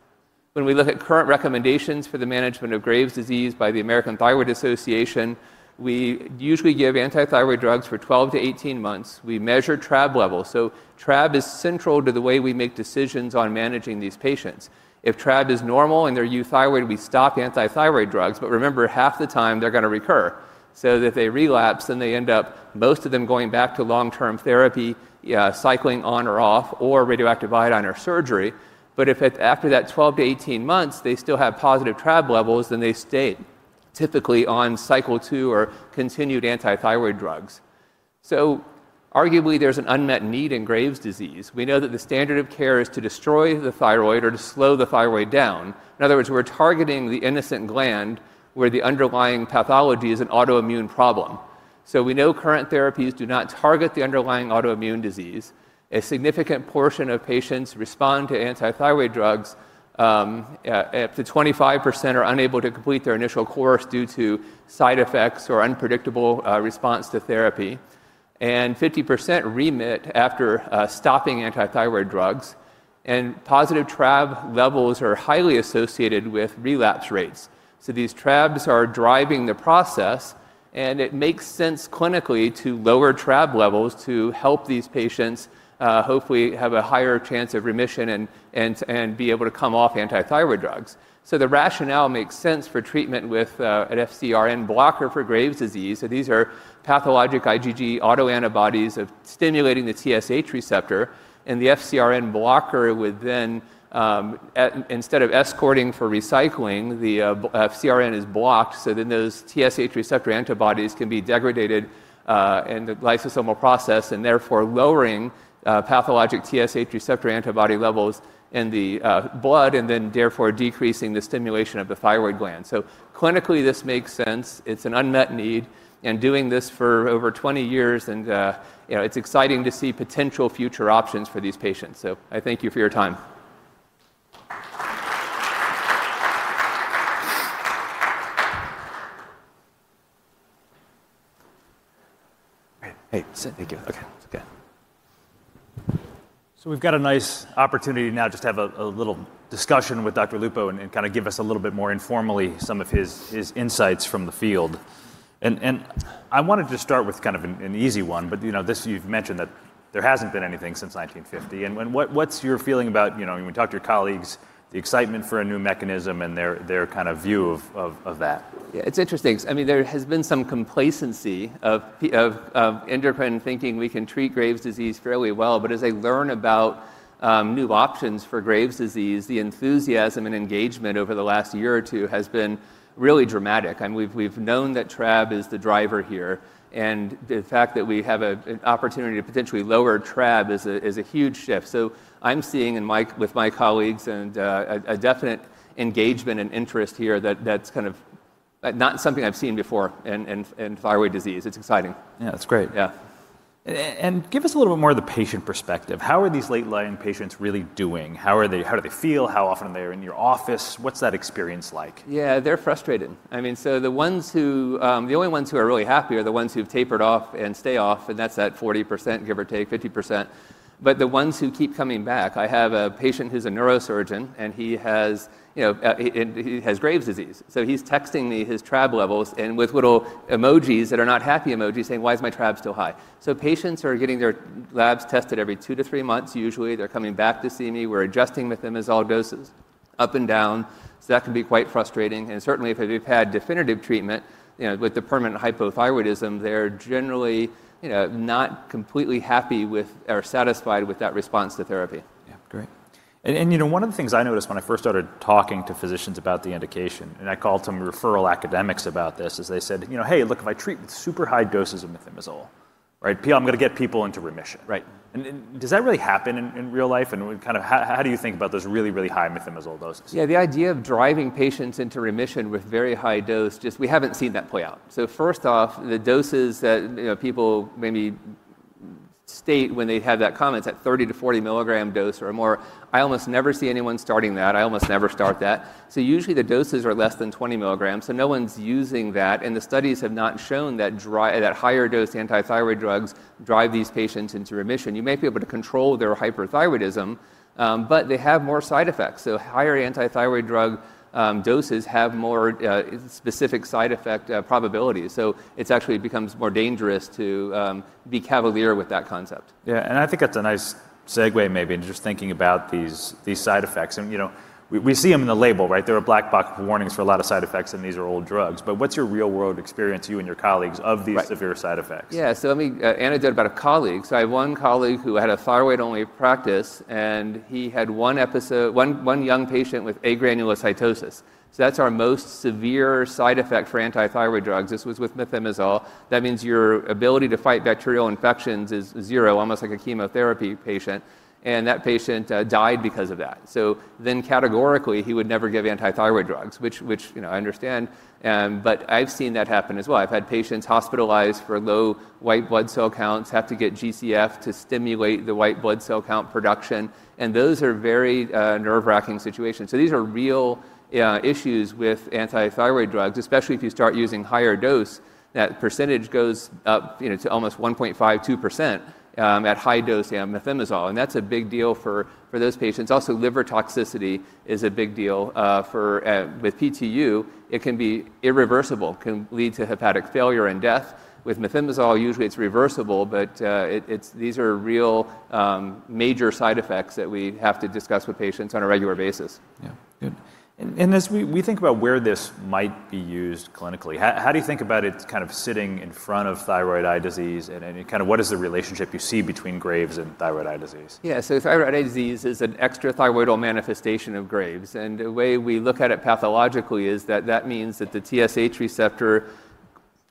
Speaker 12: When we look at current recommendations for the management of Graves' disease by the American Thyroid Association, we usually give antithyroid drugs for 12 months to 18 months. We measure TRAb levels. So TRAb is central to the way we make decisions on managing these patients. If TRAb is normal and they're euthyroid, we stop antithyroid drugs. But remember, half the time they're going to recur. So if they relapse, then they end up, most of them going back to long-term therapy, cycling on or off, or radioactive iodine or surgery. But if after that 12 months to 18 months, they still have positive TRAb levels, then they stay typically on cycle two or continued antithyroid drugs. So arguably, there's an unmet need in Graves' disease. We know that the standard of care is to destroy the thyroid or to slow the thyroid down. In other words, we're targeting the innocent gland where the underlying pathology is an autoimmune problem. So we know current therapies do not target the underlying autoimmune disease. A significant portion of patients respond to antithyroid drugs. Up to 25% are unable to complete their initial course due to side effects or unpredictable response to therapy. And 50% remit after stopping antithyroid drugs. And positive TRAb levels are highly associated with relapse rates. So these TRAbs are driving the process, and it makes sense clinically to lower TRAb levels to help these patients hopefully have a higher chance of remission and be able to come off antithyroid drugs. So the rationale makes sense for treatment with an FcRn blocker for Graves' disease. So these are pathologic IgG autoantibodies of stimulating the TSH receptor. And the FcRn blocker would then, instead of escorting for recycling, the FcRn is blocked. So then those TSH receptor antibodies can be degraded in the lysosomal process and therefore lowering pathologic TSH receptor antibody levels in the blood and then therefore decreasing the stimulation of the thyroid gland. So clinically, this makes sense. It's an unmet need. And doing this for over 20 years, and it's exciting to see potential future options for these patients. So I thank you for your time.
Speaker 10: Hey. Hey. Thank you. Okay. Okay. We've got a nice fraopportunity now to just have a little discussion with Dr. Lupo and kind of give us a little bit more informally some of his insights from the field. I wanted to start with kind of an easy one, but you've mentioned that there hasn't been anything since 1950. What's your feeling about, when you talk to your colleagues, the excitement for a new mechanism and their kind of view of that?
Speaker 12: Yeah. It's interesting. I mean, there has been some complacency of independent thinking. We can treat Graves' disease fairly well. But as I learn about new options for Graves' disease, the enthusiasm and engagement over the last year or two has been really dramatic. I mean, we've known that TRAb is the driver here. And the fact that we have an opportunity to potentially lower TRAb is a huge shift. So I'm seeing with my colleagues and a definite engagement and interest here that's kind of not something I've seen before in thyroid disease. It's exciting.
Speaker 10: Yeah. That's great.
Speaker 12: Yeah.
Speaker 10: Give us a little bit more of the patient perspective. How are these late-stage patients really doing? How do they feel? How often are they in your office? What's that experience like?
Speaker 12: Yeah. They're frustrated. I mean, so the ones who the only ones who are really happy are the ones who've tapered off and stay off, and that's that 40%, give or take 50%. But the ones who keep coming back, I have a patient who's a neurosurgeon, and he has Graves' disease. So he's texting me his TRAb levels and with little emojis that are not happy emojis saying, "Why is my TRAb still high?" So patients are getting their labs tested every two to three months. Usually, they're coming back to see me. We're adjusting methimazole doses up and down. So that can be quite frustrating. And certainly, if they've had definitive treatment with the permanent hypothyroidism, they're generally not completely happy or satisfied with that response to therapy.
Speaker 10: Yeah. Great. And one of the things I noticed when I first started talking to physicians about the indication, and I called some referral academics about this, is they said, "Hey, look, if I treat with super high doses of methimazole, right, I'm going to get people into remission." Right. And does that really happen in real life? And kind of how do you think about those really, really high methimazole doses?
Speaker 12: Yeah. The idea of driving patients into remission with very high dose, just we haven't seen that play out. So first off, the doses that people maybe state when they have that comment, that 30-mg to 40-mg dose or more, I almost never see anyone starting that. I almost never start that. So usually, the doses are less than 20 mg. So no one's using that. And the studies have not shown that higher-dose antithyroid drugs drive these patients into remission. You may be able to control their hyperthyroidism, but they have more side effects. So higher antithyroid drug doses have more specific side effect probability. So it actually becomes more dangerous to be cavalier with that concept.
Speaker 10: Yeah. And I think that's a nice segue maybe into just thinking about these side effects. And we see them in the label, right? There are black box warnings for a lot of side effects, and these are old drugs. But what's your real-world experience, you and your colleagues, of these severe side effects?
Speaker 12: Yeah. Let me anecdote about a colleague. I have one colleague who had a thyroid-only practice, and he had one young patient with agranulocytosis. That's our most severe side effect for antithyroid drugs. This was with methimazole. That means your ability to fight bacterial infections is zero, almost like a chemotherapy patient. And that patient died because of that. Then categorically, he would never give antithyroid drugs, which I understand. But I've seen that happen as well. I've had patients hospitalized for low white blood cell counts and have to get G-CSF to stimulate the white blood cell count production. And those are very nerve-wracking situations. These are real issues with antithyroid drugs, especially if you start using higher dose. That percentage goes up to almost 1.52% at high dose methimazole. And that's a big deal for those patients. Also, liver toxicity is a big deal. With PTU, it can be irreversible. It can lead to hepatic failure and death. With methimazole, usually it's reversible, but these are real major side effects that we have to discuss with patients on a regular basis.
Speaker 10: Yeah. Good. And as we think about where this might be used clinically, how do you think about it kind of sitting in front of thyroid eye disease? And kind of what is the relationship you see between Graves' and thyroid eye disease?
Speaker 12: Yeah. Thyroid eye disease is an extrathyroidal manifestation of Graves'. And the way we look at it pathologically is that that means that the TSH receptor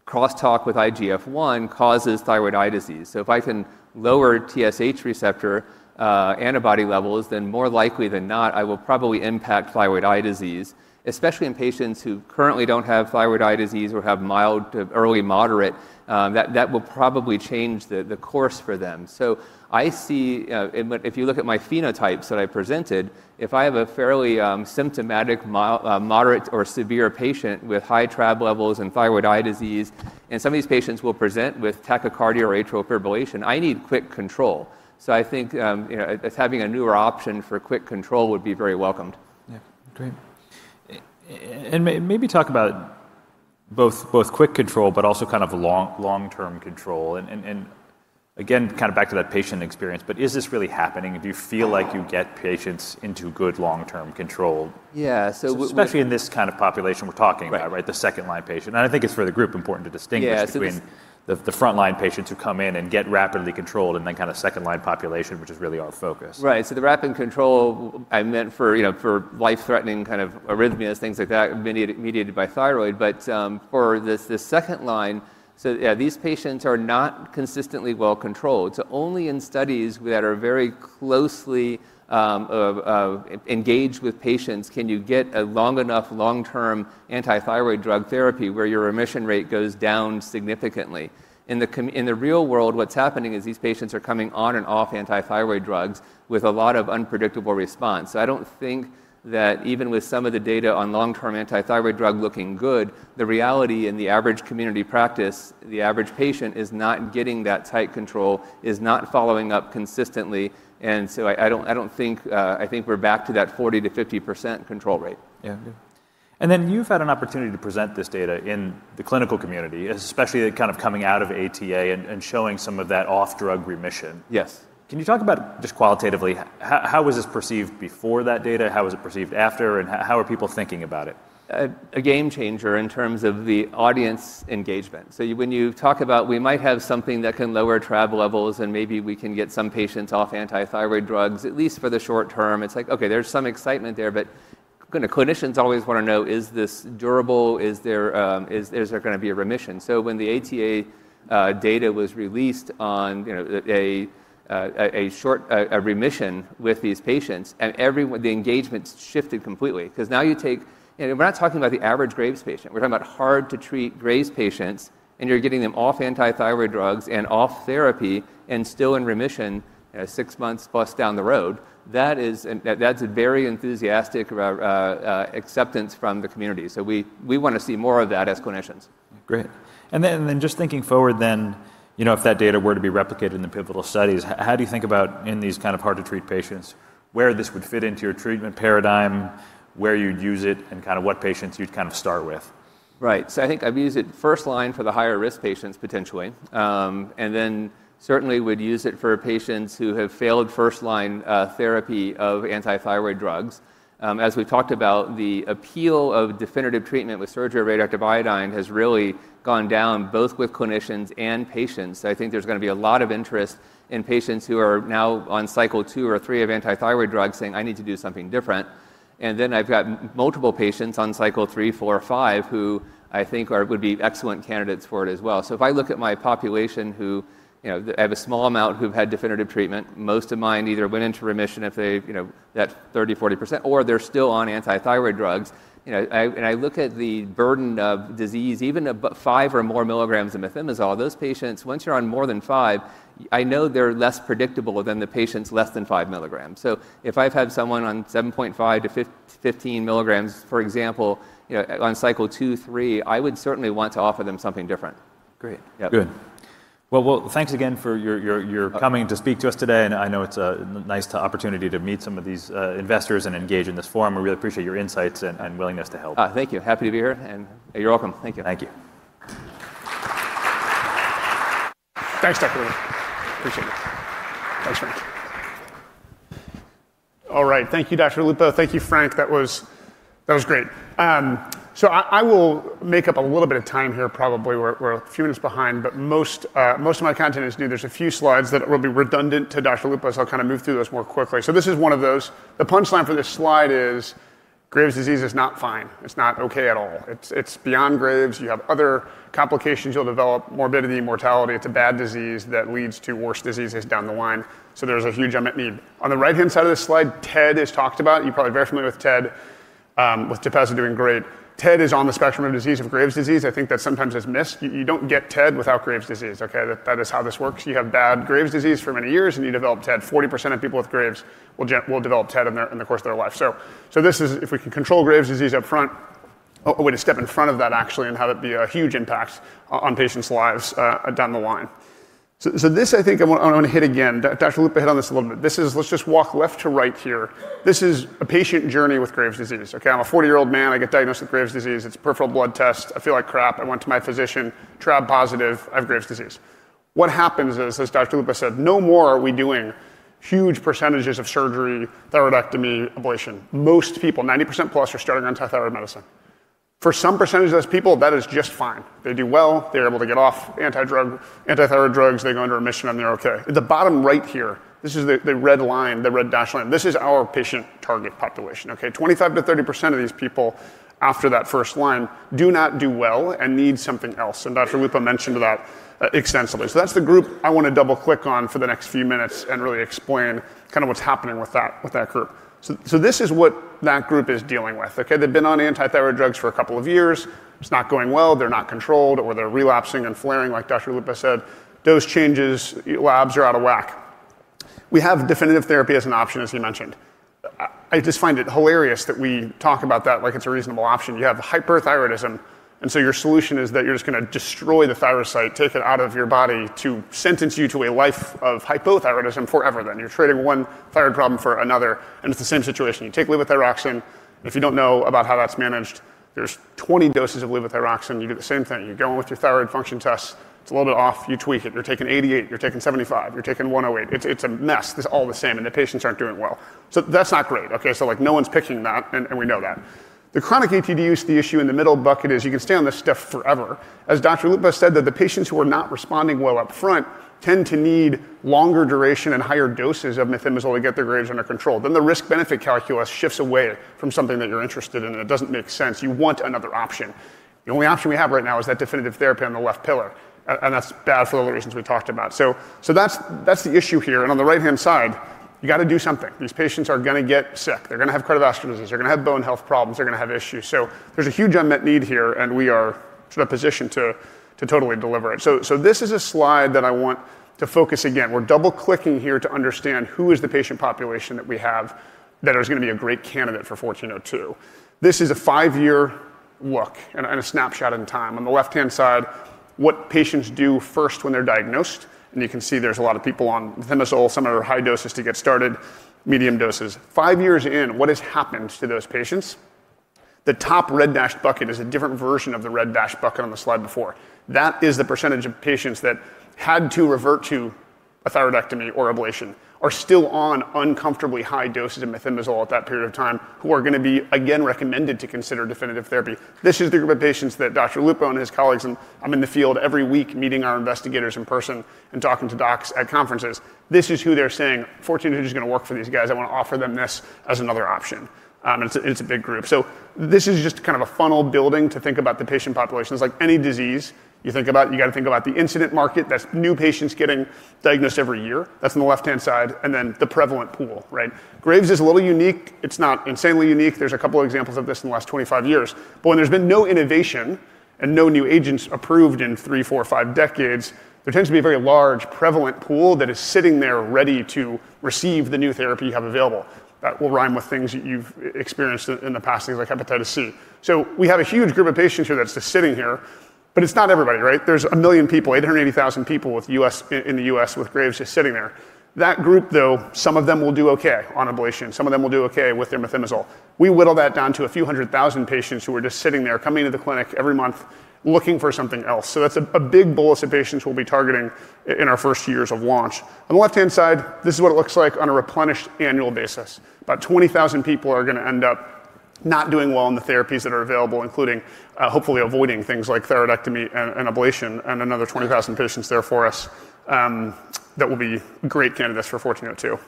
Speaker 12: crosstalk with IGF-1 causes thyroid eye disease. So if I can lower TSH receptor antibody levels, then more likely than not, I will probably impact thyroid eye disease, especially in patients who currently don't have thyroid eye disease or have mild to early moderate. That will probably change the course for them. So I see, if you look at my phenotypes that I presented, if I have a fairly symptomatic moderate or severe patient with high TRAb levels and thyroid eye disease, and some of these patients will present with tachycardia or atrial fibrillation, I need quick control. So I think having a newer option for quick control would be very welcomed.
Speaker 10: Yeah. Great. And maybe talk about both quick control, but also kind of long-term control. And again, kind of back to that patient experience, but is this really happening? Do you feel like you get patients into good long-term control?
Speaker 12: Yeah. So.
Speaker 10: Especially in this kind of population we're talking about, right? The second-line patient, and I think it's for the group important to distinguish between the front-line patients who come in and get rapidly controlled and then kind of second-line population, which is really our focus.
Speaker 12: Right. So the rapid control I meant for life-threatening kind of arrhythmias, things like that, mediated by thyroid, but for the second line, so yeah, these patients are not consistently well controlled, so only in studies that are very closely engaged with patients can you get a long enough long-term antithyroid drug therapy where your remission rate goes down significantly. In the real world, what's happening is these patients are coming on and off antithyroid drugs with a lot of unpredictable response. So I don't think that even with some of the data on long-term antithyroid drug looking good, the reality in the average community practice, the average patient is not getting that tight control, is not following up consistently, and so I don't think we're back to that 40%-50% control rate.
Speaker 10: Yeah. Good. And then you've had an opportunity to present this data in the clinical community, especially kind of coming out of ATA and showing some of that off-drug remission.
Speaker 12: Yes.
Speaker 10: Can you talk about just qualitatively, how was this perceived before that data? How was it perceived after? And how are people thinking about it?
Speaker 12: A game changer in terms of the audience engagement. So when you talk about we might have something that can lower TRAb levels and maybe we can get some patients off antithyroid drugs, at least for the short term, it's like, okay, there's some excitement there. But clinicians always want to know, is this durable? Is there going to be a remission? So when the ATA data was released on a short remission with these patients, the engagement shifted completely. Because now you take and we're not talking about the average Graves' patient. We're talking about hard-to-treat Graves' patients, and you're getting them off antithyroid drugs and off therapy and still in remission six months plus down the road. That's a very enthusiastic acceptance from the community. So we want to see more of that as clinicians.
Speaker 10: Great. And then just thinking forward then, if that data were to be replicated in the pivotal studies, how do you think about in these kind of hard-to-treat patients, where this would fit into your treatment paradigm, where you'd use it, and kind of what patients you'd kind of start with?
Speaker 12: Right. So I think I'd use it first line for the higher-risk patients potentially. And then certainly would use it for patients who have failed first-line therapy of antithyroid drugs. As we've talked about, the appeal of definitive treatment with surgery of radioactive iodine has really gone down both with clinicians and patients. So I think there's going to be a lot of interest in patients who are now on cycle two or three of antithyroid drugs saying, "I need to do something different." And then I've got multiple patients on cycle three, four, five who I think would be excellent candidates for it as well. So if I look at my population who I have a small amount who've had definitive treatment, most of mine either went into remission in that 30%-40%, or they're still on antithyroid drugs. And I look at the burden of disease, even above five or more milligrams of methimazole. Those patients, once you're on more than five, I know they're less predictable than the patients less than 5 mg. So if I've had someone on 7.5 mg-15 mg, for example, on cycle two, three, I would certainly want to offer them something different.
Speaker 10: Great.
Speaker 12: Yeah.
Speaker 10: Good. Well, thanks again for your coming to speak to us today. And I know it's a nice opportunity to meet some of these investors and engage in this forum. We really appreciate your insights and willingness to help.
Speaker 12: Thank you. Happy to be here. And you're welcome. Thank you.
Speaker 10: Thank you.
Speaker 5: Thanks, Dr. Lupo. Appreciate it. Thanks, Frank. All right. Thank you, Dr. Lupo. Thank you, Frank. That was great. So I will make up a little bit of time here, probably. We're a few minutes behind, but most of my content is new. There's a few slides that will be redundant to Dr. Lupo, so I'll kind of move through those more quickly. So this is one of those. The punchline for this slide is Graves' disease is not fine. It's not okay at all. It's beyond Graves. You have other complications. You'll develop morbidity, mortality. It's a bad disease that leads to worse diseases down the line. So there's a huge unmet need. On the right-hand side of this slide, TED is talked about. You're probably very familiar with TED, with TEPEZZA doing great. TED is on the spectrum of disease of Graves' disease. I think that sometimes is missed. You don't get TED without Graves' disease. Okay? That is how this works. You have bad Graves' disease for many years, and you develop TED. 40% of people with Graves will develop TED in the course of their life. So this is if we can control Graves' disease upfront, oh, wait, a step in front of that actually and have it be a huge impact on patients' lives down the line. So this, I think I want to hit again. Dr. Lupo hit on this a little bit. This is let's just walk left to right here. This is a patient journey with Graves' disease. Okay? I'm a 40-year-old man. I get diagnosed with Graves' disease. It's a peripheral blood test. I feel like crap. I went to my physician, TRAb positive. I have Graves' disease. What happens is, as Dr. Lupo said, no more are we doing huge percentages of surgery, thyroidectomy, ablation. Most people, 90%+, are starting on antithyroid medicine. For some percentage of those people, that is just fine. They do well. They're able to get off antithyroid drugs. They go into remission, and they're okay. The bottom right here, this is the red line, the red dashed line. This is our patient target population. Okay? 25%-30% of these people after that first line do not do well and need something else, and Dr. Lupo mentioned that extensively, so that's the group I want to double-click on for the next few minutes and really explain kind of what's happening with that group, so this is what that group is dealing with. Okay? They've been on antithyroid drugs for a couple of years. It's not going well. They're not controlled or they're relapsing and flaring like Dr. Lupo said. Dose changes, labs are out of whack. We have definitive therapy as an option, as he mentioned. I just find it hilarious that we talk about that like it's a reasonable option. You have hyperthyroidism, and so your solution is that you're just going to destroy the thyrocytes, take it out of your body to sentence you to a life of hypothyroidism forever then. You're treating one thyroid problem for another, and it's the same situation. You take levothyroxine. If you don't know about how that's managed, there's 20 doses of levothyroxine. You do the same thing. You go in with your thyroid function tests. It's a little bit off. You tweak it. You're taking 88 mcg. You're taking 75 mcg. You're taking 108 mcg. It's a mess. It's all the same, and the patients aren't doing well. So that's not great. Okay? So no one's picking that, and we know that. The chronic ATD use issue in the middle bucket is you can stay on this stuff forever. As Dr. Lupo said, the patients who are not responding well upfront tend to need longer duration and higher doses of methimazole to get their Graves' under control. Then the risk-benefit calculus shifts away from something that you're interested in, and it doesn't make sense. You want another option. The only option we have right now is that definitive therapy on the left pillar. And that's bad for all the reasons we talked about. So that's the issue here. And on the right-hand side, you got to do something. These patients are going to get sick. They're going to have cardiovascular disease. They're going to have bone health problems. They're going to have issues. There's a huge unmet need here, and we are sort of positioned to totally deliver it. This is a slide that I want to focus again. We're double-clicking here to understand who is the patient population that we have that is going to be a great candidate for 1402. This is a five-year look and a snapshot in time. On the left-hand side, what patients do first when they're diagnosed. You can see there's a lot of people on methimazole, some are high doses to get started, medium doses. Five years in, what has happened to those patients? The top red dashed bucket is a different version of the red dashed bucket on the slide before. That is the percentage of patients that had to revert to a thyroidectomy or ablation, are still on uncomfortably high doses of methimazole at that period of time, who are going to be again recommended to consider definitive therapy. This is the group of patients that Dr. Lupo and his colleagues, and I'm in the field every week meeting our investigators in person and talking to docs at conferences. This is who they're saying, "1402 is going to work for these guys. I want to offer them this as another option." It's a big group. So this is just kind of a funnel building to think about the patient population. It's like any disease you think about, you got to think about the incidence market. That's new patients getting diagnosed every year. That's on the left-hand side, and then the prevalent pool, right? Graves' is a little unique. It's not insanely unique. There's a couple of examples of this in the last 25 years. But when there's been no innovation and no new agents approved in three, four, five decades, there tends to be a very large prevalent pool that is sitting there ready to receive the new therapy you have available. That will rhyme with things that you've experienced in the past, things like Hepatitis C. So we have a huge group of patients here that's just sitting here, but it's not everybody, right? There's a million people, 880,000 people in the U.S. with Graves' just sitting there. That group, though, some of them will do okay on ablation. Some of them will do okay with their methimazole. We whittle that down to a few hundred thousand patients who are just sitting there, coming into the clinic every month looking for something else. So that's a big ball of patients we'll be targeting in our first years of launch. On the left-hand side, this is what it looks like on a replenished annual basis. About 20,000 people are going to end up not doing well in the therapies that are available, including hopefully avoiding things like thyroidectomy and ablation and another 20,000 patients there for us that will be great candidates for 1402. All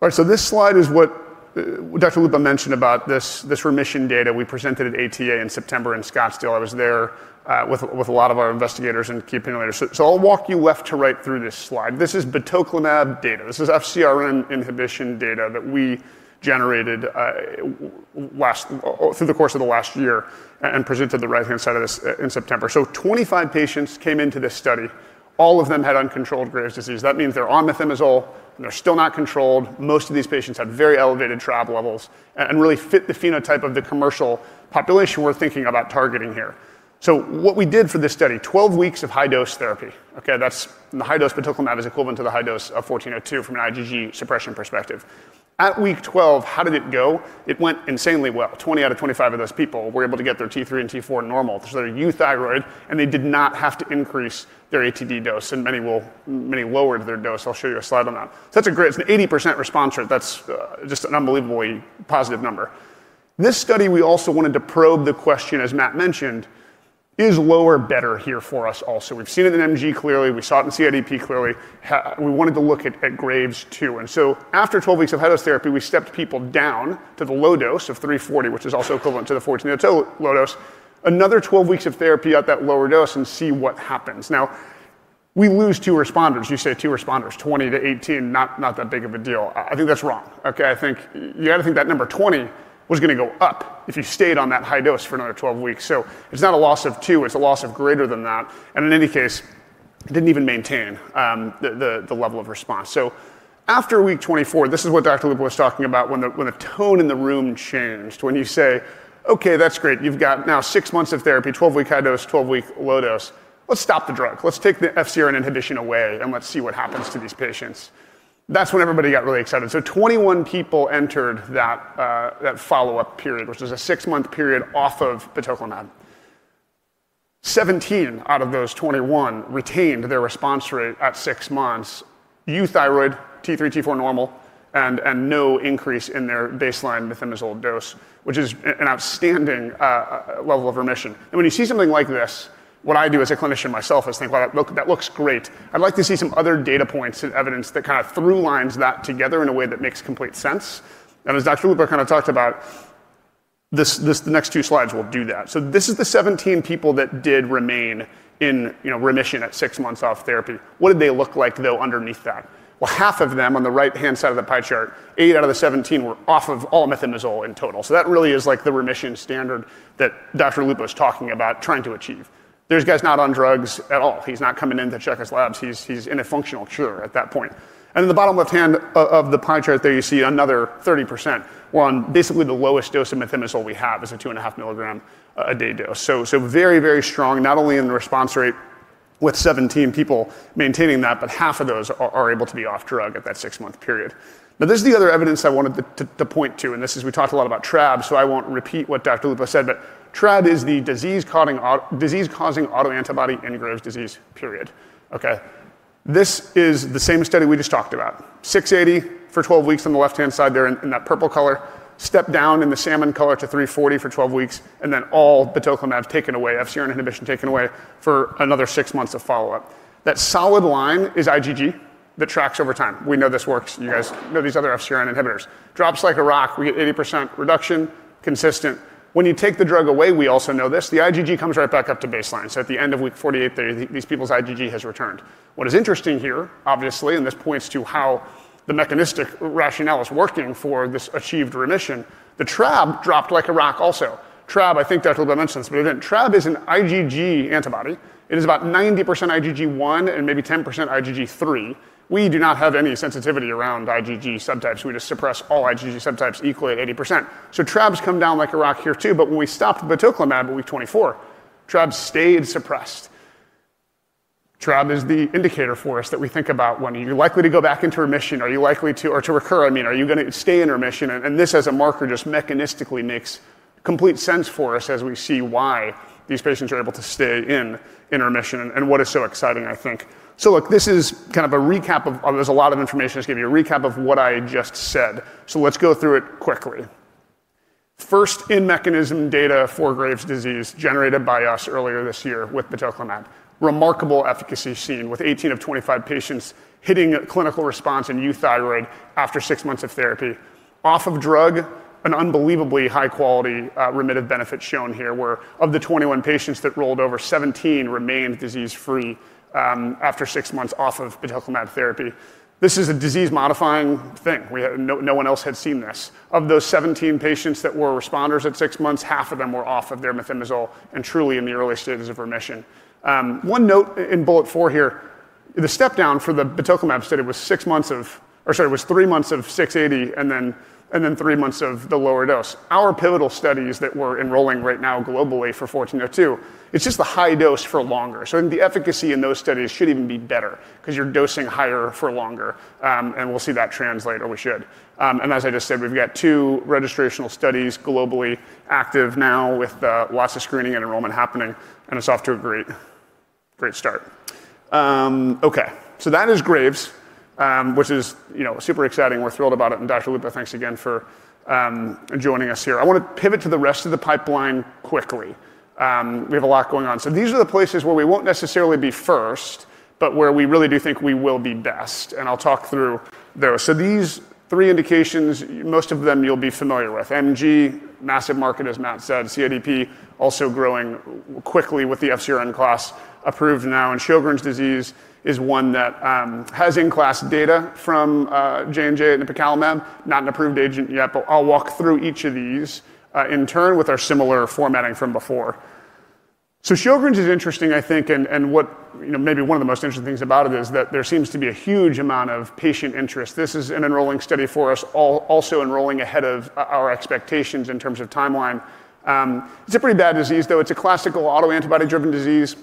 Speaker 5: right. So this slide is what Dr. Lupo mentioned about this remission data we presented at ATA in September in Scottsdale. I was there with a lot of our investigators and key opinion leaders. So I'll walk you left to right through this slide. This is batoclimab data. This is FcRn inhibition data that we generated through the course of the last year and presented the right-hand side of this in September. So 25 patients came into this study. All of them had uncontrolled Graves' disease. That means they're on methimazole. They're still not controlled. Most of these patients had very elevated TRAb levels and really fit the phenotype of the commercial population we're thinking about targeting here. So what we did for this study, 12 weeks of high-dose therapy. Okay? The high-dose batoclimab is equivalent to the high dose of 1402 from an IgG suppression perspective. At Week 12, how did it go? It went insanely well. 20 out of 25 of those people were able to get their T3 and T4 normal. So they're euthyroid, and they did not have to increase their ATD dose, and many lowered their dose. I'll show you a slide on that. So that's a great it's an 80% response. That's just an unbelievably positive number. This study, we also wanted to probe the question, as Matt mentioned, is lower better here for us also. We've seen it in MG clearly. We saw it in CIDP clearly. We wanted to look at Graves' too. And so after 12 weeks of high-dose therapy, we stepped people down to the low dose of 340 mg, which is also equivalent to the 1402 low dose. Another 12 weeks of therapy at that lower dose and see what happens. Now, we lose two responders. You say two responders, 20 to 18, not that big of a deal. I think that's wrong. Okay? I think you got to think that number 20 was going to go up if you stayed on that high dose for another 12 weeks. So it's not a loss of two. It's a loss of greater than that. In any case, it didn't even maintain the level of response. After Week 24, this is what Dr. Lupo was talking about when the tone in the room changed. When you say, "Okay, that's great. You've got now six months of therapy, 12-week high dose, 12-week low dose. Let's stop the drug. Let's take the FcRn inhibition away, and let's see what happens to these patients." That's when everybody got really excited. 21 people entered that follow-up period, which was a six-month period off of batoclimab. 17 out of those 21 retained their response rate at six months, euthyroid, T3/T4 normal, and no increase in their baseline methimazole dose, which is an outstanding level of remission. When you see something like this, what I do as a clinician myself is think, "Well, that looks great. I'd like to see some other data points and evidence that kind of throughlines that together in a way that makes complete sense." As Dr. Lupo kind of talked about, the next two slides will do that. This is the 17 people that did remain in remission at six months off therapy. What did they look like, though, underneath that? Half of them on the right-hand side of the pie chart, 8 out of the 17 were off of all methimazole in total. That really is like the remission standard that Dr. Lupo was talking about trying to achieve. There's guys not on drugs at all. He's not coming in to check his labs. He's in a functional cure at that point. In the bottom left-hand of the pie chart there, you see another 30%. We're on basically the lowest dose of methimazole we have is a 2.5 mg a day dose. So very, very strong, not only in the response rate with 17 people maintaining that, but half of those are able to be off drug at that six-month period. Now, this is the other evidence I wanted to point to. And this is we talked a lot about TRAb, so I won't repeat what Dr. Lupo said, but TRAb is the disease-causing autoantibody in Graves' disease, period. Okay? This is the same study we just talked about. 680 mg for 12 weeks on the left-hand side there in that purple color, stepped down in the salmon color to 340 mg for 12 weeks, and then all batoclimab taken away, FcRn inhibition taken away for another six months of follow-up. That solid line is IgG that tracks over time. We know this works. You guys know these other FcRn inhibitors. Drops like a rock. We get 80% reduction, consistent. When you take the drug away, we also know this. The IgG comes right back up to baseline. So at the end of Week 48 there, these people's IgG has returned. What is interesting here, obviously, and this points to how the mechanistic rationale is working for this achieved remission, the TRAb dropped like a rock also. TRAb, I think Dr. Lupo mentioned this, but it didn't. TRAb is an IgG antibody. It is about 90% IgG1 and maybe 10% IgG3. We do not have any sensitivity around IgG subtypes. We just suppress all IgG subtypes equally at 80%. So TRAbs come down like a rock here too, but when we stopped batoclimab at Week 24, TRAbs stayed suppressed. TRAb is the indicator for us that we think about when you're likely to go back into remission. Are you likely to or to recur? I mean, are you going to stay in remission, and this as a marker just mechanistically makes complete sense for us as we see why these patients are able to stay in remission and what is so exciting, I think. So look, this is kind of a recap of there's a lot of information. I'll just give you a recap of what I just said. So let's go through it quickly. First-in-mechanism data for Graves' disease generated by us earlier this year with batoclimab. Remarkable efficacy seen with 18 of 25 patients hitting clinical response in euthyroid after six months of therapy. Off of drug, an unbelievably high-quality remitted benefit shown here where, of the 21 patients that rolled over, 17 remained disease-free after six months off of batoclimab therapy. This is a disease-modifying thing. No one else had seen this. Of those 17 patients that were responders at six months, half of them were off of their methimazole and truly in the early stages of remission. One note in bullet four here, the step down for the batoclimab study was six months of or sorry, it was three months of 680 mg and then three months of the lower dose. Our pivotal studies that we're enrolling right now globally for 1402, it's just the high dose for longer. So I think the efficacy in those studies should even be better because you're dosing higher for longer, and we'll see that translate or we should. As I just said, we've got two registrational studies globally active now with lots of screening and enrollment happening, and it's off to a great start. Okay. That is Graves, which is super exciting. We're thrilled about it. Dr. Lupo, thanks again for joining us here. I want to pivot to the rest of the pipeline quickly. We have a lot going on. These are the places where we won't necessarily be first, but where we really do think we will be best. I'll talk through those. These three indications, most of them you'll be familiar with. MG, massive market as Matt said. CIDP also growing quickly with the FcRn class approved now. Sjögren's disease is one that has in-class data from J&J and nipocalimab. Not an approved agent yet, but I'll walk through each of these in turn with our similar formatting from before. Sjögren's is interesting, I think, and maybe one of the most interesting things about it is that there seems to be a huge amount of patient interest. This is an enrolling study for us, also enrolling ahead of our expectations in terms of timeline. It's a pretty bad disease, though. It's a classical autoantibody-driven disease.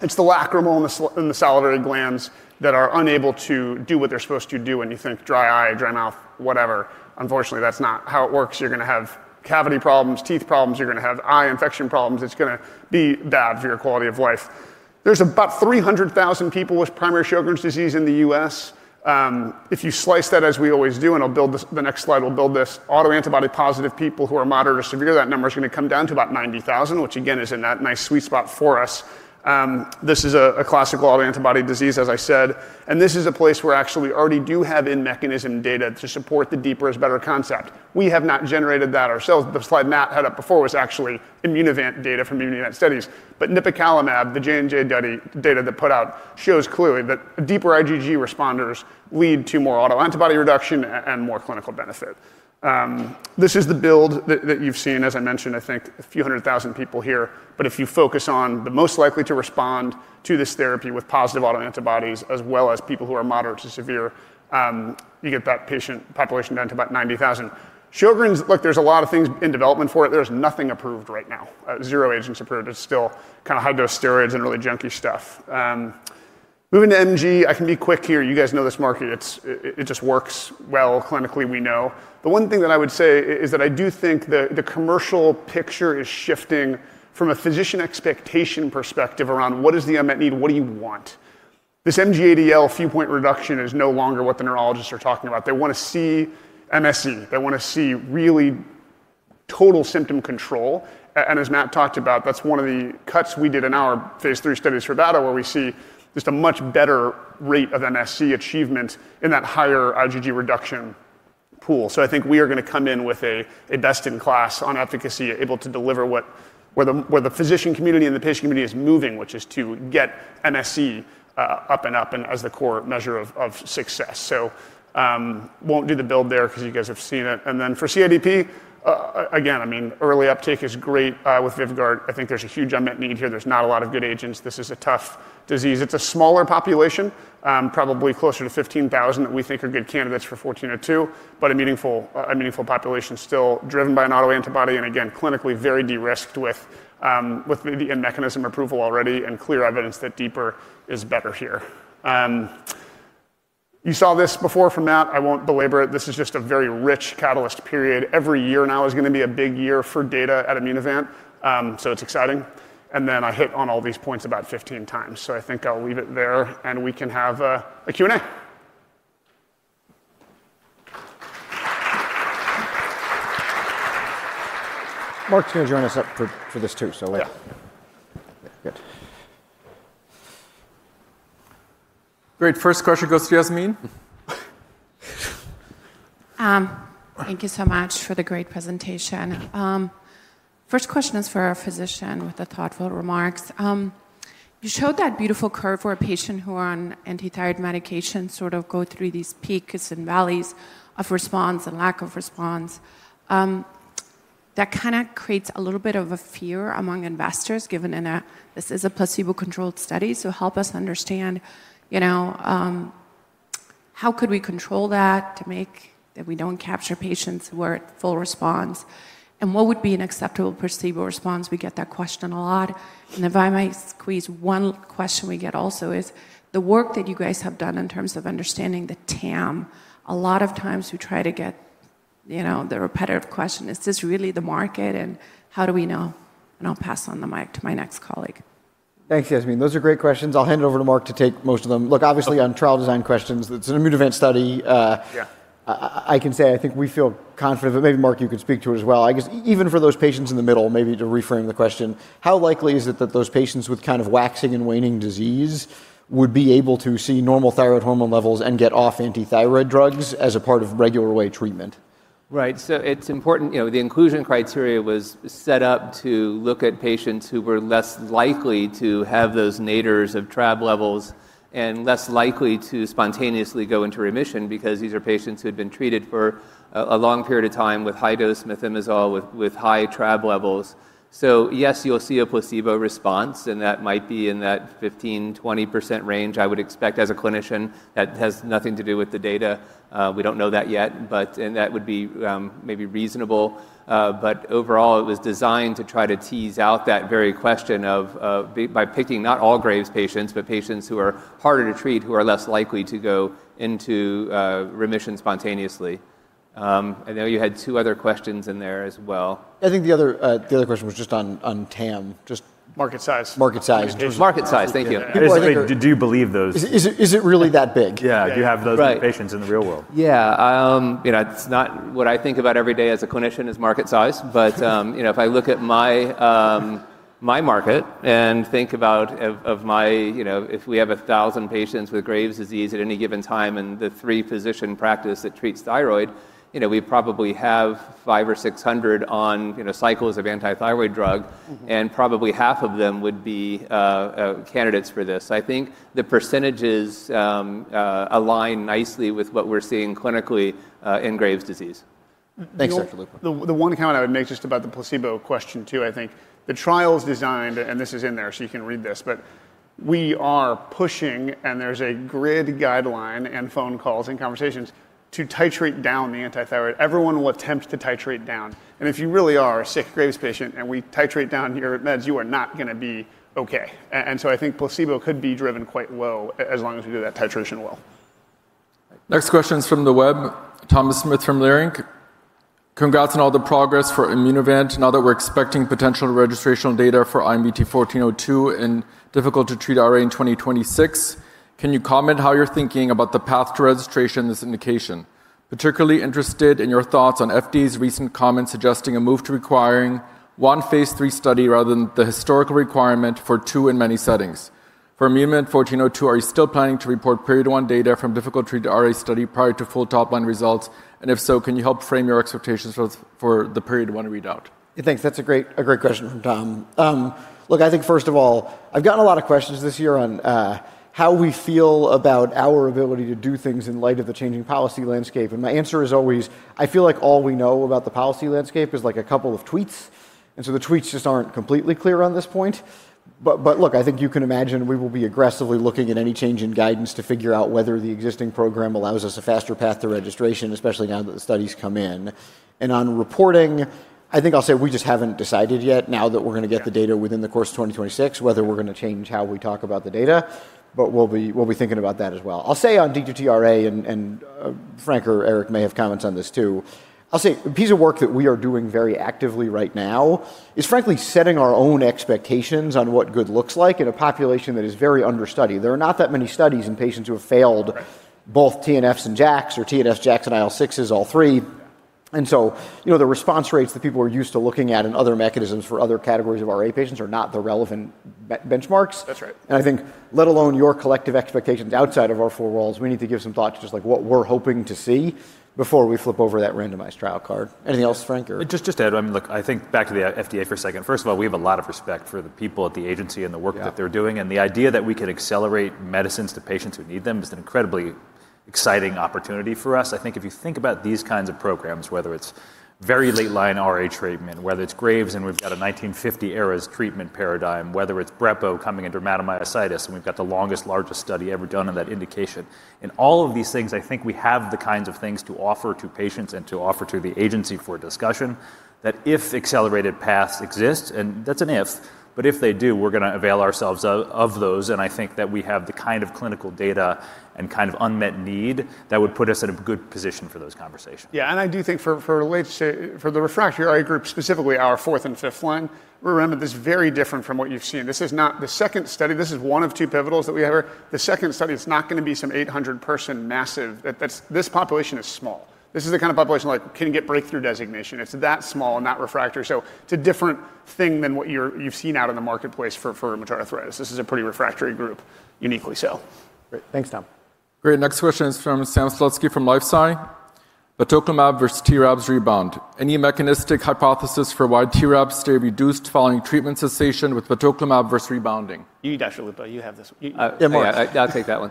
Speaker 5: It's the lacrimal and the salivary glands that are unable to do what they're supposed to do when you think dry eye, dry mouth, whatever. Unfortunately, that's not how it works. You're going to have cavity problems, teeth problems. You're going to have eye infection problems. It's going to be bad for your quality of life. There's about 300,000 people with primary Sjögren's disease in the U.S. If you slice that as we always do, and I'll build the next slide, we'll build this autoantibody-positive people who are moderate or severe. That number is going to come down to about 90,000, which again is in that nice sweet spot for us. This is a classical autoantibody disease, as I said. And this is a place where actually we already do have in-mechanism data to support the deeper is better concept. We have not generated that ourselves. The slide Matt had up before was actually Immunovant data from Immunovant studies. But nipocalimab, the J&J data that put out shows clearly that deeper IgG responders lead to more autoantibody reduction and more clinical benefit. This is the build that you've seen, as I mentioned, I think a few hundred thousand people here. But if you focus on the most likely to respond to this therapy with positive autoantibodies as well as people who are moderate to severe, you get that patient population down to about 90,000. Sjögren's, look, there's a lot of things in development for it. There's nothing approved right now. Zero agents approved. It's still kind of high-dose steroids and really junky stuff. Moving to MG, I can be quick here. You guys know this market. It just works well clinically, we know. The one thing that I would say is that I do think the commercial picture is shifting from a physician expectation perspective around what is the unmet need, what do you want. This MG-ADL few-point reduction is no longer what the neurologists are talking about. They want to see MSE. They want to see really total symptom control. As Matt talked about, that's one of the cuts we did in our phase III studies for bato where we see just a much better rate of MSE achievement in that higher IgG reduction pool. I think we are going to come in with a best-in-class on efficacy, able to deliver where the physician community and the patient community is moving, which is to get MSE up and up and as the core measure of success. Won't do the build there because you guys have seen it. Then for CIDP, again, I mean, early uptake is great with Vyvgart. I think there's a huge unmet need here. There's not a lot of good agents. This is a tough disease. It's a smaller population, probably closer to 15,000 that we think are good candidates for 1402, but a meaningful population still driven by an autoantibody. Again, clinically very de-risked with the in-mechanism approval already and clear evidence that deeper is better here. You saw this before from Matt. I won't belabor it. This is just a very rich catalyst period. Every year now is going to be a big year for data at Immunovant. So it's exciting. And then I hit on all these points about 15x. So I think I'll leave it there, and we can have a Q&A. Mark's going to join us up for this too, so later. Yeah.
Speaker 4: Yeah. Good. Great. First question goes to Yasmeen.
Speaker 13: Thank you so much for the great presentation. First question is for a physician with thoughtful remarks. You showed that beautiful curve where a patient who is on anti-thyroid medication sort of goes through these peaks and valleys of response and lack of response. That kind of creates a little bit of a fear among investors given this is a placebo-controlled study. So help us understand how could we control that to make that we don't capture patients who are at full response? And what would be an acceptable placebo response? We get that question a lot. And if I might squeeze one question we get also is the work that you guys have done in terms of understanding the TAM. A lot of times we try to get the repetitive question, is this really the market? And how do we know? I'll pass on the mic to my next colleague.
Speaker 2: Thanks, Yasmeen. Those are great questions. I'll hand it over to Mark to take most of them. Look, obviously on trial design questions, it's an Immunovant study. I can say I think we feel confident, but maybe Mark, you could speak to it as well. I guess even for those patients in the middle, maybe to reframe the question, how likely is it that those patients with kind of waxing and waning disease would be able to see normal thyroid hormone levels and get off anti-thyroid drugs as a part of regular way treatment?
Speaker 12: Right, so it's important. The inclusion criteria was set up to look at patients who were less likely to have those nadirs of TRAb levels and less likely to spontaneously go into remission because these are patients who had been treated for a long period of time with high-dose methimazole with high TRAb levels. So yes, you'll see a placebo response, and that might be in that 15%-20% range. I would expect, as a clinician, that has nothing to do with the data. We don't know that yet, and that would be maybe reasonable, but overall, it was designed to try to tease out that very question of by picking not all Graves patients, but patients who are harder to treat who are less likely to go into remission spontaneously. I know you had two other questions in there as well.
Speaker 2: I think the other question was just on TAM.
Speaker 5: Market size.
Speaker 2: Market size.
Speaker 12: Market size. Thank you.
Speaker 10: People say, "Do you believe those?
Speaker 2: Is it really that big?
Speaker 10: Yeah. Do you have those patients in the real world?
Speaker 12: Yeah. It's not what I think about every day as a clinician is market size. But if I look at my market and think about if we have 1,000 patients with Graves' disease at any given time and the three physician practices that treat thyroid, we probably have 500 or 600 on cycles of anti-thyroid drug, and probably half of them would be candidates for this. I think the percentages align nicely with what we're seeing clinically in Graves' disease.
Speaker 2: Thanks, Dr. Lupo.
Speaker 5: The one comment I would make just about the placebo question too. I think the trial's designed, and this is in there, so you can read this, but we are pushing, and there's a grid guideline and phone calls and conversations to titrate down the anti-thyroid. Everyone will attempt to titrate down. If you really are a sick Graves' patient and we titrate down your meds, you are not going to be okay. So I think placebo could be driven quite low as long as we do that titration well.
Speaker 4: Next question is from the web. Thomas Smith from Leerink. Congrats on all the progress for Immunovant. Now that we're expecting potential registrational data for IMVT-1402 and difficult to treat RA in 2026, can you comment on how you're thinking about the path to registration in this indication? Particularly interested in your thoughts on FDA's recent comments suggesting a move to requiring one phase III study rather than the historical requirement for two in many settings. For Immunovant 1402, are you still planning to report period one data from difficult to treat RA study prior to full top-line results? And if so, can you help frame your expectations for the period one readout?
Speaker 2: Thanks. That's a great question from Tom. Look, I think first of all, I've gotten a lot of questions this year on how we feel about our ability to do things in light of the changing policy landscape, and my answer is always, I feel like all we know about the policy landscape is like a couple of tweets, and so the tweets just aren't completely clear on this point, but look, I think you can imagine we will be aggressively looking at any change in guidance to figure out whether the existing program allows us a faster path to registration, especially now that the studies come in. On reporting, I think I'll say we just haven't decided yet now that we're going to get the data within the course of 2026 whether we're going to change how we talk about the data, but we'll be thinking about that as well. I'll say on D2T RA, and Frank or Eric may have comments on this too. I'll say a piece of work that we are doing very actively right now is frankly setting our own expectations on what good looks like in a population that is very understudied. There are not that many studies in patients who have failed both TNFs and JAKs or TNFs, JAKs, and IL-6s, all three. So the response rates that people are used to looking at in other mechanisms for other categories of RA patients are not the relevant benchmarks. I think let alone your collective expectations outside of our four walls, we need to give some thought to just what we're hoping to see before we flip over that randomized trial card. Anything else, Frank?
Speaker 10: Just to add, I mean, look, I think back to the FDA for a second. First of all, we have a lot of respect for the people at the agency and the work that they're doing, and the idea that we could accelerate medicines to patients who need them is an incredibly exciting opportunity for us. I think if you think about these kinds of programs, whether it's very late-line RA treatment, whether it's Graves and we've got a 1950-era treatment paradigm, whether it's brepo coming into dermatomyositis, and we've got the longest, largest study ever done in that indication. In all of these things, I think we have the kinds of things to offer to patients and to offer to the agency for discussion that if accelerated paths exist, and that's an if, but if they do, we're going to avail ourselves of those. I think that we have the kind of clinical data and kind of unmet need that would put us in a good position for those conversations.
Speaker 5: Yeah. And I do think for the refractory RA group, specifically our fourth and fifth line, remember this is very different from what you've seen. This is not the second study. This is one of two pivotals that we have here. The second study, it's not going to be some 800-person massive. This population is small. This is the kind of population like can get breakthrough designation. It's that small and not refractory. So it's a different thing than what you've seen out in the marketplace for rheumatoid arthritis. This is a pretty refractory group, uniquely so.
Speaker 2: Great. Thanks, Tom.
Speaker 4: Great. Next question is from Sam Slutsky from LifeSci. Batoclimab versus TRAbs rebound. Any mechanistic hypothesis for why TRAbs stay reduced following treatment cessation with batoclimab versus rebounding?
Speaker 2: You definitely but you have this.
Speaker 5: Yeah, more.
Speaker 12: I'll take that one.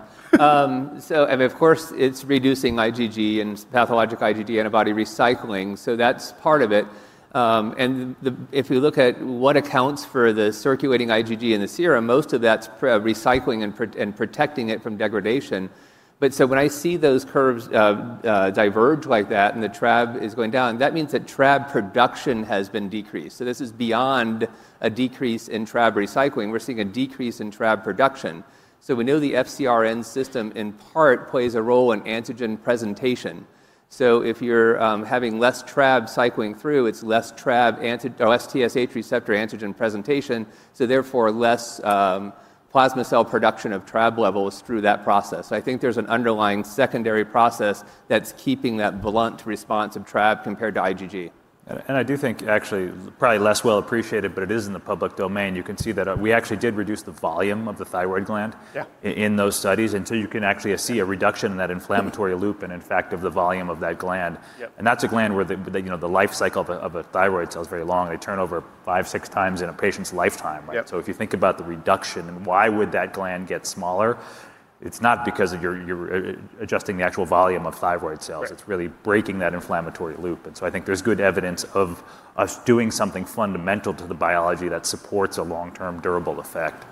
Speaker 12: So I mean, of course, it's reducing IgG and pathologic IgG antibody recycling. So that's part of it. And if you look at what accounts for the circulating IgG in the serum, most of that's recycling and protecting it from degradation. But so when I see those curves diverge like that and the TRAb is going down, that means that TRAb production has been decreased. So this is beyond a decrease in TRAb recycling. We're seeing a decrease in TRAb production. So we know the FcRn system in part plays a role in antigen presentation. So if you're having less TRAb cycling through, it's less TRAb or TSH receptor antigen presentation. So therefore, less plasma cell production of TRAb levels through that process. So I think there's an underlying secondary process that's keeping that blunt response of TRAb compared to IgG.
Speaker 10: And I do think, actually, probably less well appreciated, but it is in the public domain. You can see that we actually did reduce the volume of the thyroid gland in those studies until you can actually see a reduction in that inflammatory loop and in fact of the volume of that gland. And that's a gland where the life cycle of a thyroid cell is very long. They turn over 5x, 6x in a patient's lifetime. So if you think about the reduction and why would that gland get smaller, it's not because you're adjusting the actual volume of thyroid cells. It's really breaking that inflammatory loop. And so I think there's good evidence of us doing something fundamental to the biology that supports a long-term durable effect.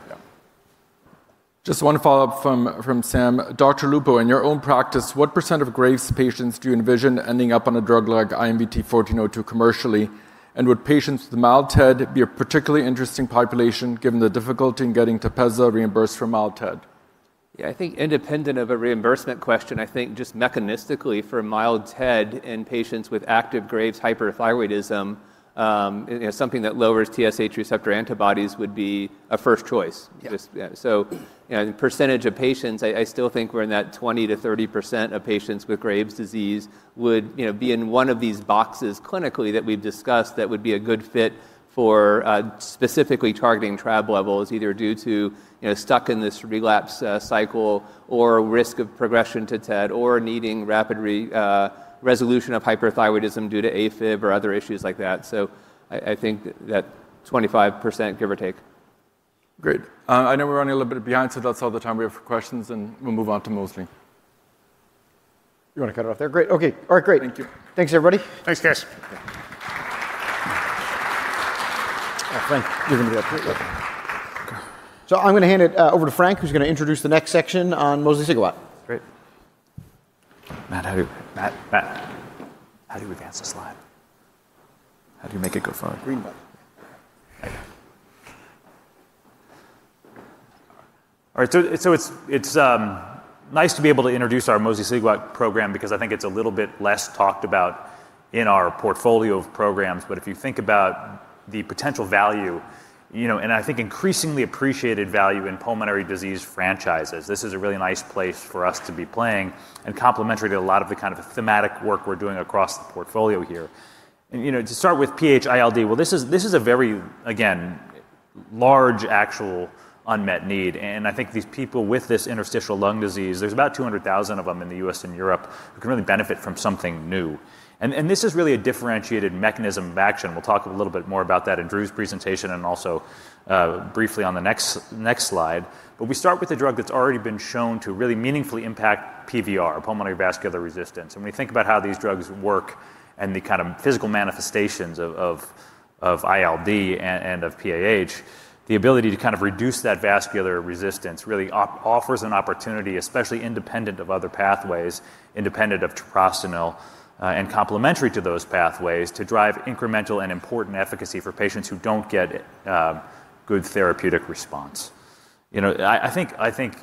Speaker 4: Just one follow-up from Sam. Dr. Lupo, in your own practice, what percentage of Graves' patients do you envision ending up on a drug like IMVT-1402 commercially? And would patients with mild TED be a particularly interesting population given the difficulty in getting TEPEZZA reimbursed for mild TED?
Speaker 12: Yeah. I think independent of a reimbursement question, I think just mechanistically for mild TED in patients with active Graves' hyperthyroidism, something that lowers TSH receptor antibodies would be a first choice. So in percentage of patients, I still think we're in that 20%-30% of patients with Graves' disease would be in one of these boxes clinically that we've discussed that would be a good fit for specifically targeting TRAb levels, either due to stuck in this relapse cycle or risk of progression to TED or needing rapid resolution of hyperthyroidism due to AFib or other issues like that. I think that 25%, give or take.
Speaker 4: Great. I know we're running a little bit behind, so that's all the time we have for questions, and we'll move on to mosliciguat.
Speaker 2: You want to cut it off there? Great. Okay. All right. Great.
Speaker 12: Thank you.
Speaker 2: Thanks, everybody.
Speaker 5: Thanks, guys.
Speaker 2: Thanks. You're going to be up. So I'm going to hand it over to Frank, who's going to introduce the next section on Mosliciguat.
Speaker 10: Great. Matt, how do you advance the slide? How do you make it go forward?
Speaker 2: Green button.
Speaker 10: All right, so it's nice to be able to introduce our Mosliciguat program because I think it's a little bit less talked about in our portfolio of programs. But if you think about the potential value, and I think increasingly appreciated value in pulmonary disease franchises, this is a really nice place for us to be playing and complementary to a lot of the kind of thematic work we're doing across the portfolio here. To start with PH-ILD, well, this is a very, again, large actual unmet need, and I think these people with this interstitial lung disease, there's about 200,000 of them in the U.S. and Europe who can really benefit from something new, and this is really a differentiated mechanism of action. We'll talk a little bit more about that in Drew's presentation and also briefly on the next slide. We start with a drug that's already been shown to really meaningfully impact PVR, Pulmonary Vascular Resistance. And when you think about how these drugs work and the kind of physical manifestations of ILD and of PAH, the ability to kind of reduce that vascular resistance really offers an opportunity, especially independent of other pathways, independent of treprostinil and complementary to those pathways, to drive incremental and important efficacy for patients who don't get good therapeutic response. I think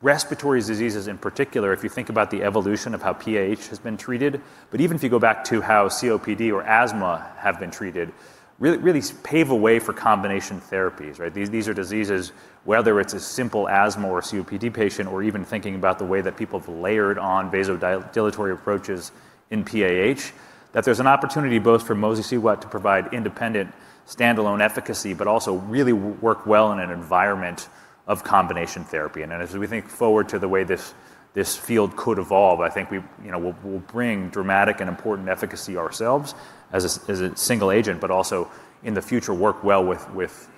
Speaker 10: respiratory diseases in particular, if you think about the evolution of how PAH has been treated, but even if you go back to how COPD or asthma have been treated, really pave a way for combination therapies, right? These are diseases, whether it's a simple asthma or COPD patient, or even thinking about the way that people have layered on vasodilatory approaches in PAH, that there's an opportunity both for mosliciguat to provide independent standalone efficacy, but also really work well in an environment of combination therapy, and as we think forward to the way this field could evolve, I think we'll bring dramatic and important efficacy ourselves as a single agent, but also in the future work well with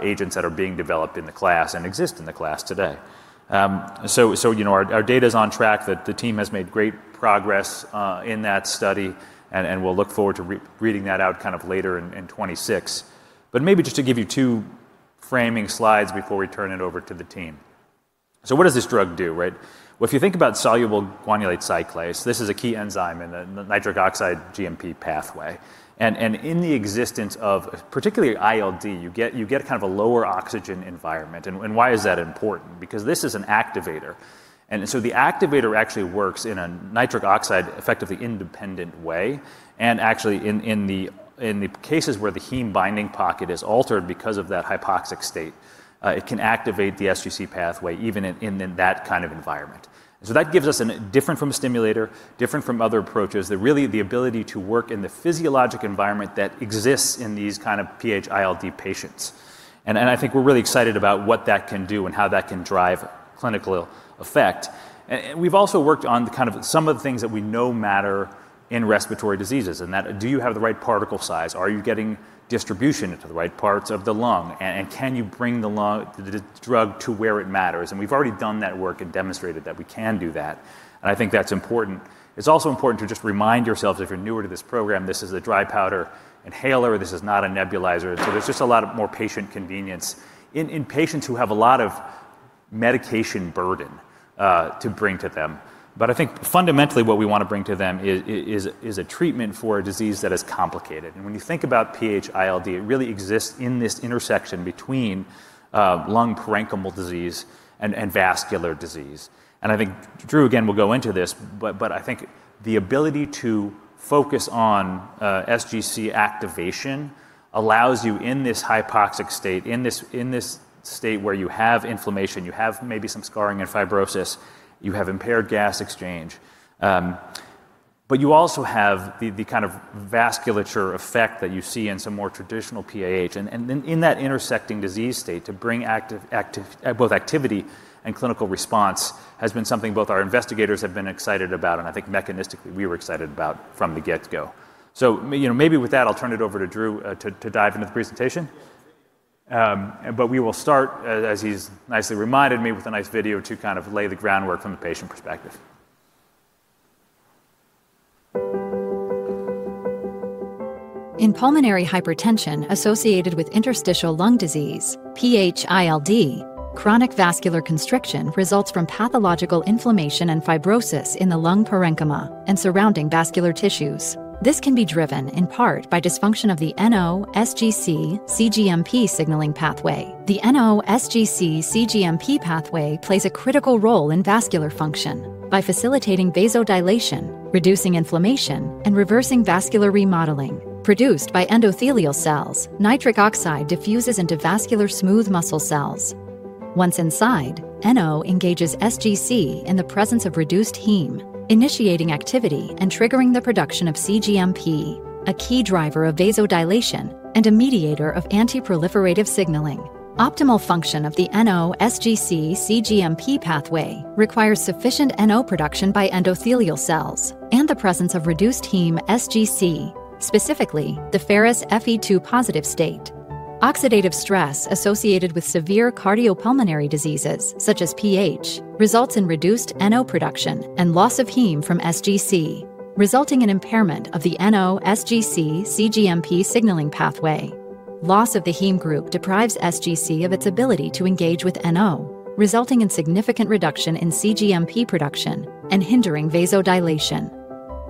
Speaker 10: agents that are being developed in the class and exist in the class today, so our data is on track. The team has made great progress in that study, and we'll look forward to reading that out kind of later in 2026, but maybe just to give you two framing slides before we turn it over to the team, so what does this drug do, right? If you think about soluble guanylate cyclase, this is a key enzyme in the Nitric Oxide cGMP pathway. And in the existence of particularly ILD, you get kind of a lower oxygen environment. And why is that important? Because this is an activator. And so the activator actually works in a nitric oxide effectively independent way. And actually, in the cases where the heme binding pocket is altered because of that hypoxic state, it can activate the sGC pathway even in that kind of environment. And so that gives us a difference from a stimulator, different from other approaches, really the ability to work in the physiologic environment that exists in these kind of PH-ILD patients. And I think we're really excited about what that can do and how that can drive clinical effect. We've also worked on kind of some of the things that we know matter in respiratory diseases and that, do you have the right particle size? Are you getting distribution to the right parts of the lung? And can you bring the drug to where it matters? And we've already done that work and demonstrated that we can do that. And I think that's important. It's also important to just remind yourself if you're newer to this program. This is a dry powder inhaler. This is not a nebulizer. And so there's just a lot more patient convenience in patients who have a lot of medication burden to bring to them. But I think fundamentally what we want to bring to them is a treatment for a disease that is complicated. When you think about PH-ILD, it really exists in this intersection between lung parenchymal disease and vascular disease. I think Drew, again, will go into this, but I think the ability to focus on sGC activation allows you in this hypoxic state, in this state where you have inflammation, you have maybe some scarring and fibrosis, you have impaired gas exchange. But you also have the kind of vasculature effect that you see in some more traditional PAH. And in that intersecting disease state, to bring both activity and clinical response has been something both our investigators have been excited about. And I think mechanistically we were excited about from the get-go. So maybe with that, I'll turn it over to Drew to dive into the presentation. But we will start, as he's nicely reminded me, with a nice video to kind of lay the groundwork from the patient perspective. In pulmonary hypertension associated with interstitial lung disease, PH-ILD, chronic vascular constriction results from pathological inflammation and fibrosis in the lung parenchyma and surrounding vascular tissues. This can be driven in part by dysfunction of the NO-sGC-cGMP signaling pathway. The NO-sGC-cGMP pathway plays a critical role in vascular function by facilitating vasodilation, reducing inflammation, and reversing vascular remodeling produced by endothelial cells. Nitric oxide diffuses into vascular smooth muscle cells. Once inside, NO engages sGC in the presence of reduced heme, initiating activity and triggering the production of cGMP, a key driver of vasodilation and a mediator of antiproliferative signaling. Optimal function of the NO-sGC-cGMP pathway requires sufficient NO production by endothelial cells and the presence of reduced heme sGC, specifically the ferrous Fe2+ state. Oxidative stress associated with severe cardiopulmonary diseases such as PH results in reduced NO production and loss of heme from sGC, resulting in impairment of the NO-sGC-cGMP signaling pathway. Loss of the heme group deprives sGC of its ability to engage with NO, resulting in significant reduction in cGMP production and hindering vasodilation.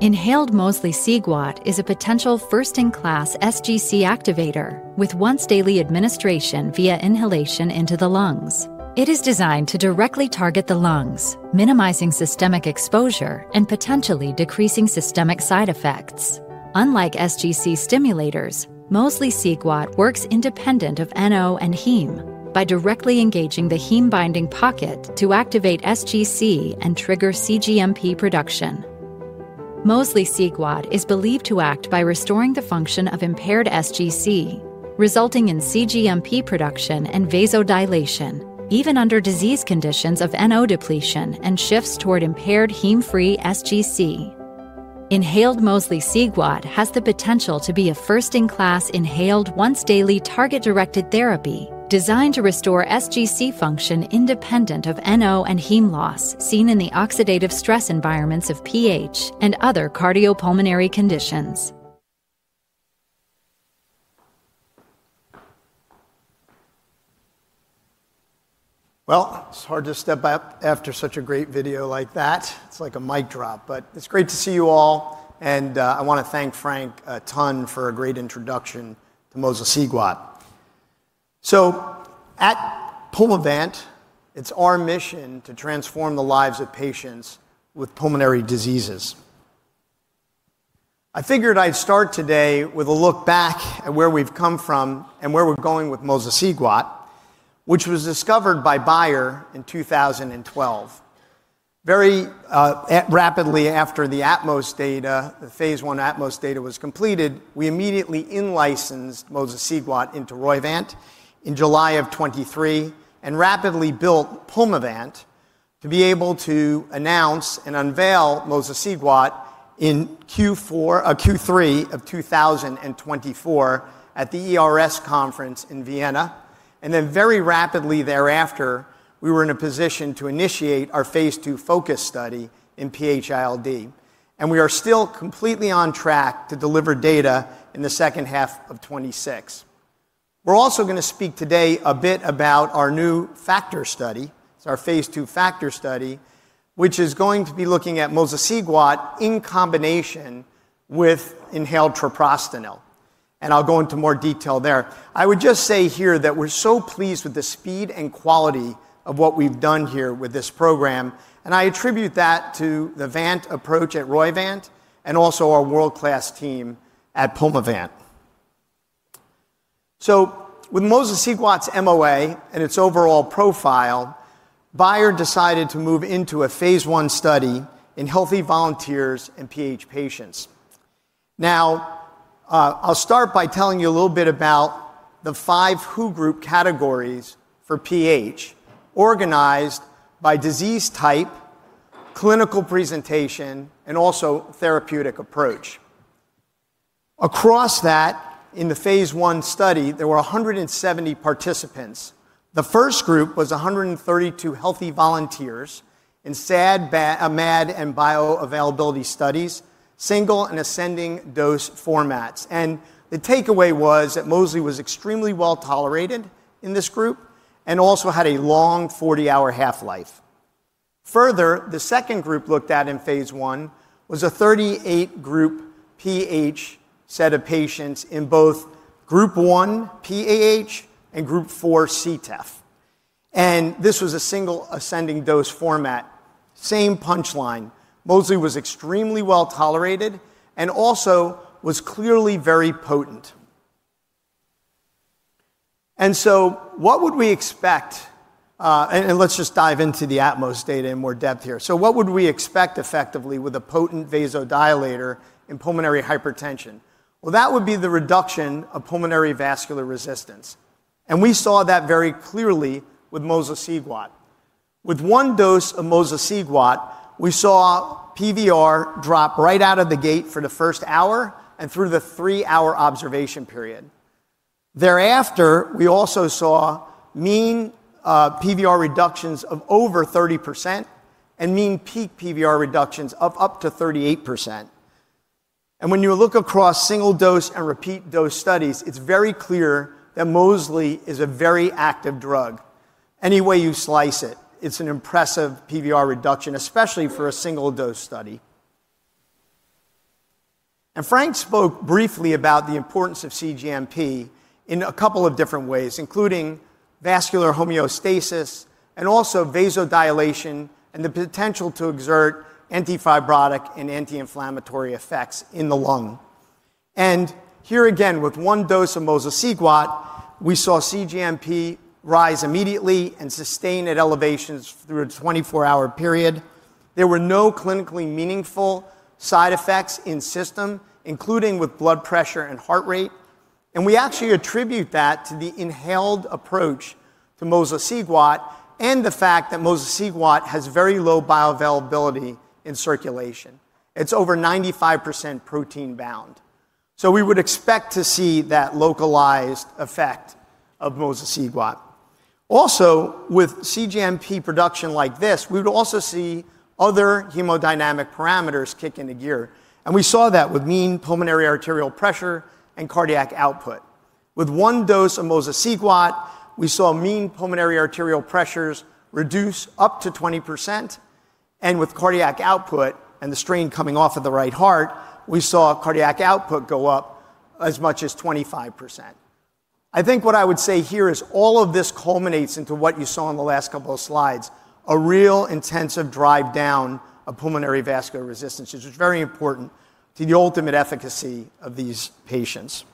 Speaker 10: Inhaled mosliciguat is a potential first-in-class sGC activator with once-daily administration via inhalation into the lungs. It is designed to directly target the lungs, minimizing systemic exposure and potentially decreasing systemic side effects. Unlike sGC stimulators, mosliciguat works independent of NO and heme by directly engaging the heme binding pocket to activate sGC and trigger cGMP production. Mosliciguat is believed to act by restoring the function of impaired sGC, resulting in cGMP production and vasodilation, even under disease conditions of NO depletion and shifts toward impaired heme-free sGC. Inhaled mosliciguat has the potential to be a first-in-class inhaled once-daily target-directed therapy designed to restore sGC function independent of NO and heme loss seen in the oxidative stress environments of PH and other cardiopulmonary conditions.
Speaker 14: It's hard to step up after such a great video like that. It's like a mic drop, but it's great to see you all. I want to thank Frank a ton for a great introduction to mosliciguat. At Pulmovant, it's our mission to transform the lives of patients with pulmonary diseases. I figured I'd start today with a look back at where we've come from and where we're going with mosliciguat, which was discovered by Bayer in 2012. Very rapidly after the phase I inhaled data was completed, we immediately in-licensed mosliciguat into Roivant in July of 2023 and rapidly built Pulmovant to be able to announce and unveil mosliciguat in Q4 or Q3 of 2024 at the ERS conference in Vienna. And then very rapidly thereafter, we were in a position to initiate our phase II PHocus study in PH-ILD. We are still completely on track to deliver data in the second half of 2026. We're also going to speak today a bit about our new PHactor study. It's our phase II PHactor study, which is going to be looking at mosliciguat in combination with inhaled treprostinil. I'll go into more detail there. I would just say here that we're so pleased with the speed and quality of what we've done here with this program. I attribute that to the Vant approach at Roivant and also our world-class team at Pulmovant. With mosliciguat's MOA and its overall profile, Bayer decided to move into a phase I study in healthy volunteers and PH patients. Now, I'll start by telling you a little bit about the five WHO group categories for PH organized by disease type, clinical presentation, and also therapeutic approach. Across that, in the phase I study, there were 170 participants. The first group was 132 healthy volunteers in SAD, MAD, and Bioavailability studies, single and ascending dose formats. And the takeaway was that mosli was extremely well tolerated in this group and also had a long 40-hour half-life. Further, the second group looked at in phase I was a 38 group PH set of patients in both Group 1 PAH and Group 4 CTEPH. And this was a single ascending dose format. Same punchline. Mosli was extremely well tolerated and also was clearly very potent. And so what would we expect? And let's just dive into the ATMOS data in more depth here. What would we expect effectively with a potent vasodilator in pulmonary hypertension? That would be the reduction of pulmonary vascular resistance. We saw that very clearly with mosliciguat. With one dose of mosliciguat, we saw PVR drop right out of the gate for the first hour and through the three-hour observation period. Thereafter, we also saw mean PVR reductions of over 30% and mean peak PVR reductions of up to 38%. When you look across single dose and repeat dose studies, it's very clear that mosli is a very active drug. Any way you slice it, it's an impressive PVR reduction, especially for a single dose study. Frank spoke briefly about the importance of cGMP in a couple of different ways, including vascular homeostasis and also vasodilation and the potential to exert antifibrotic and anti-inflammatory effects in the lung. Here again, with one dose of mosliciguat, we saw cGMP rise immediately and sustain at elevations through a 24-hour period. There were no clinically meaningful side effects systemic, including with blood pressure and heart rate. We actually attribute that to the inhaled approach to mosliciguat and the fact that mosliciguat has very low bioavailability in circulation. It's over 95% protein bound. So we would expect to see that localized effect of mosliciguat. Also, with cGMP production like this, we would also see other hemodynamic parameters kick into gear. We saw that with mean pulmonary arterial pressure and cardiac output. With one dose of mosliciguat, we saw mean pulmonary arterial pressures reduce up to 20%. With cardiac output and the strain coming off of the right heart, we saw cardiac output go up as much as 25%. I think what I would say here is all of this culminates into what you saw in the last couple of slides, a real intensive drive down of pulmonary vascular resistance, which is very important to the ultimate efficacy of these patients,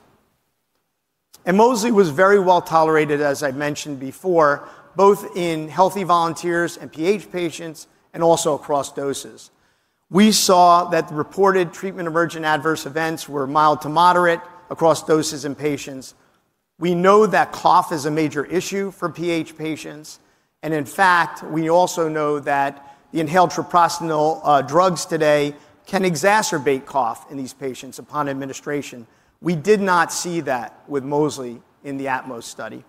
Speaker 14: and mosli was very well tolerated, as I mentioned before, both in healthy volunteers and PH patients and also across doses. We saw that the reported treatment emergent adverse events were mild to moderate across doses and patients. We know that cough is a major issue for PH patients, and in fact, we also know that the inhaled treprostinil drugs today can exacerbate cough in these patients upon administration. We did not see that with mosli in the ATMOS study,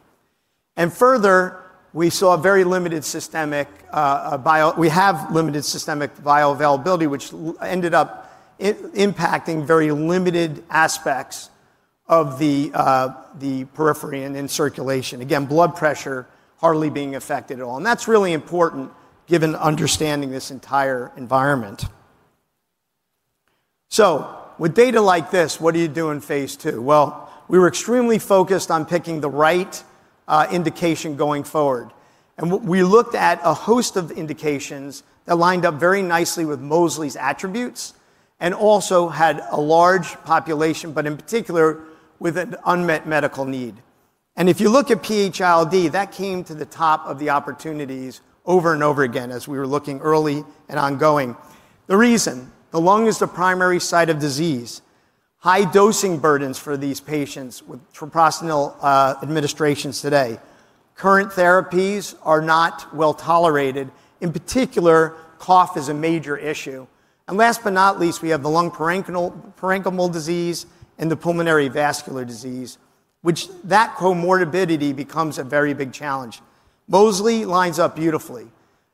Speaker 14: and further, we saw very limited systemic bioavailability, which ended up impacting very limited aspects of the periphery and in circulation. Again, blood pressure hardly being affected at all. And that's really important given understanding this entire environment. So with data like this, what do you do in phase II? Well, we were extremely focused on picking the right indication going forward. And we looked at a host of indications that lined up very nicely with mosli's attributes and also had a large population, but in particular with an unmet medical need. And if you look at PH-ILD, that came to the top of the opportunities over and over again as we were looking early and ongoing. The reason, the lung is the primary site of disease, high dosing burdens for these patients with treprostinil administrations today. Current therapies are not well tolerated. In particular, cough is a major issue. Last but not least, we have the lung parenchymal disease and the pulmonary vascular disease, which comorbidity becomes a very big challenge. Mosli lines up beautifully.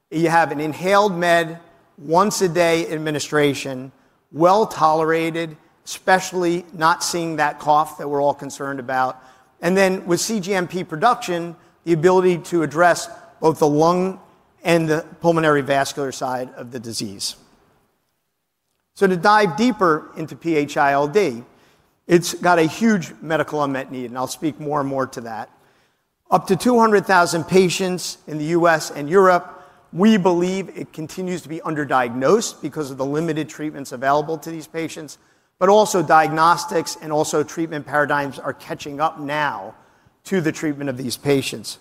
Speaker 14: You have an inhaled med once-a-day administration, well tolerated, especially not seeing that cough that we're all concerned about. And then with cGMP production, the ability to address both the lung and the pulmonary vascular side of the disease. To dive deeper into PH-ILD, it's got a huge medical unmet need, and I'll speak more and more to that. Up to 200,000 patients in the U.S. and Europe. We believe it continues to be underdiagnosed because of the limited treatments available to these patients, but also diagnostics and also treatment paradigms are catching up now to the treatment of these patients.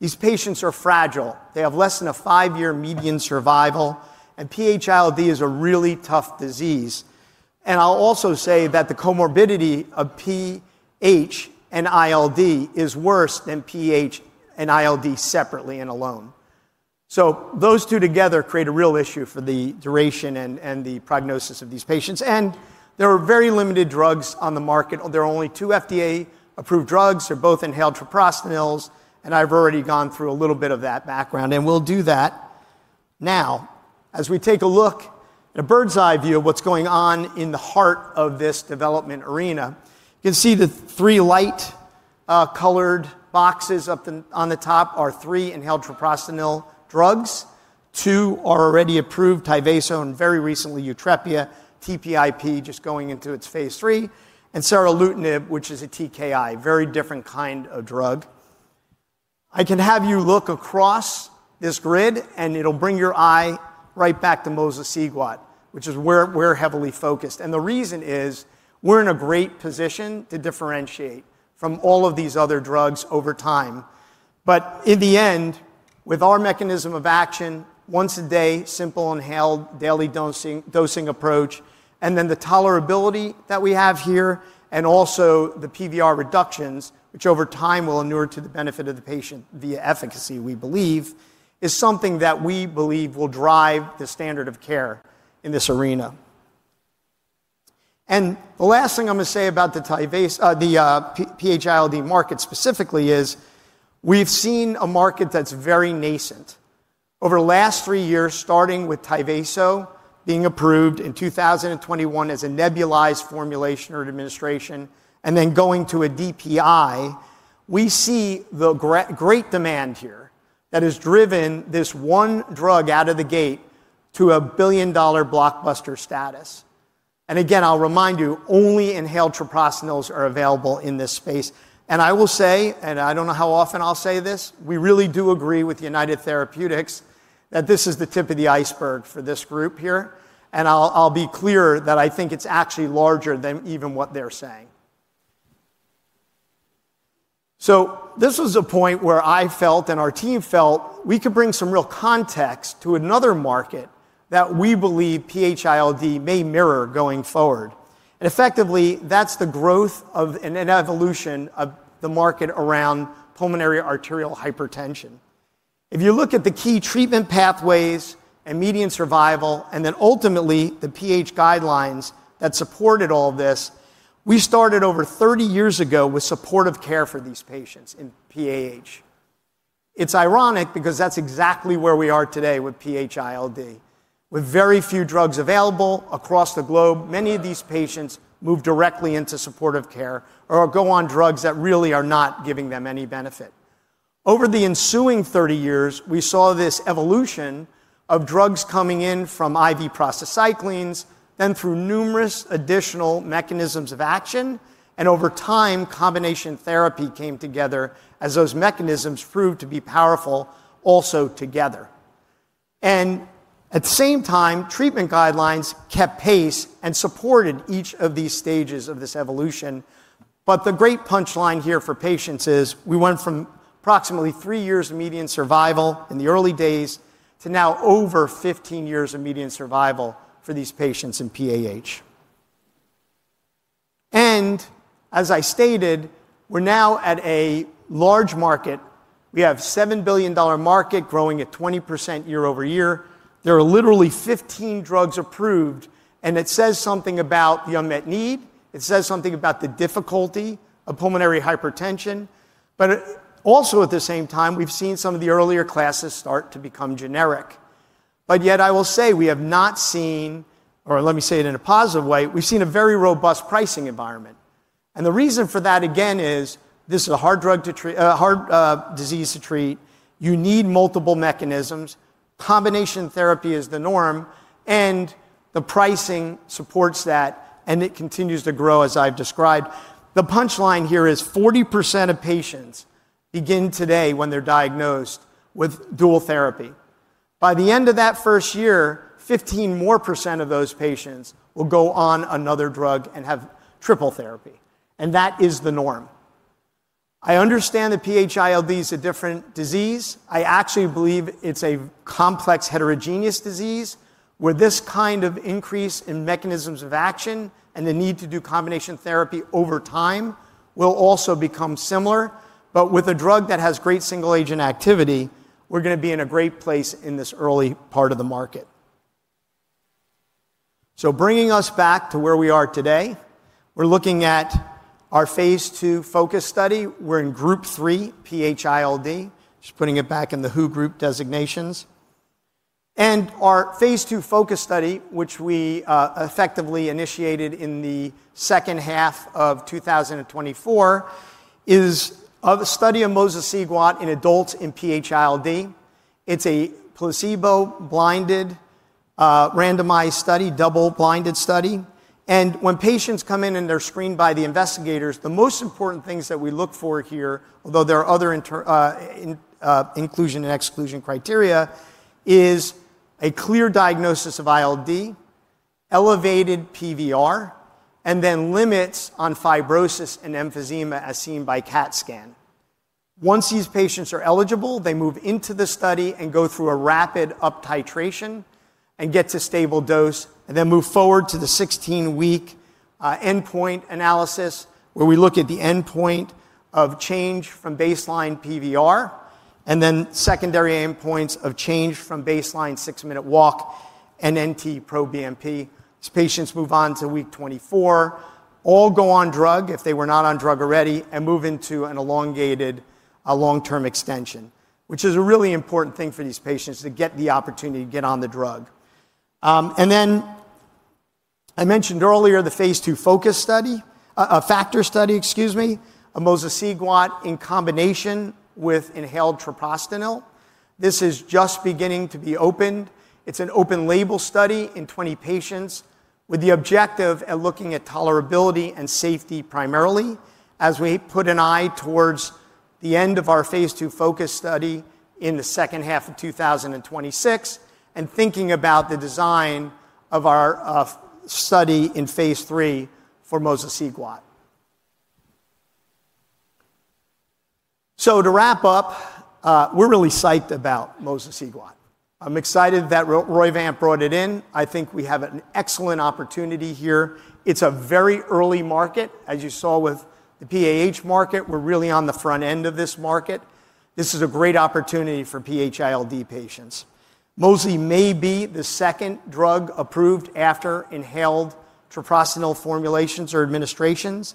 Speaker 14: These patients are fragile. They have less than a five-year median survival, and PH-ILD is a really tough disease. I'll also say that the comorbidity of PH and ILD is worse than PH and ILD separately and alone. So those two together create a real issue for the duration and the prognosis of these patients. And there are very limited drugs on the market. There are only two FDA-approved drugs. They're both inhaled treprostinils, and I've already gone through a little bit of that background, and we'll do that now. As we take a look at a bird's eye view of what's going on in the heart of this development arena, you can see the three light-colored boxes up on the top are three inhaled treprostinil drugs. Two are already approved, Tyvaso very recently, Yutrepia, TPIP just going into its phase III, and seralutinib, which is a TKI, very different kind of drug. I can have you look across this grid, and it'll bring your eye right back to mosliciguat, which is where we're heavily focused, and the reason is we're in a great position to differentiate from all of these other drugs over time, but in the end, with our mechanism of action, once a day, simple inhaled daily dosing approach, and then the tolerability that we have here, and also the PVR reductions, which over time will inure to the benefit of the patient via efficacy, we believe, is something that we believe will drive the standard of care in this arena, and the last thing I'm going to say about the PH-ILD market specifically is we've seen a market that's very nascent. Over the last three years, starting with Tyvaso being approved in 2021 as a nebulized formulation or administration, and then going to a DPI, we see the great demand here that has driven this one drug out of the gate to a billion-dollar blockbuster status. And again, I'll remind you, only inhaled treprostinils are available in this space. And I will say, and I don't know how often I'll say this, we really do agree with United Therapeutics that this is the tip of the iceberg for this group here. And I'll be clear that I think it's actually larger than even what they're saying. So this was a point where I felt and our team felt we could bring some real context to another market that we believe PH-ILD may mirror going forward. And effectively, that's the growth of an evolution of the market around pulmonary arterial hypertension. If you look at the key treatment pathways and median survival, and then ultimately the PH guidelines that supported all this, we started over 30 years ago with supportive care for these patients in PAH. It's ironic because that's exactly where we are today with PH-ILD. With very few drugs available across the globe, many of these patients move directly into supportive care or go on drugs that really are not giving them any benefit. Over the ensuing 30 years, we saw this evolution of drugs coming in from IV prostacyclins, then through numerous additional mechanisms of action, and over time, combination therapy came together as those mechanisms proved to be powerful also together, and at the same time, treatment guidelines kept pace and supported each of these stages of this evolution. But the great punchline here for patients is we went from approximately three years of median survival in the early days to now over 15 years of median survival for these patients in PAH. And as I stated, we're now at a large market. We have a $7 billion market growing at 20% year-over-year. There are literally 15 drugs approved, and it says something about the unmet need. It says something about the difficulty of pulmonary hypertension. But also at the same time, we've seen some of the earlier classes start to become generic. But yet, I will say we have not seen, or let me say it in a positive way, we've seen a very robust pricing environment. And the reason for that, again, is this is a hard drug to treat, a hard disease to treat. You need multiple mechanisms. Combination therapy is the norm, and the pricing supports that, and it continues to grow as I've described. The punchline here is 40% of patients begin today when they're diagnosed with dual therapy. By the end of that first year, 15% more of those patients will go on another drug and have triple therapy. And that is the norm. I understand that PH-ILD is a different disease. I actually believe it's a complex heterogeneous disease where this kind of increase in mechanisms of action and the need to do combination therapy over time will also become similar. But with a drug that has great single-agent activity, we're going to be in a great place in this early part of the market. So bringing us back to where we are today, we're looking at our phase II PHocus study. We're in Group 3, PH-ILD, just putting it back in the WHO group designations. Our phase II PHocus study, which we effectively initiated in the second half of 2024, is a study of mosliciguat in adults in PH-ILD. It's a placebo-blinded, randomized study, double-blinded study. When patients come in and they're screened by the investigators, the most important things that we look for here, although there are other inclusion and exclusion criteria, is a clear diagnosis of ILD, elevated PVR, and then limits on fibrosis and emphysema as seen by CAT scan. Once these patients are eligible, they move into the study and go through a rapid up-titration and get to stable dose, and then move forward to the 16-week endpoint analysis where we look at the endpoint of change from baseline PVR and then secondary endpoints of change from baseline 6-minute walk and NT-proBNP. These patients move on to Week 24, all go on drug if they were not on drug already, and move into an elongated long-term extension, which is a really important thing for these patients to get the opportunity to get on the drug. And then I mentioned earlier the phase II FACTOR study, excuse me, of mosliciguat in combination with inhaled treprostinil. This is just beginning to be opened. It's an open-label study in 20 patients with the objective of looking at tolerability and safety primarily as we put an eye towards the end of our phase II PHocus study in the second half of 2026 and thinking about the design of our study in phase III for mosliciguat. So to wrap up, we're really psyched about mosliciguat. I'm excited that Roivant brought it in. I think we have an excellent opportunity here. It's a very early market. As you saw with the PAH market, we're really on the front end of this market. This is a great opportunity for PH-ILD patients. Mosli may be the second drug approved after inhaled treprostinil formulations or administrations.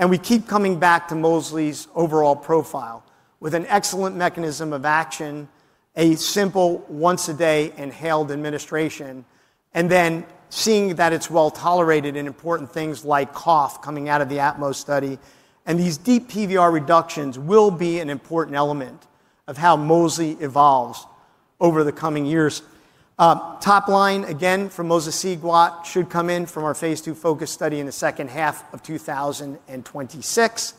Speaker 14: And we keep coming back to mosli's overall profile with an excellent mechanism of action, a simple once-a-day inhaled administration, and then seeing that it's well tolerated in important things like cough coming out of the ATMOS study. And these deep PVR reductions will be an important element of how mosli evolves over the coming years. Top line, again, for mosliciguat should come in from our phase II PHocus study in the second half of 2026.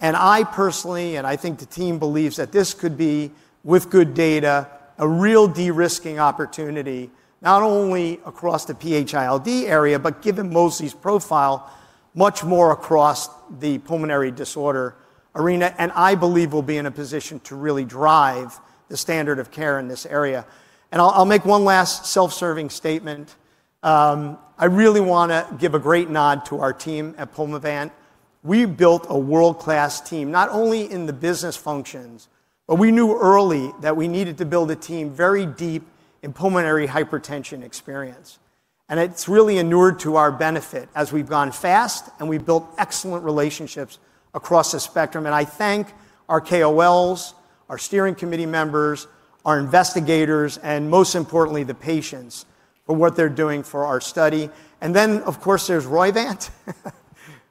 Speaker 14: I personally, and I think the team believes that this could be, with good data, a real de-risking opportunity, not only across the PH-ILD area, but given mosli's profile, much more across the pulmonary disorder arena. I believe we'll be in a position to really drive the standard of care in this area. I'll make one last self-serving statement. I really want to give a great nod to our team at Pulmovant. We built a world-class team, not only in the business functions, but we knew early that we needed to build a team very deep in pulmonary hypertension experience. It's really inured to our benefit as we've gone fast and we've built excellent relationships across the spectrum. I thank our KOLs, our steering committee members, our investigators, and most importantly, the patients for what they're doing for our study. And then, of course, there's Roivant.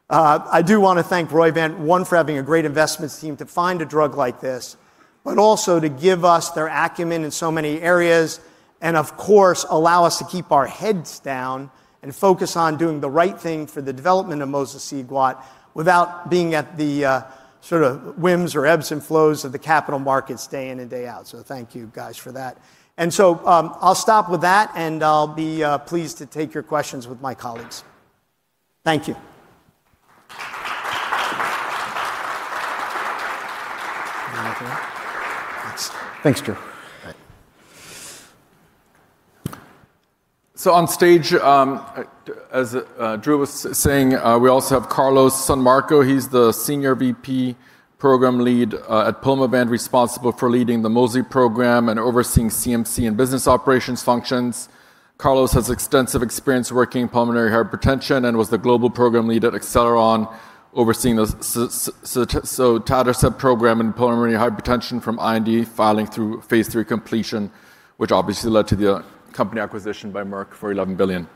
Speaker 14: I do want to thank Roivant, one, for having a great investment team to find a drug like this, but also to give us their acumen in so many areas, and of course, allow us to keep our heads down and focus on doing the right thing for the development of mosliciguat without being at the sort of whims or ebbs and flows of the capital markets day in and day out. So thank you, guys, for that. And so I'll stop with that, and I'll be pleased to take your questions with my colleagues. Thank you.
Speaker 4: Thanks, Drew. So on stage, as Drew was saying, we also have Carlos Sanmarco. He's the Senior VP Program Lead at Pulmovant, responsible for leading the mosli program and overseeing CMC and business operations functions. Carlos has extensive experience working in pulmonary hypertension and was the global program lead at Acceleron, overseeing the sotatercept program in pulmonary hypertension from IND filing through phase III completion, which obviously led to the company acquisition by Merck for $11 billion.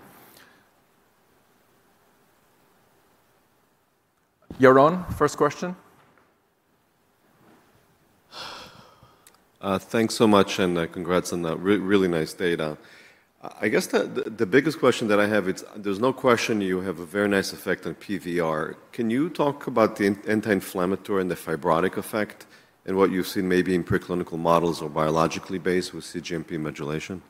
Speaker 4: Yaron, first question.
Speaker 8: Thanks so much, and congrats on that really nice data. I guess the biggest question that I have, there's no question you have a very nice effect on PVR. Can you talk about the anti-inflammatory and the fibrotic effect and what you've seen maybe in preclinical models or biologically based with cGMP modulation?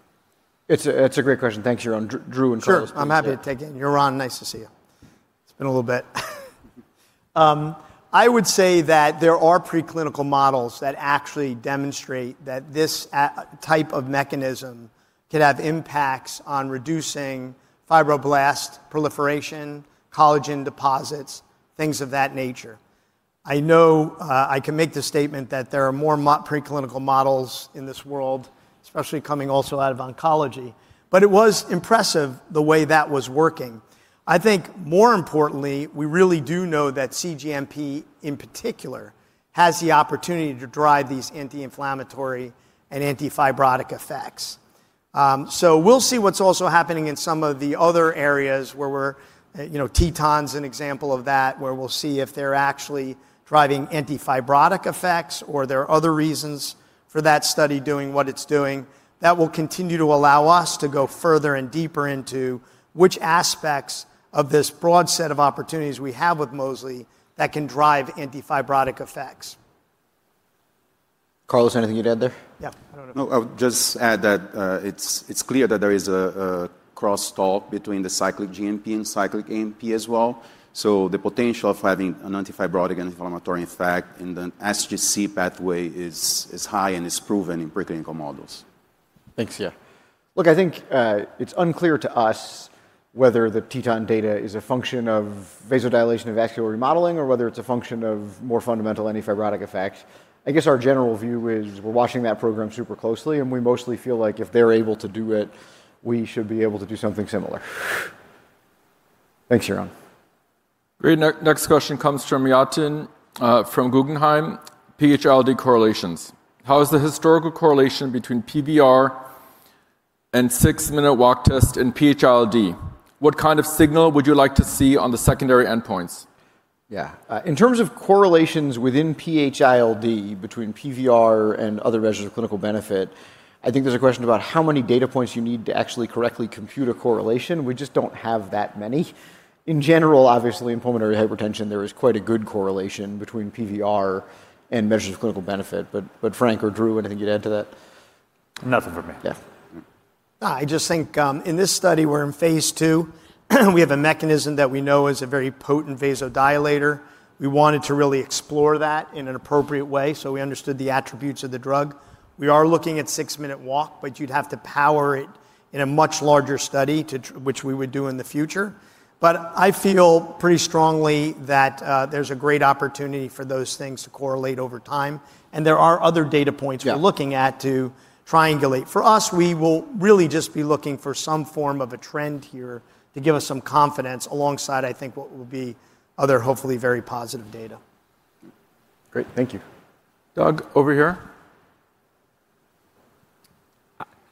Speaker 2: It's a great question. Thanks, Yaron. Drew and Carlos.
Speaker 14: Sure. I'm happy to take it. Yaron, nice to see you. It's been a little bit. I would say that there are preclinical models that actually demonstrate that this type of mechanism could have impacts on reducing fibroblast proliferation, collagen deposits, things of that nature. I know I can make the statement that there are more preclinical models in this world, especially coming also out of oncology, but it was impressive the way that was working. I think more importantly, we really do know that cGMP in particular has the opportunity to drive these anti-inflammatory and antifibrotic effects. So we'll see what's also happening in some of the other areas where we're, TETON is an example of that, where we'll see if they're actually driving antifibrotic effects or there are other reasons for that study doing what it's doing. That will continue to allow us to go further and deeper into which aspects of this broad set of opportunities we have with mosli that can drive antifibrotic effects.
Speaker 2: Carlos, anything you'd add there?
Speaker 15: Yeah, I don't know. I'll just add that it's clear that there is a cross-talk between the cyclic GMP and cyclic AMP as well. So the potential of having an antifibrotic and inflammatory effect in the sGC pathway is high and is proven in preclinical models.
Speaker 2: Thanks, yeah. Look, I think it's unclear to us whether the TETON data is a function of vasodilation and vascular remodeling or whether it's a function of more fundamental antifibrotic effect. I guess our general view is we're watching that program super closely, and we mostly feel like if they're able to do it, we should be able to do something similar. Thanks, Yaron.
Speaker 4: Great. Next question comes from Yatin from Guggenheim, PH-ILD correlations. How is the historical correlation between PVR and six-minute walk test in PH-ILD? What kind of signal would you like to see on the secondary endpoints?
Speaker 2: Yeah. In terms of correlations within PH-ILD between PVR and other measures of clinical benefit, I think there's a question about how many data points you need to actually correctly compute a correlation. We just don't have that many. In general, obviously, in pulmonary hypertension, there is quite a good correlation between PVR and measures of clinical benefit. But Frank or Drew, anything you'd add to that?
Speaker 10: Nothing for me.
Speaker 14: Yeah. I just think in this study, we're in phase II. We have a mechanism that we know is a very potent vasodilator. We wanted to really explore that in an appropriate way so we understood the attributes of the drug. We are looking at six-minute walk, but you'd have to power it in a much larger study, which we would do in the future. But I feel pretty strongly that there's a great opportunity for those things to correlate over time. And there are other data points we're looking at to triangulate. For us, we will really just be looking for some form of a trend here to give us some confidence alongside, I think, what will be other hopefully very positive data.
Speaker 4: Great. Thank you. Doug over here.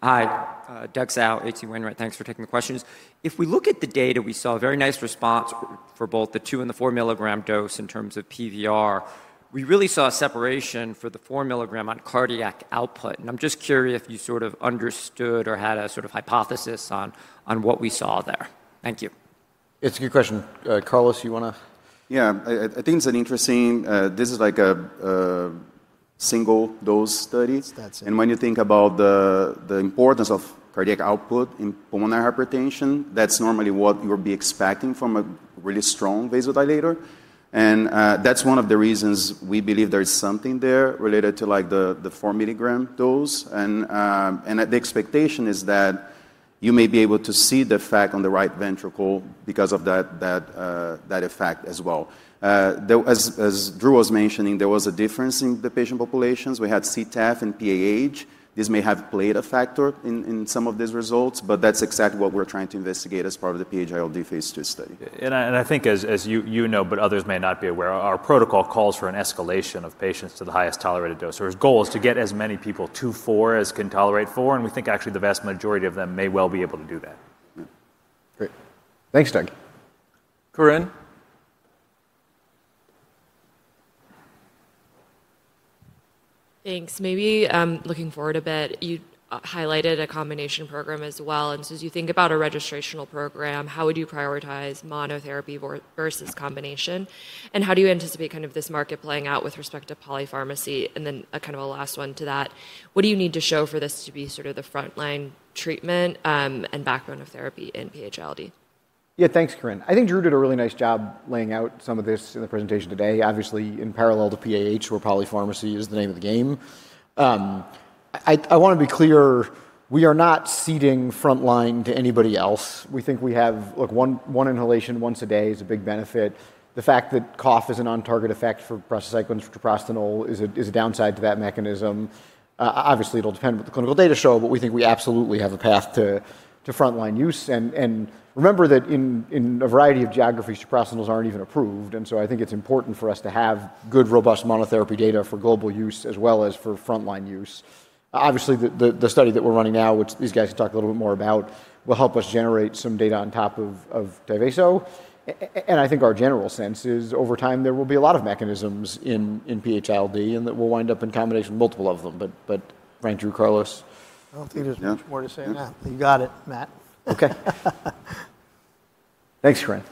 Speaker 16: Hi. Doug Tsao, H.C. Wainwright. Thanks for taking the questions. If we look at the data, we saw a very nice response for both the two and the 4-mg dose in terms of PVR. We really saw a separation for the 4 mg on cardiac output. I'm just curious if you sort of understood or had a sort of hypothesis on what we saw there. Thank you.
Speaker 2: It's a good question. Carlos, you want to?
Speaker 15: Yeah. I think it's interesting. This is like a single-dose study. When you think about the importance of cardiac output in pulmonary hypertension, that's normally what you'll be expecting from a really strong vasodilator. That's one of the reasons we believe there's something there related to the 4-mg dose. The expectation is that you may be able to see the effect on the right ventricle because of that effect as well. As Drew was mentioning, there was a difference in the patient populations. We had CTEPH and PAH. This may have played a factor in some of these results, but that's exactly what we're trying to investigate as part of the PH-ILD phase II study.
Speaker 2: And I think, as you know, but others may not be aware, our protocol calls for an escalation of patients to the highest tolerated dose. So our goal is to get as many people to four as can tolerate four. And we think actually the vast majority of them may well be able to do that.
Speaker 4: Great. Thanks, Doug. Corinne.
Speaker 6: Thanks. Maybe looking forward a bit, you highlighted a combination program as well. And so as you think about a registrational program, how would you prioritize monotherapy versus combination? And how do you anticipate kind of this market playing out with respect to polypharmacy? And then kind of a last one to that, what do you need to show for this to be sort of the frontline treatment and backbone of therapy in PH-ILD? Yeah, thanks, Corinne.
Speaker 2: I think Drew did a really nice job laying out some of this in the presentation today, obviously in parallel to PAH, where polypharmacy is the name of the game. I want to be clear, we are not ceding frontline to anybody else. We think we have, look, one inhalation once a day is a big benefit. The fact that cough is an on-target effect for prostacyclins, treprostinil is a downside to that mechanism. Obviously, it'll depend on what the clinical data show, but we think we absolutely have a path to frontline use. And remember that in a variety of geographies, treprostinils aren't even approved. And so I think it's important for us to have good, robust monotherapy data for global use as well as for frontline use. Obviously, the study that we're running now, which these guys can talk a little bit more about, will help us generate some data on top of Tyvaso. And I think our general sense is over time, there will be a lot of mechanisms in PH-ILD and that we'll wind up in combination with multiple of them. But thank you, Carlos.
Speaker 14: I don't think there's much more to say on that. You got it, Matt.
Speaker 2: Okay. Thanks, Corinne.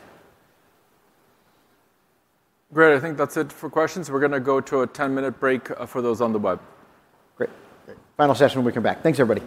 Speaker 4: Great. I think that's it for questions. We're going to go to a 10-minute break for those on the web.
Speaker 2: Great. Final session, we come back. Thanks, everybody.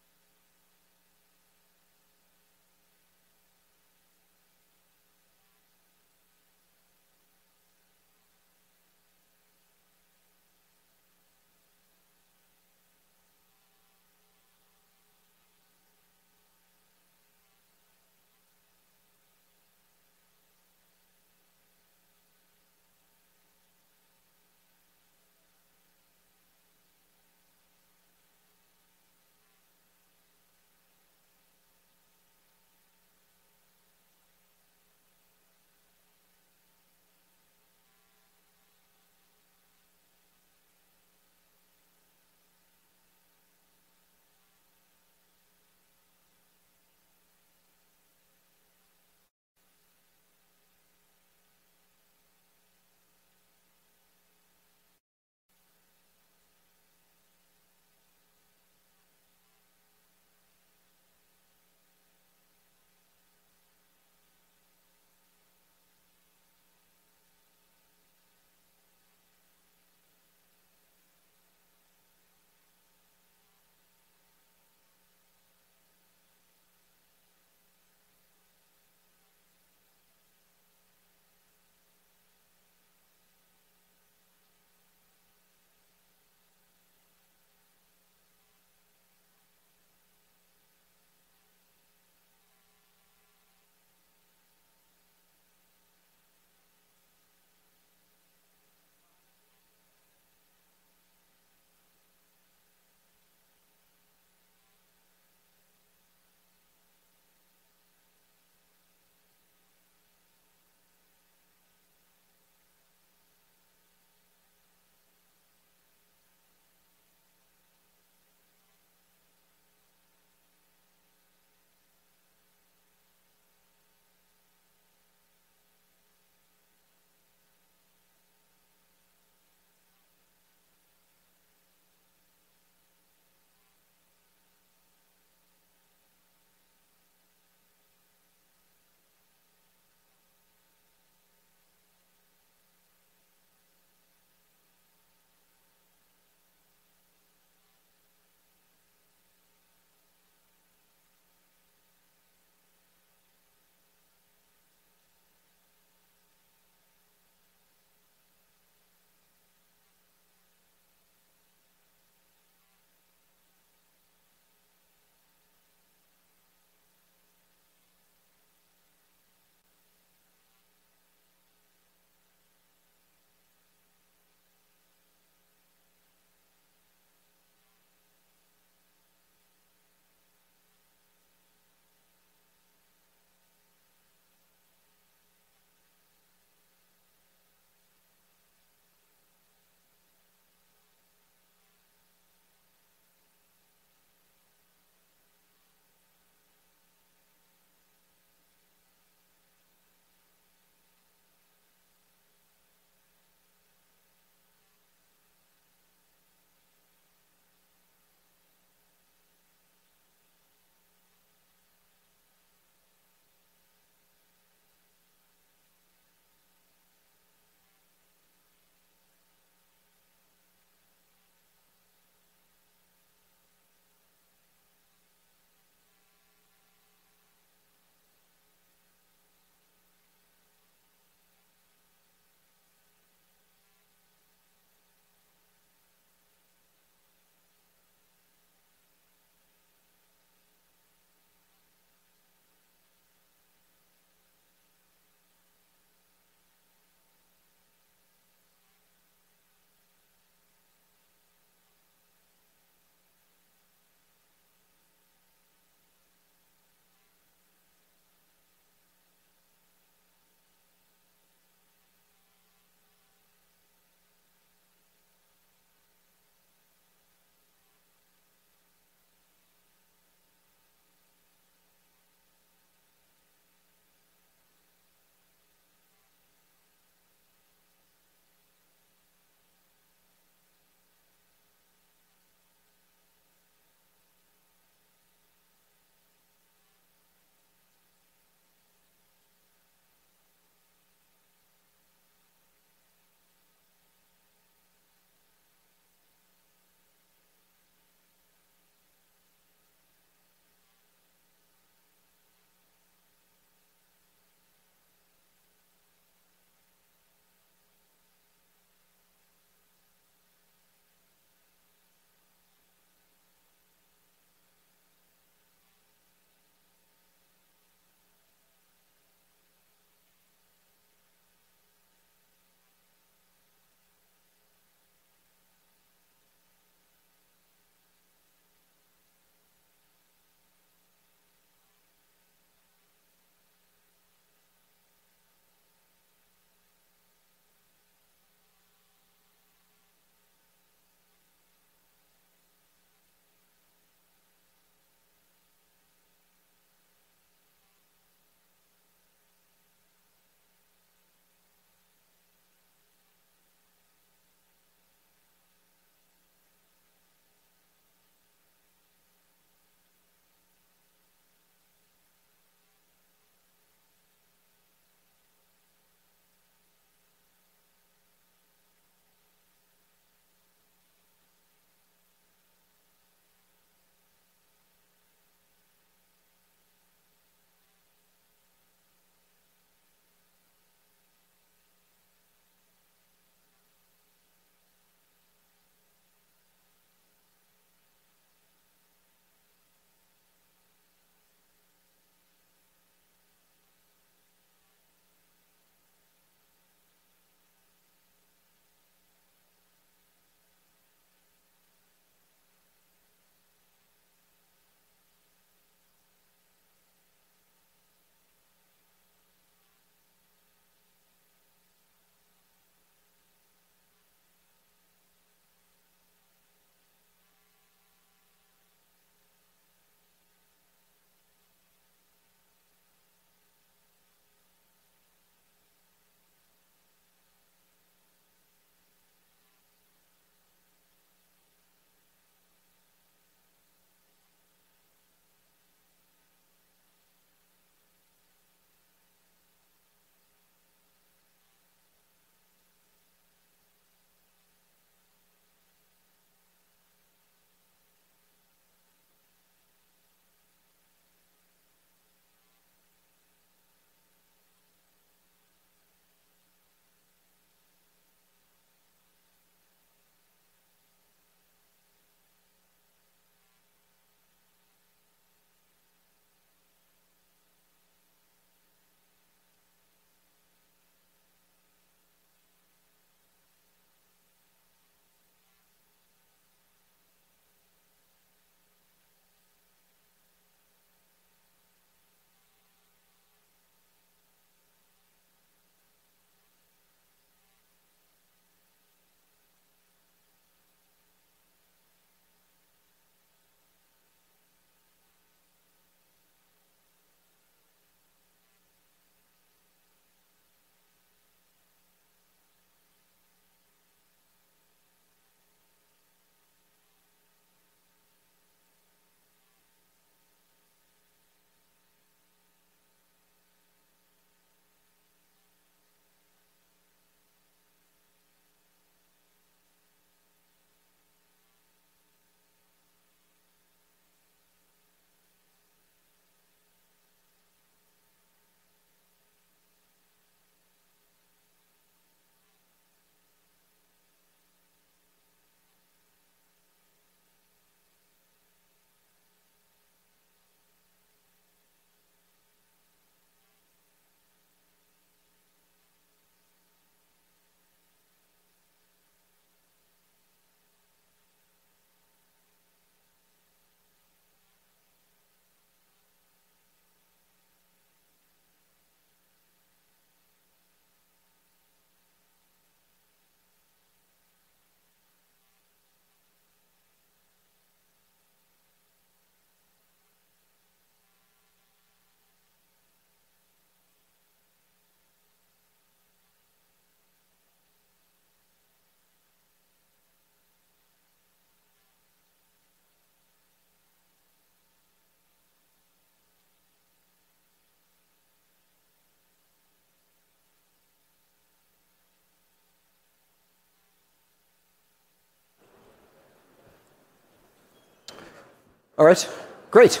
Speaker 2: All right. Great.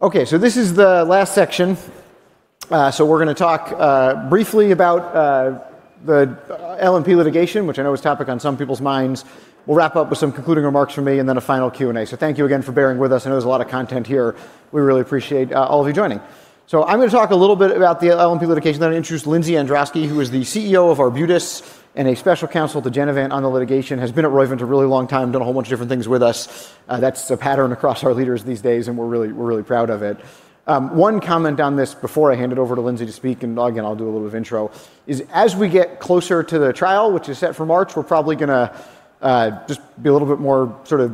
Speaker 2: Okay, so this is the last section. So we're going to talk briefly about the LNP litigation, which I know is a topic on some people's minds. We'll wrap up with some concluding remarks from me and then a final Q&A. Thank you again for bearing with us. I know there's a lot of content here. We really appreciate all of you joining. I'm going to talk a little bit about the LNP litigation. I'm going to introduce Lindsay Androski who is the CEO of Arbutus and a special counsel to Genevant on the litigation, has been at Roivant for a really long time, done a whole bunch of different things with us. That's a pattern across our leaders these days, and we're really proud of it. One comment on this before I hand it over to Lindsay to speak, and again, I'll do a little bit of intro, is as we get closer to the trial, which is set for March, we're probably going to just be a little bit more sort of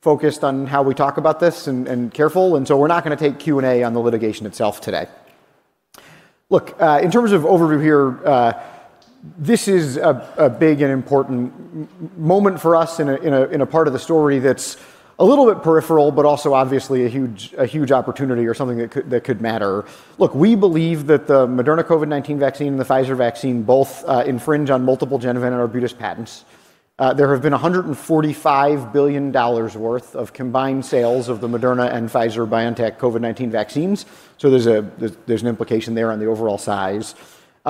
Speaker 2: focused on how we talk about this and careful. And so we're not going to take Q&A on the litigation itself today. Look, in terms of overview here, this is a big and important moment for us in a part of the story that's a little bit peripheral, but also obviously a huge opportunity or something that could matter. Look, we believe that the Moderna COVID-19 vaccine and the Pfizer vaccine both infringe on multiple Genevant and Arbutus patents. There have been $145 billion worth of combined sales of the Moderna and Pfizer BioNTech COVID-19 vaccines. So there's an implication there on the overall size.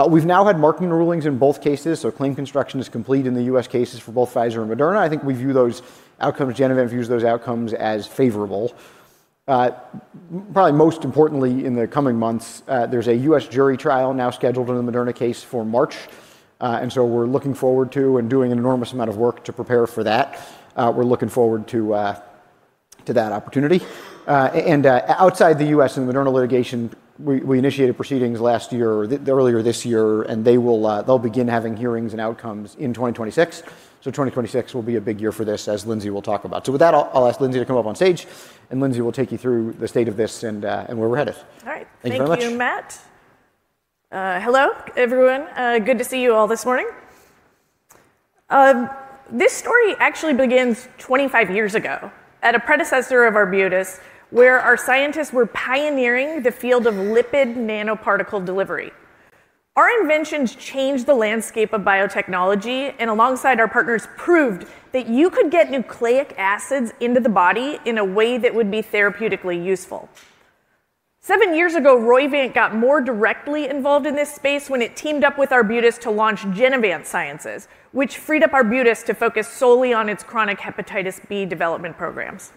Speaker 2: We've now had marketing rulings in both cases. So claim construction is complete in the U.S. cases for both Pfizer and Moderna. I think we view those outcomes, Genevant views those outcomes as favorable. Probably most importantly, in the coming months, there's a U.S. jury trial now scheduled in the Moderna case for March. And so we're looking forward to and doing an enormous amount of work to prepare for that. We're looking forward to that opportunity. And outside the U.S. and the Moderna litigation, we initiated proceedings last year, earlier this year, and they'll begin having hearings and outcomes in 2026. So 2026 will be a big year for this, as Lindsay will talk about. So with that, I'll ask Lindsay to come up on stage, and Lindsay will take you through the state of this and where we're headed.
Speaker 17: All right.
Speaker 2: Thank you very much.
Speaker 17: Thank you, Matt. Hello, everyone. Good to see you all this morning. This story actually begins 25 years ago at a predecessor of Arbutus, where our scientists were pioneering the field of lipid nanoparticle delivery. Our inventions changed the landscape of biotechnology, and alongside our partners, proved that you could get nucleic acids into the body in a way that would be therapeutically useful. Seven years ago, Roivant got more directly involved in this space when it teamed up with Arbutus to launch Genevant Sciences, which freed up Arbutus to focus solely on its chronic Hepatitis B development programs.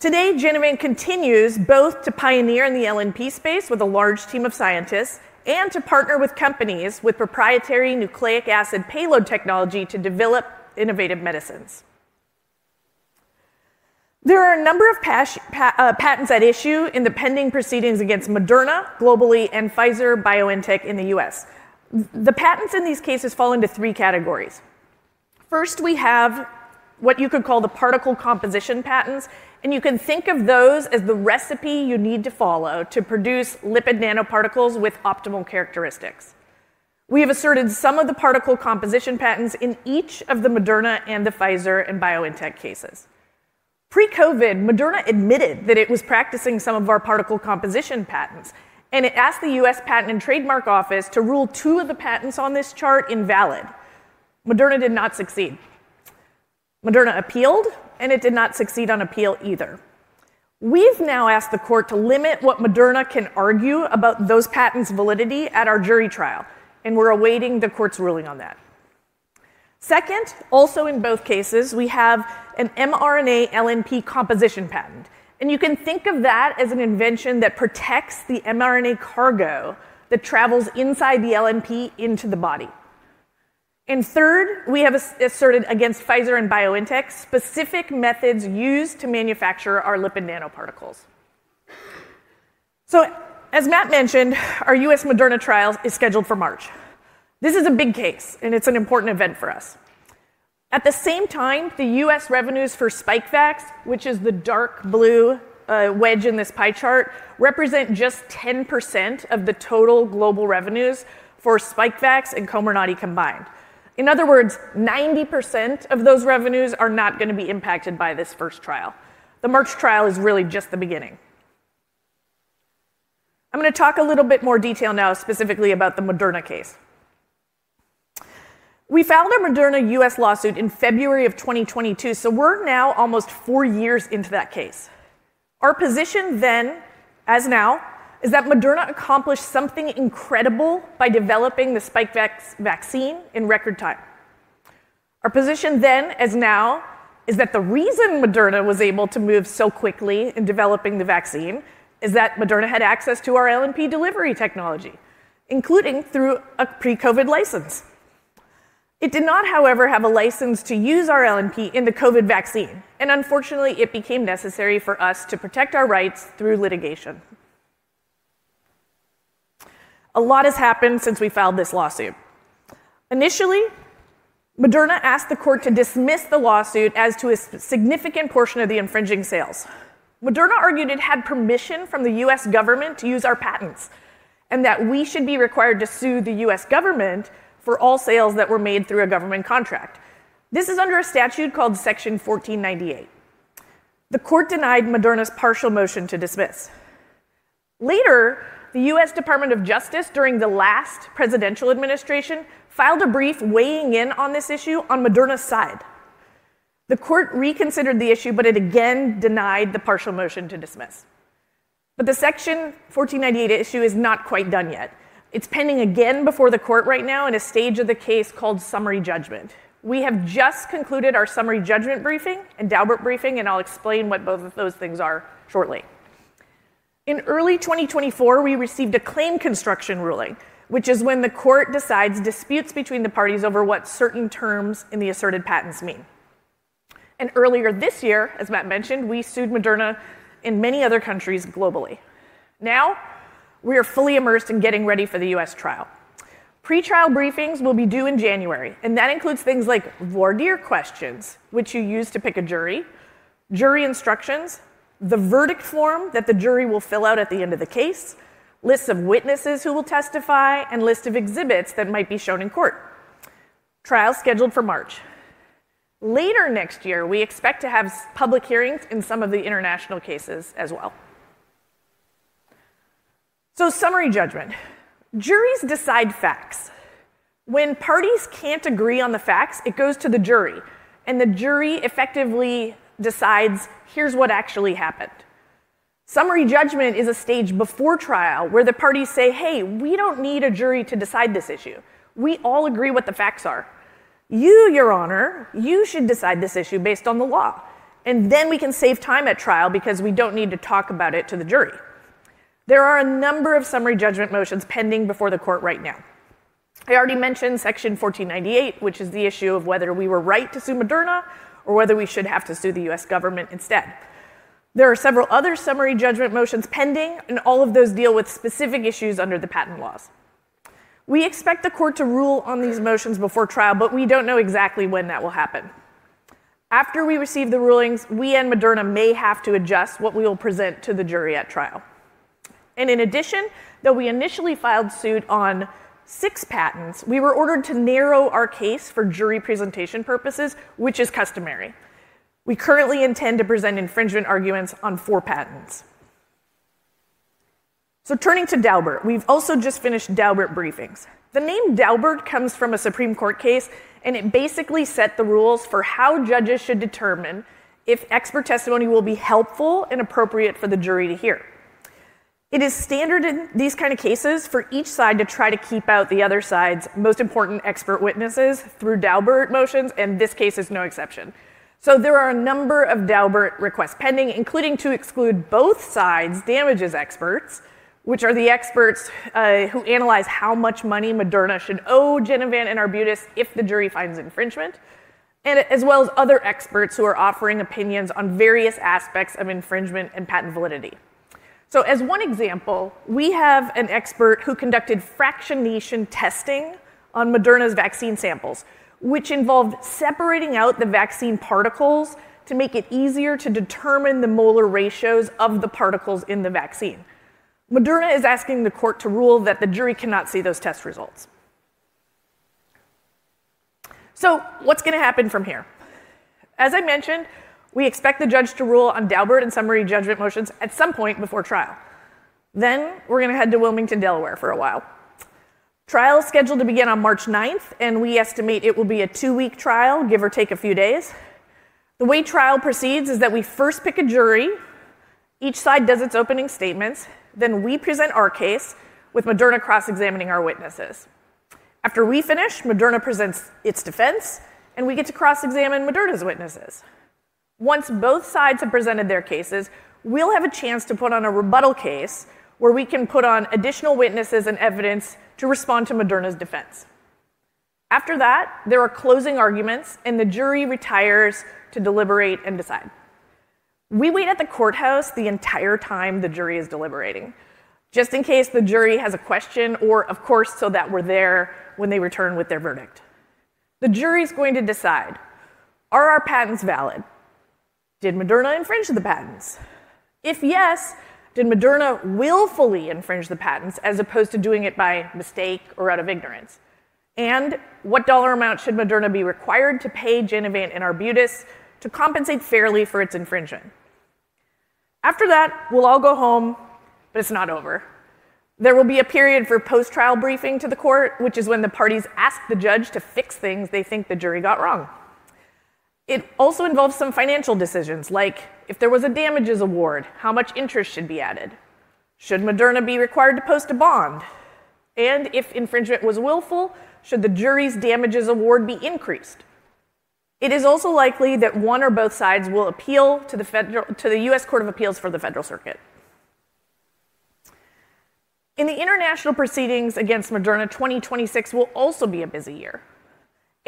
Speaker 17: Today, Genevant continues both to pioneer in the LNP space with a large team of scientists and to partner with companies with proprietary nucleic acid payload technology to develop innovative medicines. There are a number of patents at issue in the pending proceedings against Moderna, globally, and Pfizer/BioNTech in the US. The patents in these cases fall into three categories. First, we have what you could call the particle composition patents, and you can think of those as the recipe you need to follow to produce lipid nanoparticles with optimal characteristics. We have asserted some of the particle composition patents in each of the Moderna and the Pfizer and BioNTech cases. Pre-COVID, Moderna admitted that it was practicing some of our particle composition patents, and it asked the U.S. Patent and Trademark Office to rule two of the patents on this chart invalid. Moderna did not succeed. Moderna appealed, and it did not succeed on appeal either. We've now asked the court to limit what Moderna can argue about those patents' validity at our jury trial, and we're awaiting the court's ruling on that. Second, also in both cases, we have an mRNA LNP composition patent, and you can think of that as an invention that protects the mRNA cargo that travels inside the LNP into the body, and third, we have asserted against Pfizer and BioNTech specific methods used to manufacture our lipid nanoparticles, so, as Matt mentioned, our U.S. Moderna trial is scheduled for March. This is a big case, and it's an important event for us. At the same time, the U.S. revenues for SPIKEVAX, which is the dark blue wedge in this pie chart, represent just 10% of the total global revenues for SPIKEVAX and COMIRNATY combined. In other words, 90% of those revenues are not going to be impacted by this first trial. The March trial is really just the beginning. I'm going to talk a little bit more detail now, specifically about the Moderna case. We filed a Moderna U.S. lawsuit in February of 2022, so we're now almost four years into that case. Our position then, as now, is that Moderna accomplished something incredible by developing the SPIKEVAX vaccine in record time. Our position then, as now, is that the reason Moderna was able to move so quickly in developing the vaccine is that Moderna had access to our LNP delivery technology, including through a pre-COVID license. It did not, however, have a license to use our LNP in the COVID vaccine, and unfortunately, it became necessary for us to protect our rights through litigation. A lot has happened since we filed this lawsuit. Initially, Moderna asked the court to dismiss the lawsuit as to a significant portion of the infringing sales. Moderna argued it had permission from the U.S. government to use our patents and that we should be required to sue the U.S. government for all sales that were made through a government contract. This is under a statute called Section 1498. The court denied Moderna's partial motion to dismiss. Later, the U.S. Department of Justice, during the last presidential administration, filed a brief weighing in on this issue on Moderna's side. The court reconsidered the issue, but it again denied the partial motion to dismiss. But the Section 1498 issue is not quite done yet. It's pending again before the court right now in a stage of the case called summary judgment. We have just concluded our summary judgment briefing and Daubert briefing, and I'll explain what both of those things are shortly. In early 2024, we received a claim construction ruling, which is when the court decides disputes between the parties over what certain terms in the asserted patents mean, and earlier this year, as Matt mentioned, we sued Moderna in many other countries globally. Now we are fully immersed in getting ready for the U.S. trial. Pretrial briefings will be due in January, and that includes things like voir dire questions, which you use to pick a jury, jury instructions, the verdict form that the jury will fill out at the end of the case, lists of witnesses who will testify, and lists of exhibits that might be shown in court. Trial scheduled for March. Later next year, we expect to have public hearings in some of the international cases as well, so summary judgment. Juries decide facts. When parties can't agree on the facts, it goes to the jury, and the jury effectively decides, "Here's what actually happened." Summary judgment is a stage before trial where the parties say, "Hey, we don't need a jury to decide this issue. We all agree what the facts are. You, Your Honor, you should decide this issue based on the law." And then we can save time at trial because we don't need to talk about it to the jury. There are a number of summary judgment motions pending before the court right now. I already mentioned Section 1498, which is the issue of whether we were right to sue Moderna or whether we should have to sue the U.S. government instead. There are several other summary judgment motions pending, and all of those deal with specific issues under the patent laws. We expect the court to rule on these motions before trial, but we don't know exactly when that will happen. After we receive the rulings, we and Moderna may have to adjust what we will present to the jury at trial. And in addition, though we initially filed suit on six patents, we were ordered to narrow our case for jury presentation purposes, which is customary. We currently intend to present infringement arguments on four patents. So turning to Daubert, we've also just finished Daubert briefings. The name Daubert comes from a Supreme Court case, and it basically set the rules for how judges should determine if expert testimony will be helpful and appropriate for the jury to hear. It is standard in these kinds of cases for each side to try to keep out the other side's most important expert witnesses through Daubert motions, and this case is no exception. So there are a number of Daubert requests pending, including to exclude both sides' damages experts, which are the experts who analyze how much money Moderna should owe Genevant and Arbutus if the jury finds infringement, as well as other experts who are offering opinions on various aspects of infringement and patent validity. So as one example, we have an expert who conducted fractionation testing on Moderna's vaccine samples, which involved separating out the vaccine particles to make it easier to determine the molar ratios of the particles in the vaccine. Moderna is asking the court to rule that the jury cannot see those test results. So what's going to happen from here? As I mentioned, we expect the judge to rule on Daubert and summary judgment motions at some point before trial. Then we're going to head to Wilmington, Delaware, for a while. Trial is scheduled to begin on March 9th, and we estimate it will be a two-week trial, give or take a few days. The way trial proceeds is that we first pick a jury, each side does its opening statements, then we present our case with Moderna cross-examining our witnesses. After we finish, Moderna presents its defense, and we get to cross-examine Moderna's witnesses. Once both sides have presented their cases, we'll have a chance to put on a rebuttal case where we can put on additional witnesses and evidence to respond to Moderna's defense. After that, there are closing arguments, and the jury retires to deliberate and decide. We wait at the courthouse the entire time the jury is deliberating, just in case the jury has a question or, of course, so that we're there when they return with their verdict. The jury is going to decide, are our patents valid? Did Moderna infringe the patents? If yes, did Moderna willfully infringe the patents as opposed to doing it by mistake or out of ignorance? And what dollar amount should Moderna be required to pay Genevant and Arbutus to compensate fairly for its infringement? After that, we'll all go home, but it's not over. There will be a period for post-trial briefing to the court, which is when the parties ask the judge to fix things they think the jury got wrong. It also involves some financial decisions, like if there was a damages award, how much interest should be added? Should Moderna be required to post a bond? And if infringement was willful, should the jury's damages award be increased? It is also likely that one or both sides will appeal to the U.S. Court of Appeals for the Federal Circuit. In the international proceedings against Moderna, 2026 will also be a busy year.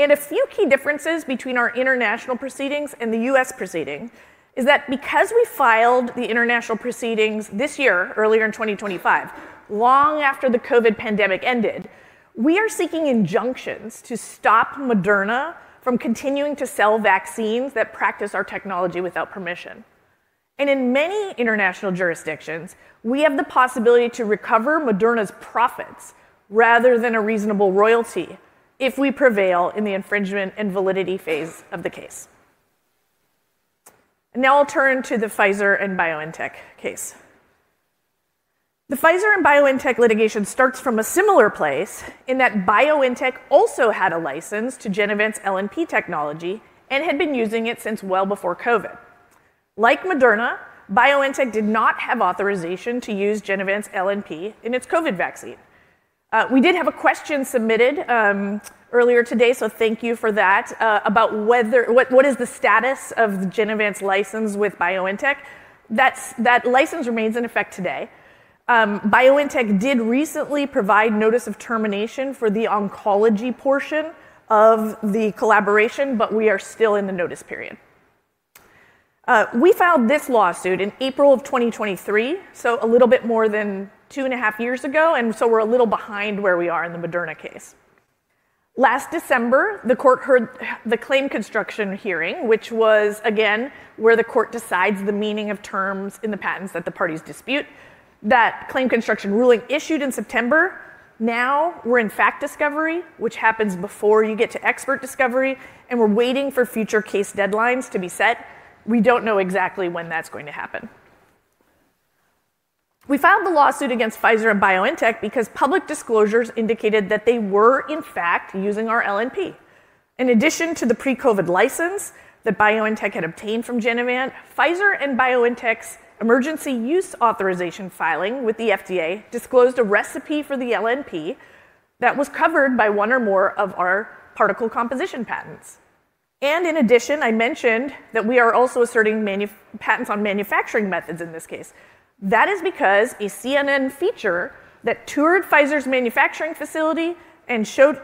Speaker 17: And a few key differences between our international proceedings and the U.S. proceeding is that because we filed the international proceedings this year, earlier in 2025, long after the COVID pandemic ended, we are seeking injunctions to stop Moderna from continuing to sell vaccines that practice our technology without permission. And in many international jurisdictions, we have the possibility to recover Moderna's profits rather than a reasonable royalty if we prevail in the infringement and validity phase of the case. Now I'll turn to the Pfizer and BioNTech case. The Pfizer and BioNTech litigation starts from a similar place in that BioNTech also had a license to Genevant's LNP technology and had been using it since well before COVID. Like Moderna, BioNTech did not have authorization to use Genevant's LNP in its COVID vaccine. We did have a question submitted earlier today, so thank you for that, about what is the status of Genevant's license with BioNTech. That license remains in effect today. BioNTech did recently provide notice of termination for the oncology portion of the collaboration, but we are still in the notice period. We filed this lawsuit in April of 2023, so a little bit more than 2.5 years ago, and so we're a little behind where we are in the Moderna case. Last December, the court heard the claim construction hearing, which was, again, where the court decides the meaning of terms in the patents that the parties dispute. That claim construction ruling issued in September. Now we're in fact discovery, which happens before you get to expert discovery, and we're waiting for future case deadlines to be set. We don't know exactly when that's going to happen. We filed the lawsuit against Pfizer and BioNTech because public disclosures indicated that they were in fact using our LNP. In addition to the pre-COVID license that BioNTech had obtained from Genevant, Pfizer and BioNTech's emergency use authorization filing with the FDA disclosed a recipe for the LNP that was covered by one or more of our particle composition patents. In addition, I mentioned that we are also asserting patents on manufacturing methods in this case. That is because a CNN feature that toured Pfizer's manufacturing facility and showed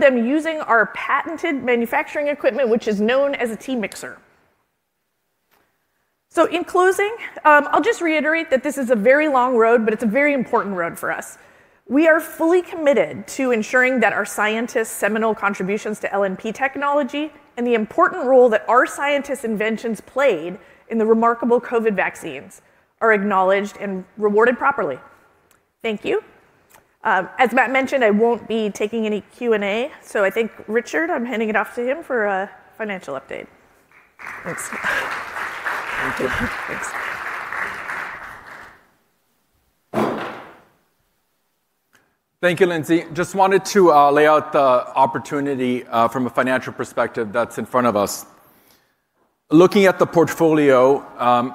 Speaker 17: them using our patented manufacturing equipment, which is known as a T-Mixer. So in closing, I'll just reiterate that this is a very long road, but it's a very important road for us. We are fully committed to ensuring that our scientists' seminal contributions to LNP technology and the important role that our scientists' inventions played in the remarkable COVID vaccines are acknowledged and rewarded properly. Thank you. As Matt mentioned, I won't be taking any Q&A, so I think Richard, I'm handing it off to him for a financial update. Thanks. Thank you.
Speaker 4: Thank you, Lindsay. Just wanted to lay out the opportunity from a financial perspective that's in front of us. Looking at the portfolio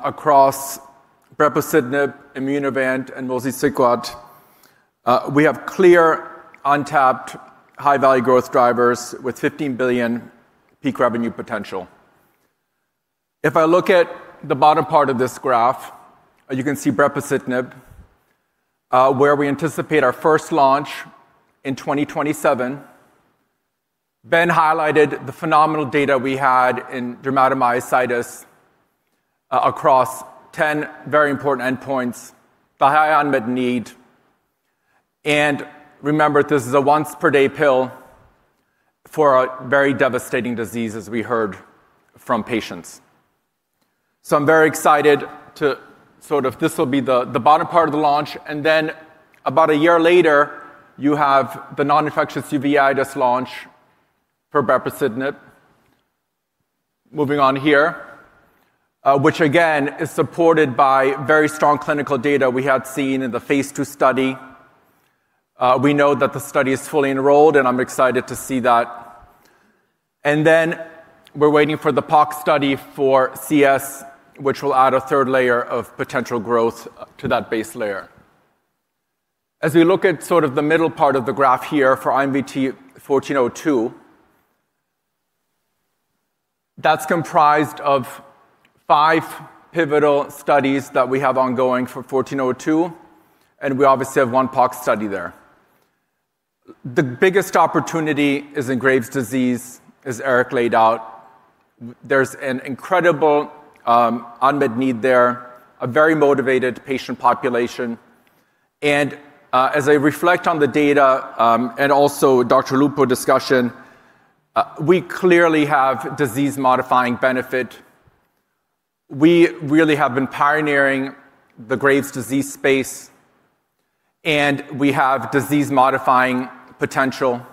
Speaker 4: across brepocitinib, Immunovant, and mosliciguat, we have clear untapped high-value growth drivers with $15 billion peak revenue potential. If I look at the bottom part of this graph, you can see brepocitinib, where we anticipate our first launch in 2027. Ben highlighted the phenomenal data we had in dermatomyositis across 10 very important endpoints, the high unmet need. And remember, this is a once-per-day pill for a very devastating disease, as we heard from patients. So I'm very excited to sort of, this will be the bottom part of the launch. And then about a year later, you have the non-infectious uveitis launch for brepocitinib. Moving on here, which again is supported by very strong clinical data we had seen in the phase II study. We know that the study is fully enrolled, and I'm excited to see that. And then we're waiting for the POC study for CS, which will add a third layer of potential growth to that base layer. As we look at sort of the middle part of the graph here for IMVT-1402, that's comprised of five pivotal studies that we have ongoing for 1402, and we obviously have one POC study there. The biggest opportunity is in Graves' disease, as Eric laid out. There's an incredible unmet need there, a very motivated patient population. And as I reflect on the data and also Dr. Lupo discussion, we clearly have disease-modifying benefit. We really have been pioneering the Graves' disease space, and we have disease-modifying potential.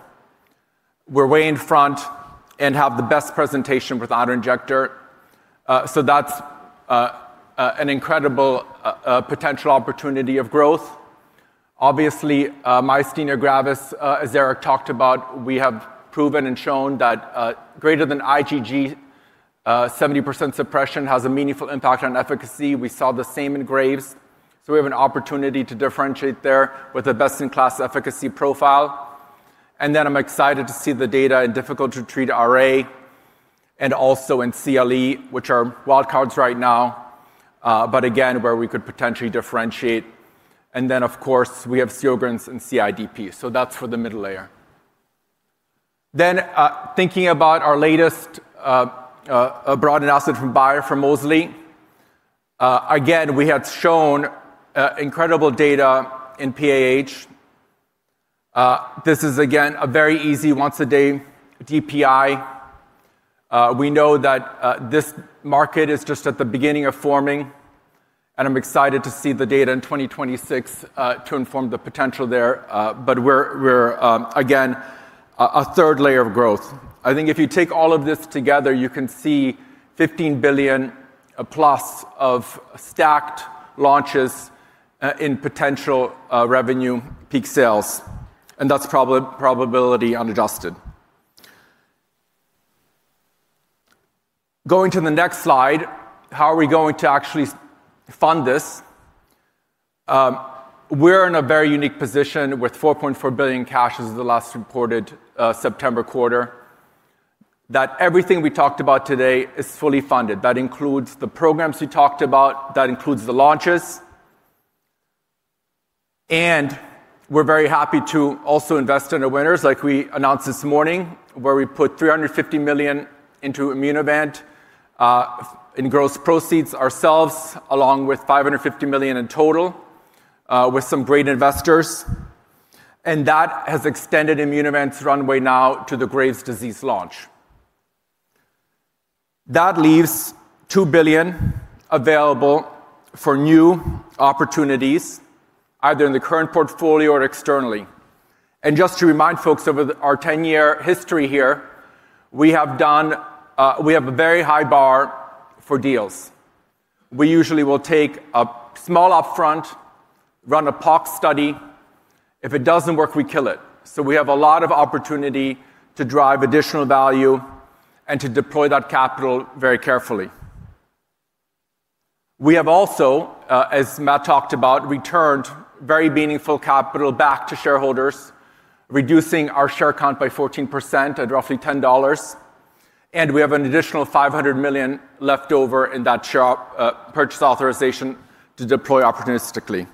Speaker 4: We're way in front and have the best presentation with autoinjector. So that's an incredible potential opportunity of growth. Obviously, myasthenia gravis, as Eric talked about, we have proven and shown that greater than IgG 70% suppression has a meaningful impact on efficacy. We saw the same in Graves. So we have an opportunity to differentiate there with a best-in-class efficacy profile. And then I'm excited to see the data in difficult-to-treat RA and also in CLE, which are wild cards right now, but again, where we could potentially differentiate. And then, of course, we have Sjögren's and CIDP, so that's for the middle layer. Then thinking about our latest broad analysis from Bayer for mosli, again, we had shown incredible data in PAH. This is, again, a very easy once-a-day DPI. We know that this market is just at the beginning of forming, and I'm excited to see the data in 2026 to inform the potential there. But we're, again, a third layer of growth. I think if you take all of this together, you can see $15 billion+ of stacked launches in potential revenue peak sales, and that's probability unadjusted. Going to the next slide, how are we going to actually fund this? We're in a very unique position with $4.4 billion cash as of the last reported September quarter, that everything we talked about today is fully funded. That includes the programs we talked about, that includes the launches. And we're very happy to also invest in our winners, like we announced this morning, where we put $350 million into Immunovant in gross proceeds ourselves, along with $550 million in total with some great investors. And that has extended Immunovant's runway now to the Graves' disease launch. That leaves $2 billion available for new opportunities, either in the current portfolio or externally. And just to remind folks of our 10-year history here, we have a very high bar for deals. We usually will take a small upfront, run a POC study. If it doesn't work, we kill it. So we have a lot of opportunity to drive additional value and to deploy that capital very carefully. We have also, as Matt talked about, returned very meaningful capital back to shareholders, reducing our share count by 14% at roughly $10. And we have an additional $500 million left over in that share purchase authorization to deploy opportunistically.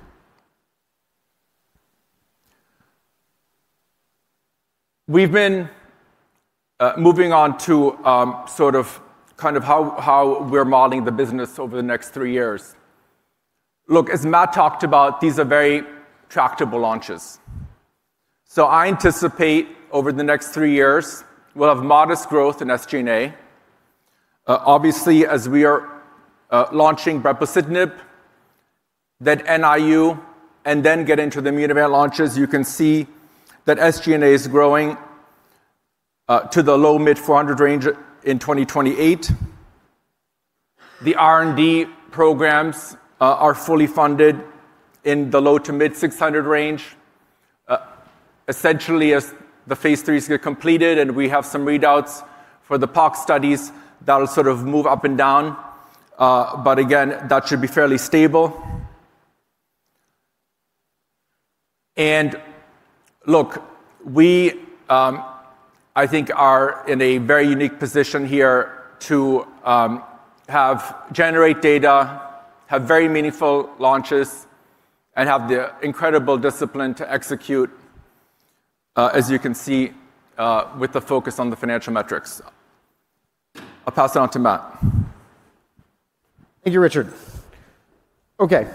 Speaker 4: We've been moving on to sort of kind of how we're modeling the business over the next three years. Look, as Matt talked about, these are very tractable launches. So I anticipate over the next three years, we'll have modest growth in SG&A. Obviously, as we are launching brepocitinib, then NIU, and then get into the Immunovant launches, you can see that SG&A is growing to the low-mid $400 million range in 2028. The R&D programs are fully funded in the low- to mid-$600 million range. Essentially, as the phase III is completed and we have some readouts for the POC studies, that'll sort of move up and down. But again, that should be fairly stable. And look, I think we are in a very unique position here to generate data, have very meaningful launches, and have the incredible discipline to execute, as you can see, with the focus on the financial metrics. I'll pass it on to Matt.
Speaker 2: Thank you, Richard. Okay.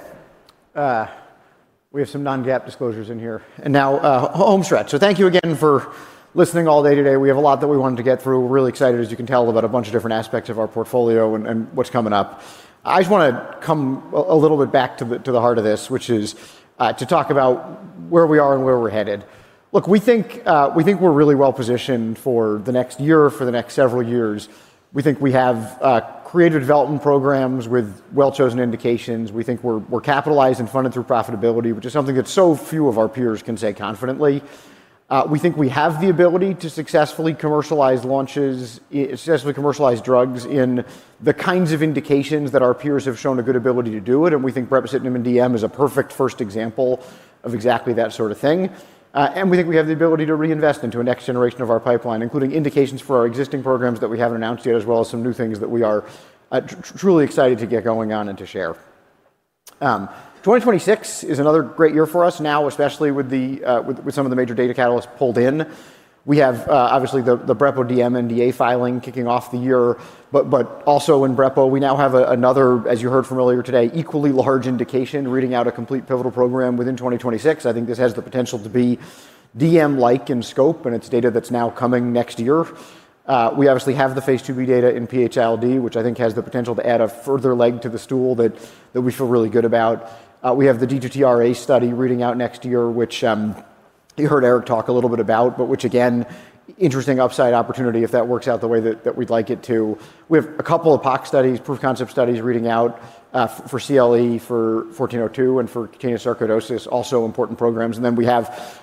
Speaker 2: We have some non-GAAP disclosures in here. And now, home stretch. So thank you again for listening all day today. We have a lot that we wanted to get through. We're really excited, as you can tell, about a bunch of different aspects of our portfolio and what's coming up. I just want to come a little bit back to the heart of this, which is to talk about where we are and where we're headed. Look, we think we're really well positioned for the next year, for the next several years. We think we have creative development programs with well-chosen indications. We think we're capitalized and funded through profitability, which is something that so few of our peers can say confidently. We think we have the ability to successfully commercialize launches, successfully commercialize drugs in the kinds of indications that our peers have shown a good ability to do it, and we think brepocitinib and DM is a perfect first example of exactly that sort of thing. And we think we have the ability to reinvest into a next generation of our pipeline, including indications for our existing programs that we haven't announced yet, as well as some new things that we are truly excited to get going on and to share. 2026 is another great year for us now, especially with some of the major data catalysts pulled in. We have obviously the brepo DM NDA filing kicking off the year, but also in brepo, we now have another, as you heard from earlier today, equally large indication reading out a complete pivotal program within 2026. I think this has the potential to be DM-like in scope and its data that's now coming next year. We obviously have the phase II-B data in PH-ILD, which I think has the potential to add a further leg to the stool that we feel really good about. We have the D2T RA study reading out next year, which you heard Eric talk a little bit about, but which again, interesting upside opportunity if that works out the way that we'd like it to. We have a couple of POC studies, proof-of-concept studies reading out for CLE for 1402 and for cutaneous sarcoidosis, also important programs. And then we have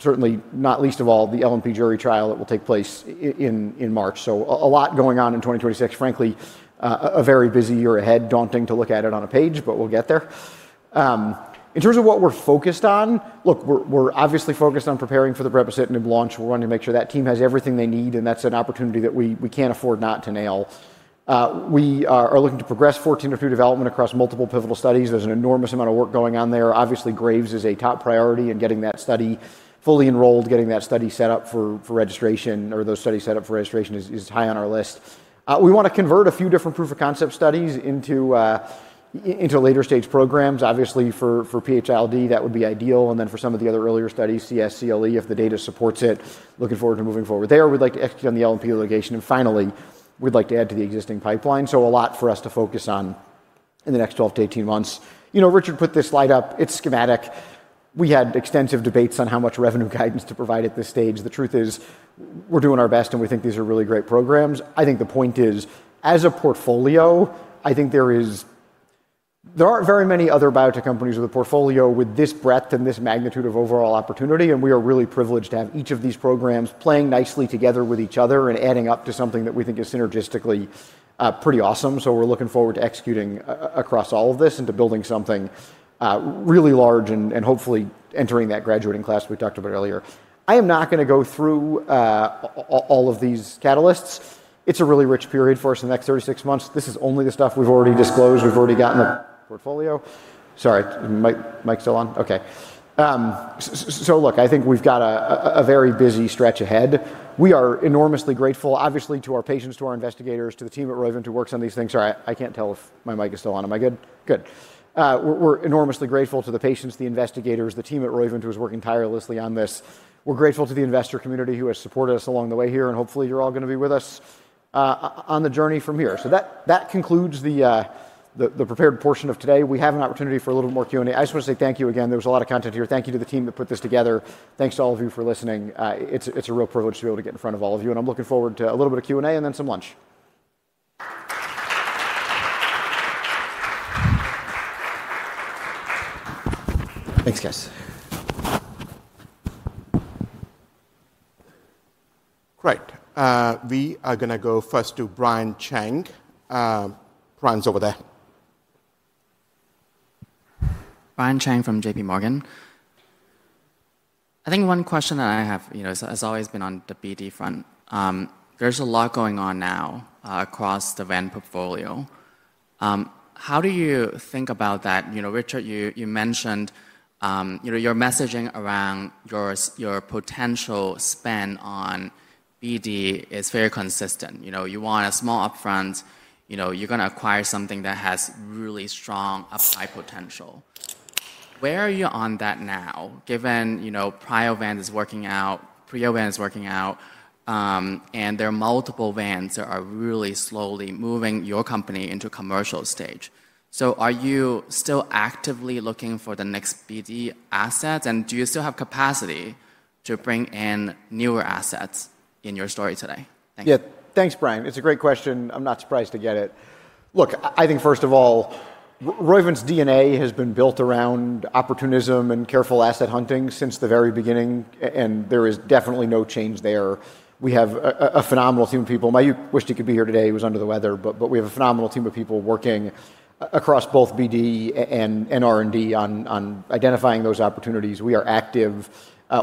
Speaker 2: certainly, not least of all, the LNP jury trial that will take place in March. So a lot going on in 2026, frankly, a very busy year ahead, daunting to look at it on a page, but we'll get there. In terms of what we're focused on, look, we're obviously focused on preparing for the brepocitinib launch. We're wanting to make sure that team has everything they need, and that's an opportunity that we can't afford not to nail. We are looking to progress 1402 development across multiple pivotal studies. There's an enormous amount of work going on there. Obviously, Graves is a top priority in getting that study fully enrolled, getting that study set up for registration, or those studies set up for registration is high on our list. We want to convert a few different proof of concept studies into later stage programs. Obviously, for PH-ILD, that would be ideal. And then for some of the other earlier studies, CS, CLE, if the data supports it, looking forward to moving forward there. We'd like to execute on the LNP litigation. And finally, we'd like to add to the existing pipeline. So a lot for us to focus on in the next 12 months-18 months. You know, Richard put this slide up. It's schematic. We had extensive debates on how much revenue guidance to provide at this stage. The truth is we're doing our best, and we think these are really great programs. I think the point is, as a portfolio, I think there aren't very many other biotech companies with a portfolio with this breadth and this magnitude of overall opportunity. And we are really privileged to have each of these programs playing nicely together with each other and adding up to something that we think is synergistically pretty awesome. So we're looking forward to executing across all of this into building something really large and hopefully entering that graduating class we talked about earlier. I am not going to go through all of these catalysts. It's a really rich period for us in the next 36 months. This is only the stuff we've already disclosed. We've already gotten the portfolio. Sorry, mic's still on. Okay. So look, I think we've got a very busy stretch ahead. We are enormously grateful, obviously, to our patients, to our investigators, to the team at Roivant who works on these things. Sorry, I can't tell if my mic is still on. Am I good? Good. We're enormously grateful to the patients, the investigators, the team at Roivant who is working tirelessly on this. We're grateful to the investor community who has supported us along the way here, and hopefully you're all going to be with us on the journey from here. So that concludes the prepared portion of today. We have an opportunity for a little bit more Q&A. I just want to say thank you again. There was a lot of content here. Thank you to the team that put this together. Thanks to all of you for listening. It's a real privilege to be able to get in front of all of you. And I'm looking forward to a little bit of Q&A and then some lunch. Thanks, guys.
Speaker 4: Great. We are going to go first to Brian Cheng. Brian's over there.
Speaker 9: Brian Cheng from JPMorgan. I think one question that I have has always been on the BD front. There's a lot going on now across the Vant portfolio. How do you think about that? Richard, you mentioned your messaging around your potential spend on BD is very consistent. You want a small upfront. You're going to acquire something that has really strong upside potential. Where are you on that now, given Priovant is working out, and there are multiple Vants that are really slowly moving your company into commercial stage? So are you still actively looking for the next BD assets, and do you still have capacity to bring in newer assets in your story today? Thanks.
Speaker 2: Yeah, thanks, Brian. It's a great question. I'm not surprised to get it. Look, I think first of all, Roivant's DNA has been built around opportunism and careful asset hunting since the very beginning, and there is definitely no change there. We have a phenomenal team of people. I wish he could be here today. He was under the weather, but we have a phenomenal team of people working across both BD and R&D on identifying those opportunities. We are active.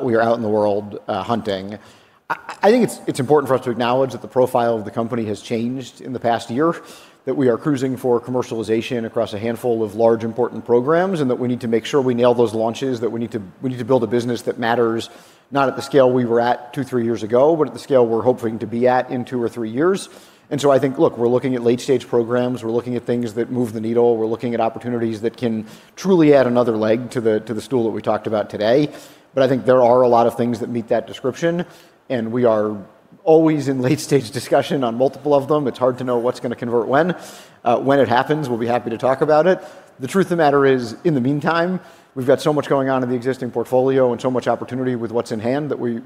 Speaker 2: We are out in the world hunting. I think it's important for us to acknowledge that the profile of the company has changed in the past year, that we are cruising for commercialization across a handful of large important programs, and that we need to make sure we nail those launches, that we need to build a business that matters not at the scale we were at two, three years ago, but at the scale we're hoping to be at in two or three years, and so I think, look, we're looking at late-stage programs. We're looking at things that move the needle. We're looking at opportunities that can truly add another leg to the stool that we talked about today, but I think there are a lot of things that meet that description, and we are always in late-stage discussion on multiple of them. It's hard to know what's going to convert when. When it happens, we'll be happy to talk about it. The truth of the matter is, in the meantime, we've got so much going on in the existing portfolio and so much opportunity with what's in hand that we're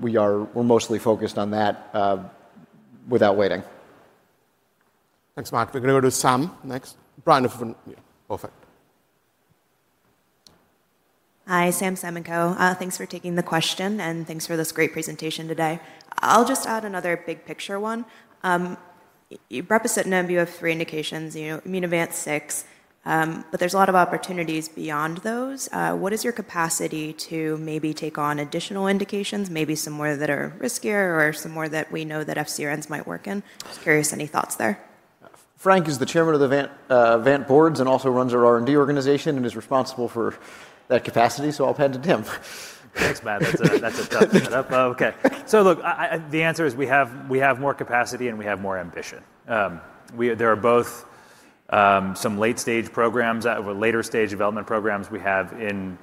Speaker 2: mostly focused on that without waiting.
Speaker 4: Thanks, Matt. We're going to go to Sam next. Brian, if you want to. Perfect.
Speaker 18: Hi, Sam Semenkow. Thanks for taking the question, and thanks for this great presentation today. I'll just add another big picture one. Brepocitinib, you have three indications, Immunovant six, but there's a lot of opportunities beyond those. What is your capacity to maybe take on additional indications, maybe some more that are riskier or some more that we know that FcRns might work in? Just curious any thoughts there.
Speaker 2: Frank is the Chairman of the Vant Boards and also runs our R&D organization and is responsible for that capacity. So I'll hand it to him.
Speaker 10: Thanks, Matt. That's a tough setup. Okay. So look, the answer is we have more capacity and we have more ambition. There are both some late-stage programs or later-stage development programs we have in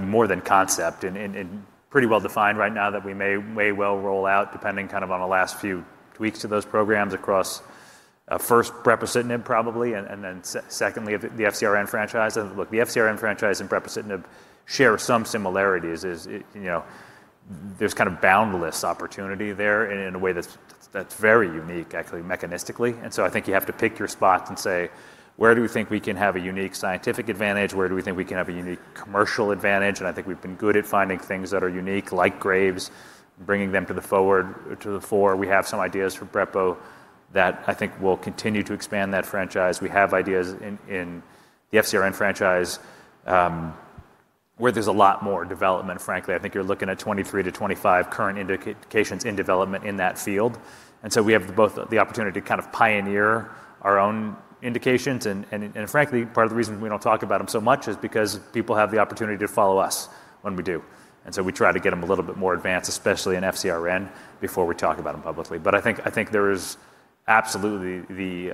Speaker 10: more than concept and pretty well defined right now that we may well roll out depending kind of on the last few weeks to those programs across first brepocitinib probably, and then secondly the FcRn franchise. And look, the FcRn franchise and brepocitinib share some similarities. There's kind of boundless opportunity there in a way that's very unique, actually, mechanistically. And so I think you have to pick your spot and say, where do we think we can have a unique scientific advantage? Where do we think we can have a unique commercial advantage? I think we've been good at finding things that are unique, like Graves, bringing them to the fore. We have some ideas for brepo that I think will continue to expand that franchise. We have ideas in the FcRn franchise where there's a lot more development, frankly. I think you're looking at 2023-2025 current indications in development in that field. And so we have both the opportunity to kind of pioneer our own indications. And frankly, part of the reason we don't talk about them so much is because people have the opportunity to follow us when we do. And so we try to get them a little bit more advanced, especially in FcRn, before we talk about them publicly. But I think there is absolutely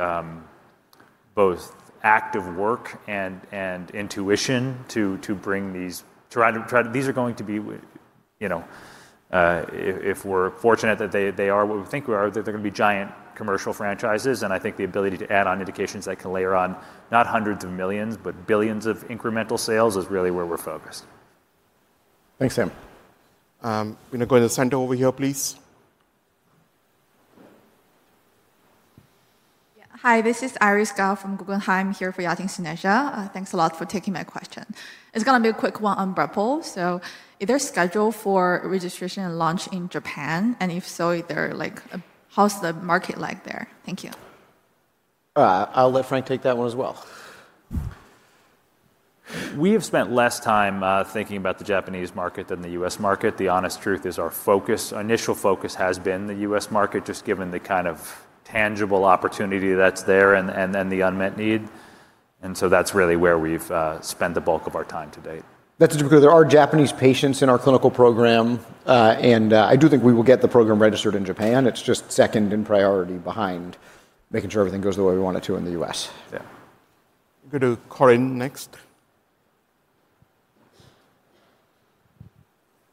Speaker 10: both active work and intuition to bring these to try to these are going to be, if we're fortunate that they are what we think they are, that they're going to be giant commercial franchises. And I think the ability to add on indications that can layer on not hundreds of millions, but billions of incremental sales is really where we're focused.
Speaker 4: Thanks, Sam. We're going to go to the center over here, please.
Speaker 19: Hi, this is Iris Gao from Guggenheim here for Yatin Suneja. Thanks a lot for taking my question. It's going to be a quick one on brepo. So is there a schedule for registration and launch in Japan? And if so, how's the market like there? Thank you.
Speaker 2: All right, I'll let Frank take that one as well.
Speaker 10: We have spent less time thinking about the Japanese market than the U.S. market. The honest truth is our focus, initial focus has been the U.S. market, just given the kind of tangible opportunity that's there and then the unmet need. That's really where we've spent the bulk of our time to date.
Speaker 2: That's a good question. There are Japanese patients in our clinical program, and I do think we will get the program registered in Japan. It's just second in priority behind making sure everything goes the way we want it to in the U.S.
Speaker 10: Yeah.
Speaker 4: We're going to Corinne next.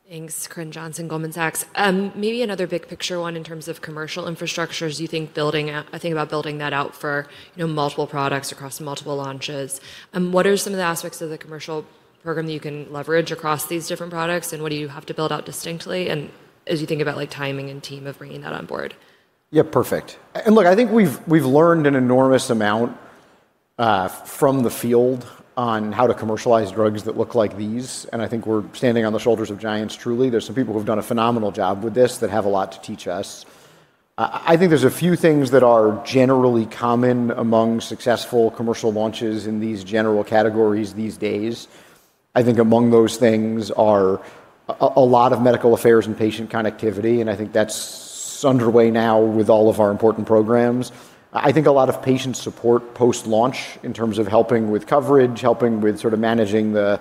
Speaker 6: Thanks, Corinne Jenkins, Goldman Sachs. Maybe another big picture one in terms of commercial infrastructures, you think building a thing about building that out for multiple products across multiple launches. What are some of the aspects of the commercial program that you can leverage across these different products, and what do you have to build out distinctly? And as you think about timing and team of bringing that on board?
Speaker 2: Yeah, perfect. And look, I think we've learned an enormous amount from the field on how to commercialize drugs that look like these. And I think we're standing on the shoulders of giants truly. There's some people who have done a phenomenal job with this that have a lot to teach us. I think there's a few things that are generally common among successful commercial launches in these general categories these days. I think among those things are a lot of medical affairs and patient connectivity. And I think that's underway now with all of our important programs. I think a lot of patient support post-launch in terms of helping with coverage, helping with sort of managing the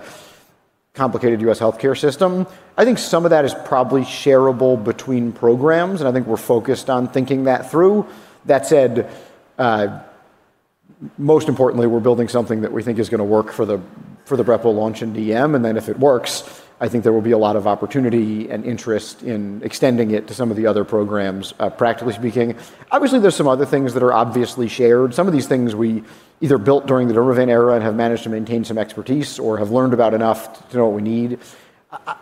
Speaker 2: complicated U.S. healthcare system. I think some of that is probably shareable between programs, and I think we're focused on thinking that through. That said, most importantly, we're building something that we think is going to work for the brepo launch in DM, and then if it works, I think there will be a lot of opportunity and interest in extending it to some of the other programs, practically speaking. Obviously, there's some other things that are obviously shared. Some of these things we either built during the Vant era and have managed to maintain some expertise or have learned about enough to know what we need.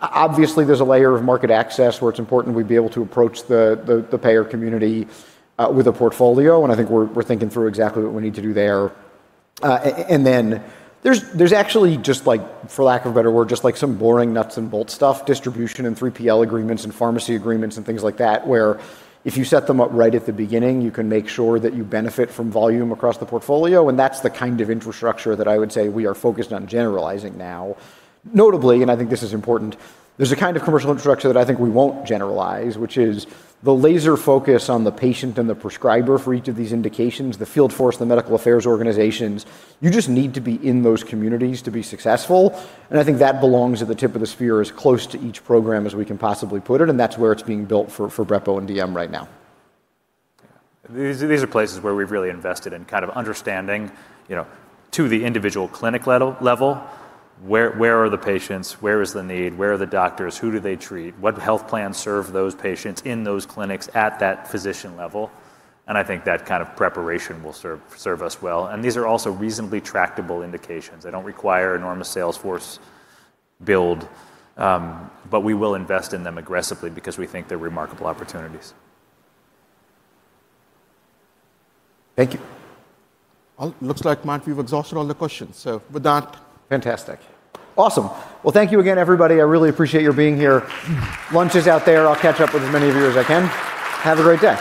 Speaker 2: Obviously, there's a layer of market access where it's important we be able to approach the payer community with a portfolio. I think we're thinking through exactly what we need to do there. Then there's actually just like, for lack of a better word, just like some boring nuts and bolts stuff, distribution and 3PL agreements and pharmacy agreements and things like that, where if you set them up right at the beginning, you can make sure that you benefit from volume across the portfolio. That's the kind of infrastructure that I would say we are focused on generalizing now. Notably, and I think this is important, there's a kind of commercial infrastructure that I think we won't generalize, which is the laser focus on the patient and the prescriber for each of these indications, the field force, the medical affairs organizations. You just need to be in those communities to be successful. And I think that belongs at the tip of the spear as close to each program as we can possibly put it. And that's where it's being built for brepo and DM right now.
Speaker 10: These are places where we've really invested in kind of understanding to the individual clinic level, where are the patients, where is the need, where are the doctors, who do they treat, what health plans serve those patients in those clinics at that physician level. And I think that kind of preparation will serve us well. And these are also reasonably tractable indications. They don't require enormous sales force build, but we will invest in them aggressively because we think they're remarkable opportunities.
Speaker 4: Thank you. Well, it looks like, Matt, we've exhausted all the questios. So with that.
Speaker 10: Fantastic.
Speaker 2: Awesome. Well, thank you again, everybody. I really appreciate your being here. Lunch is out there. I'll catch up with as many of you as I can. Have a great day.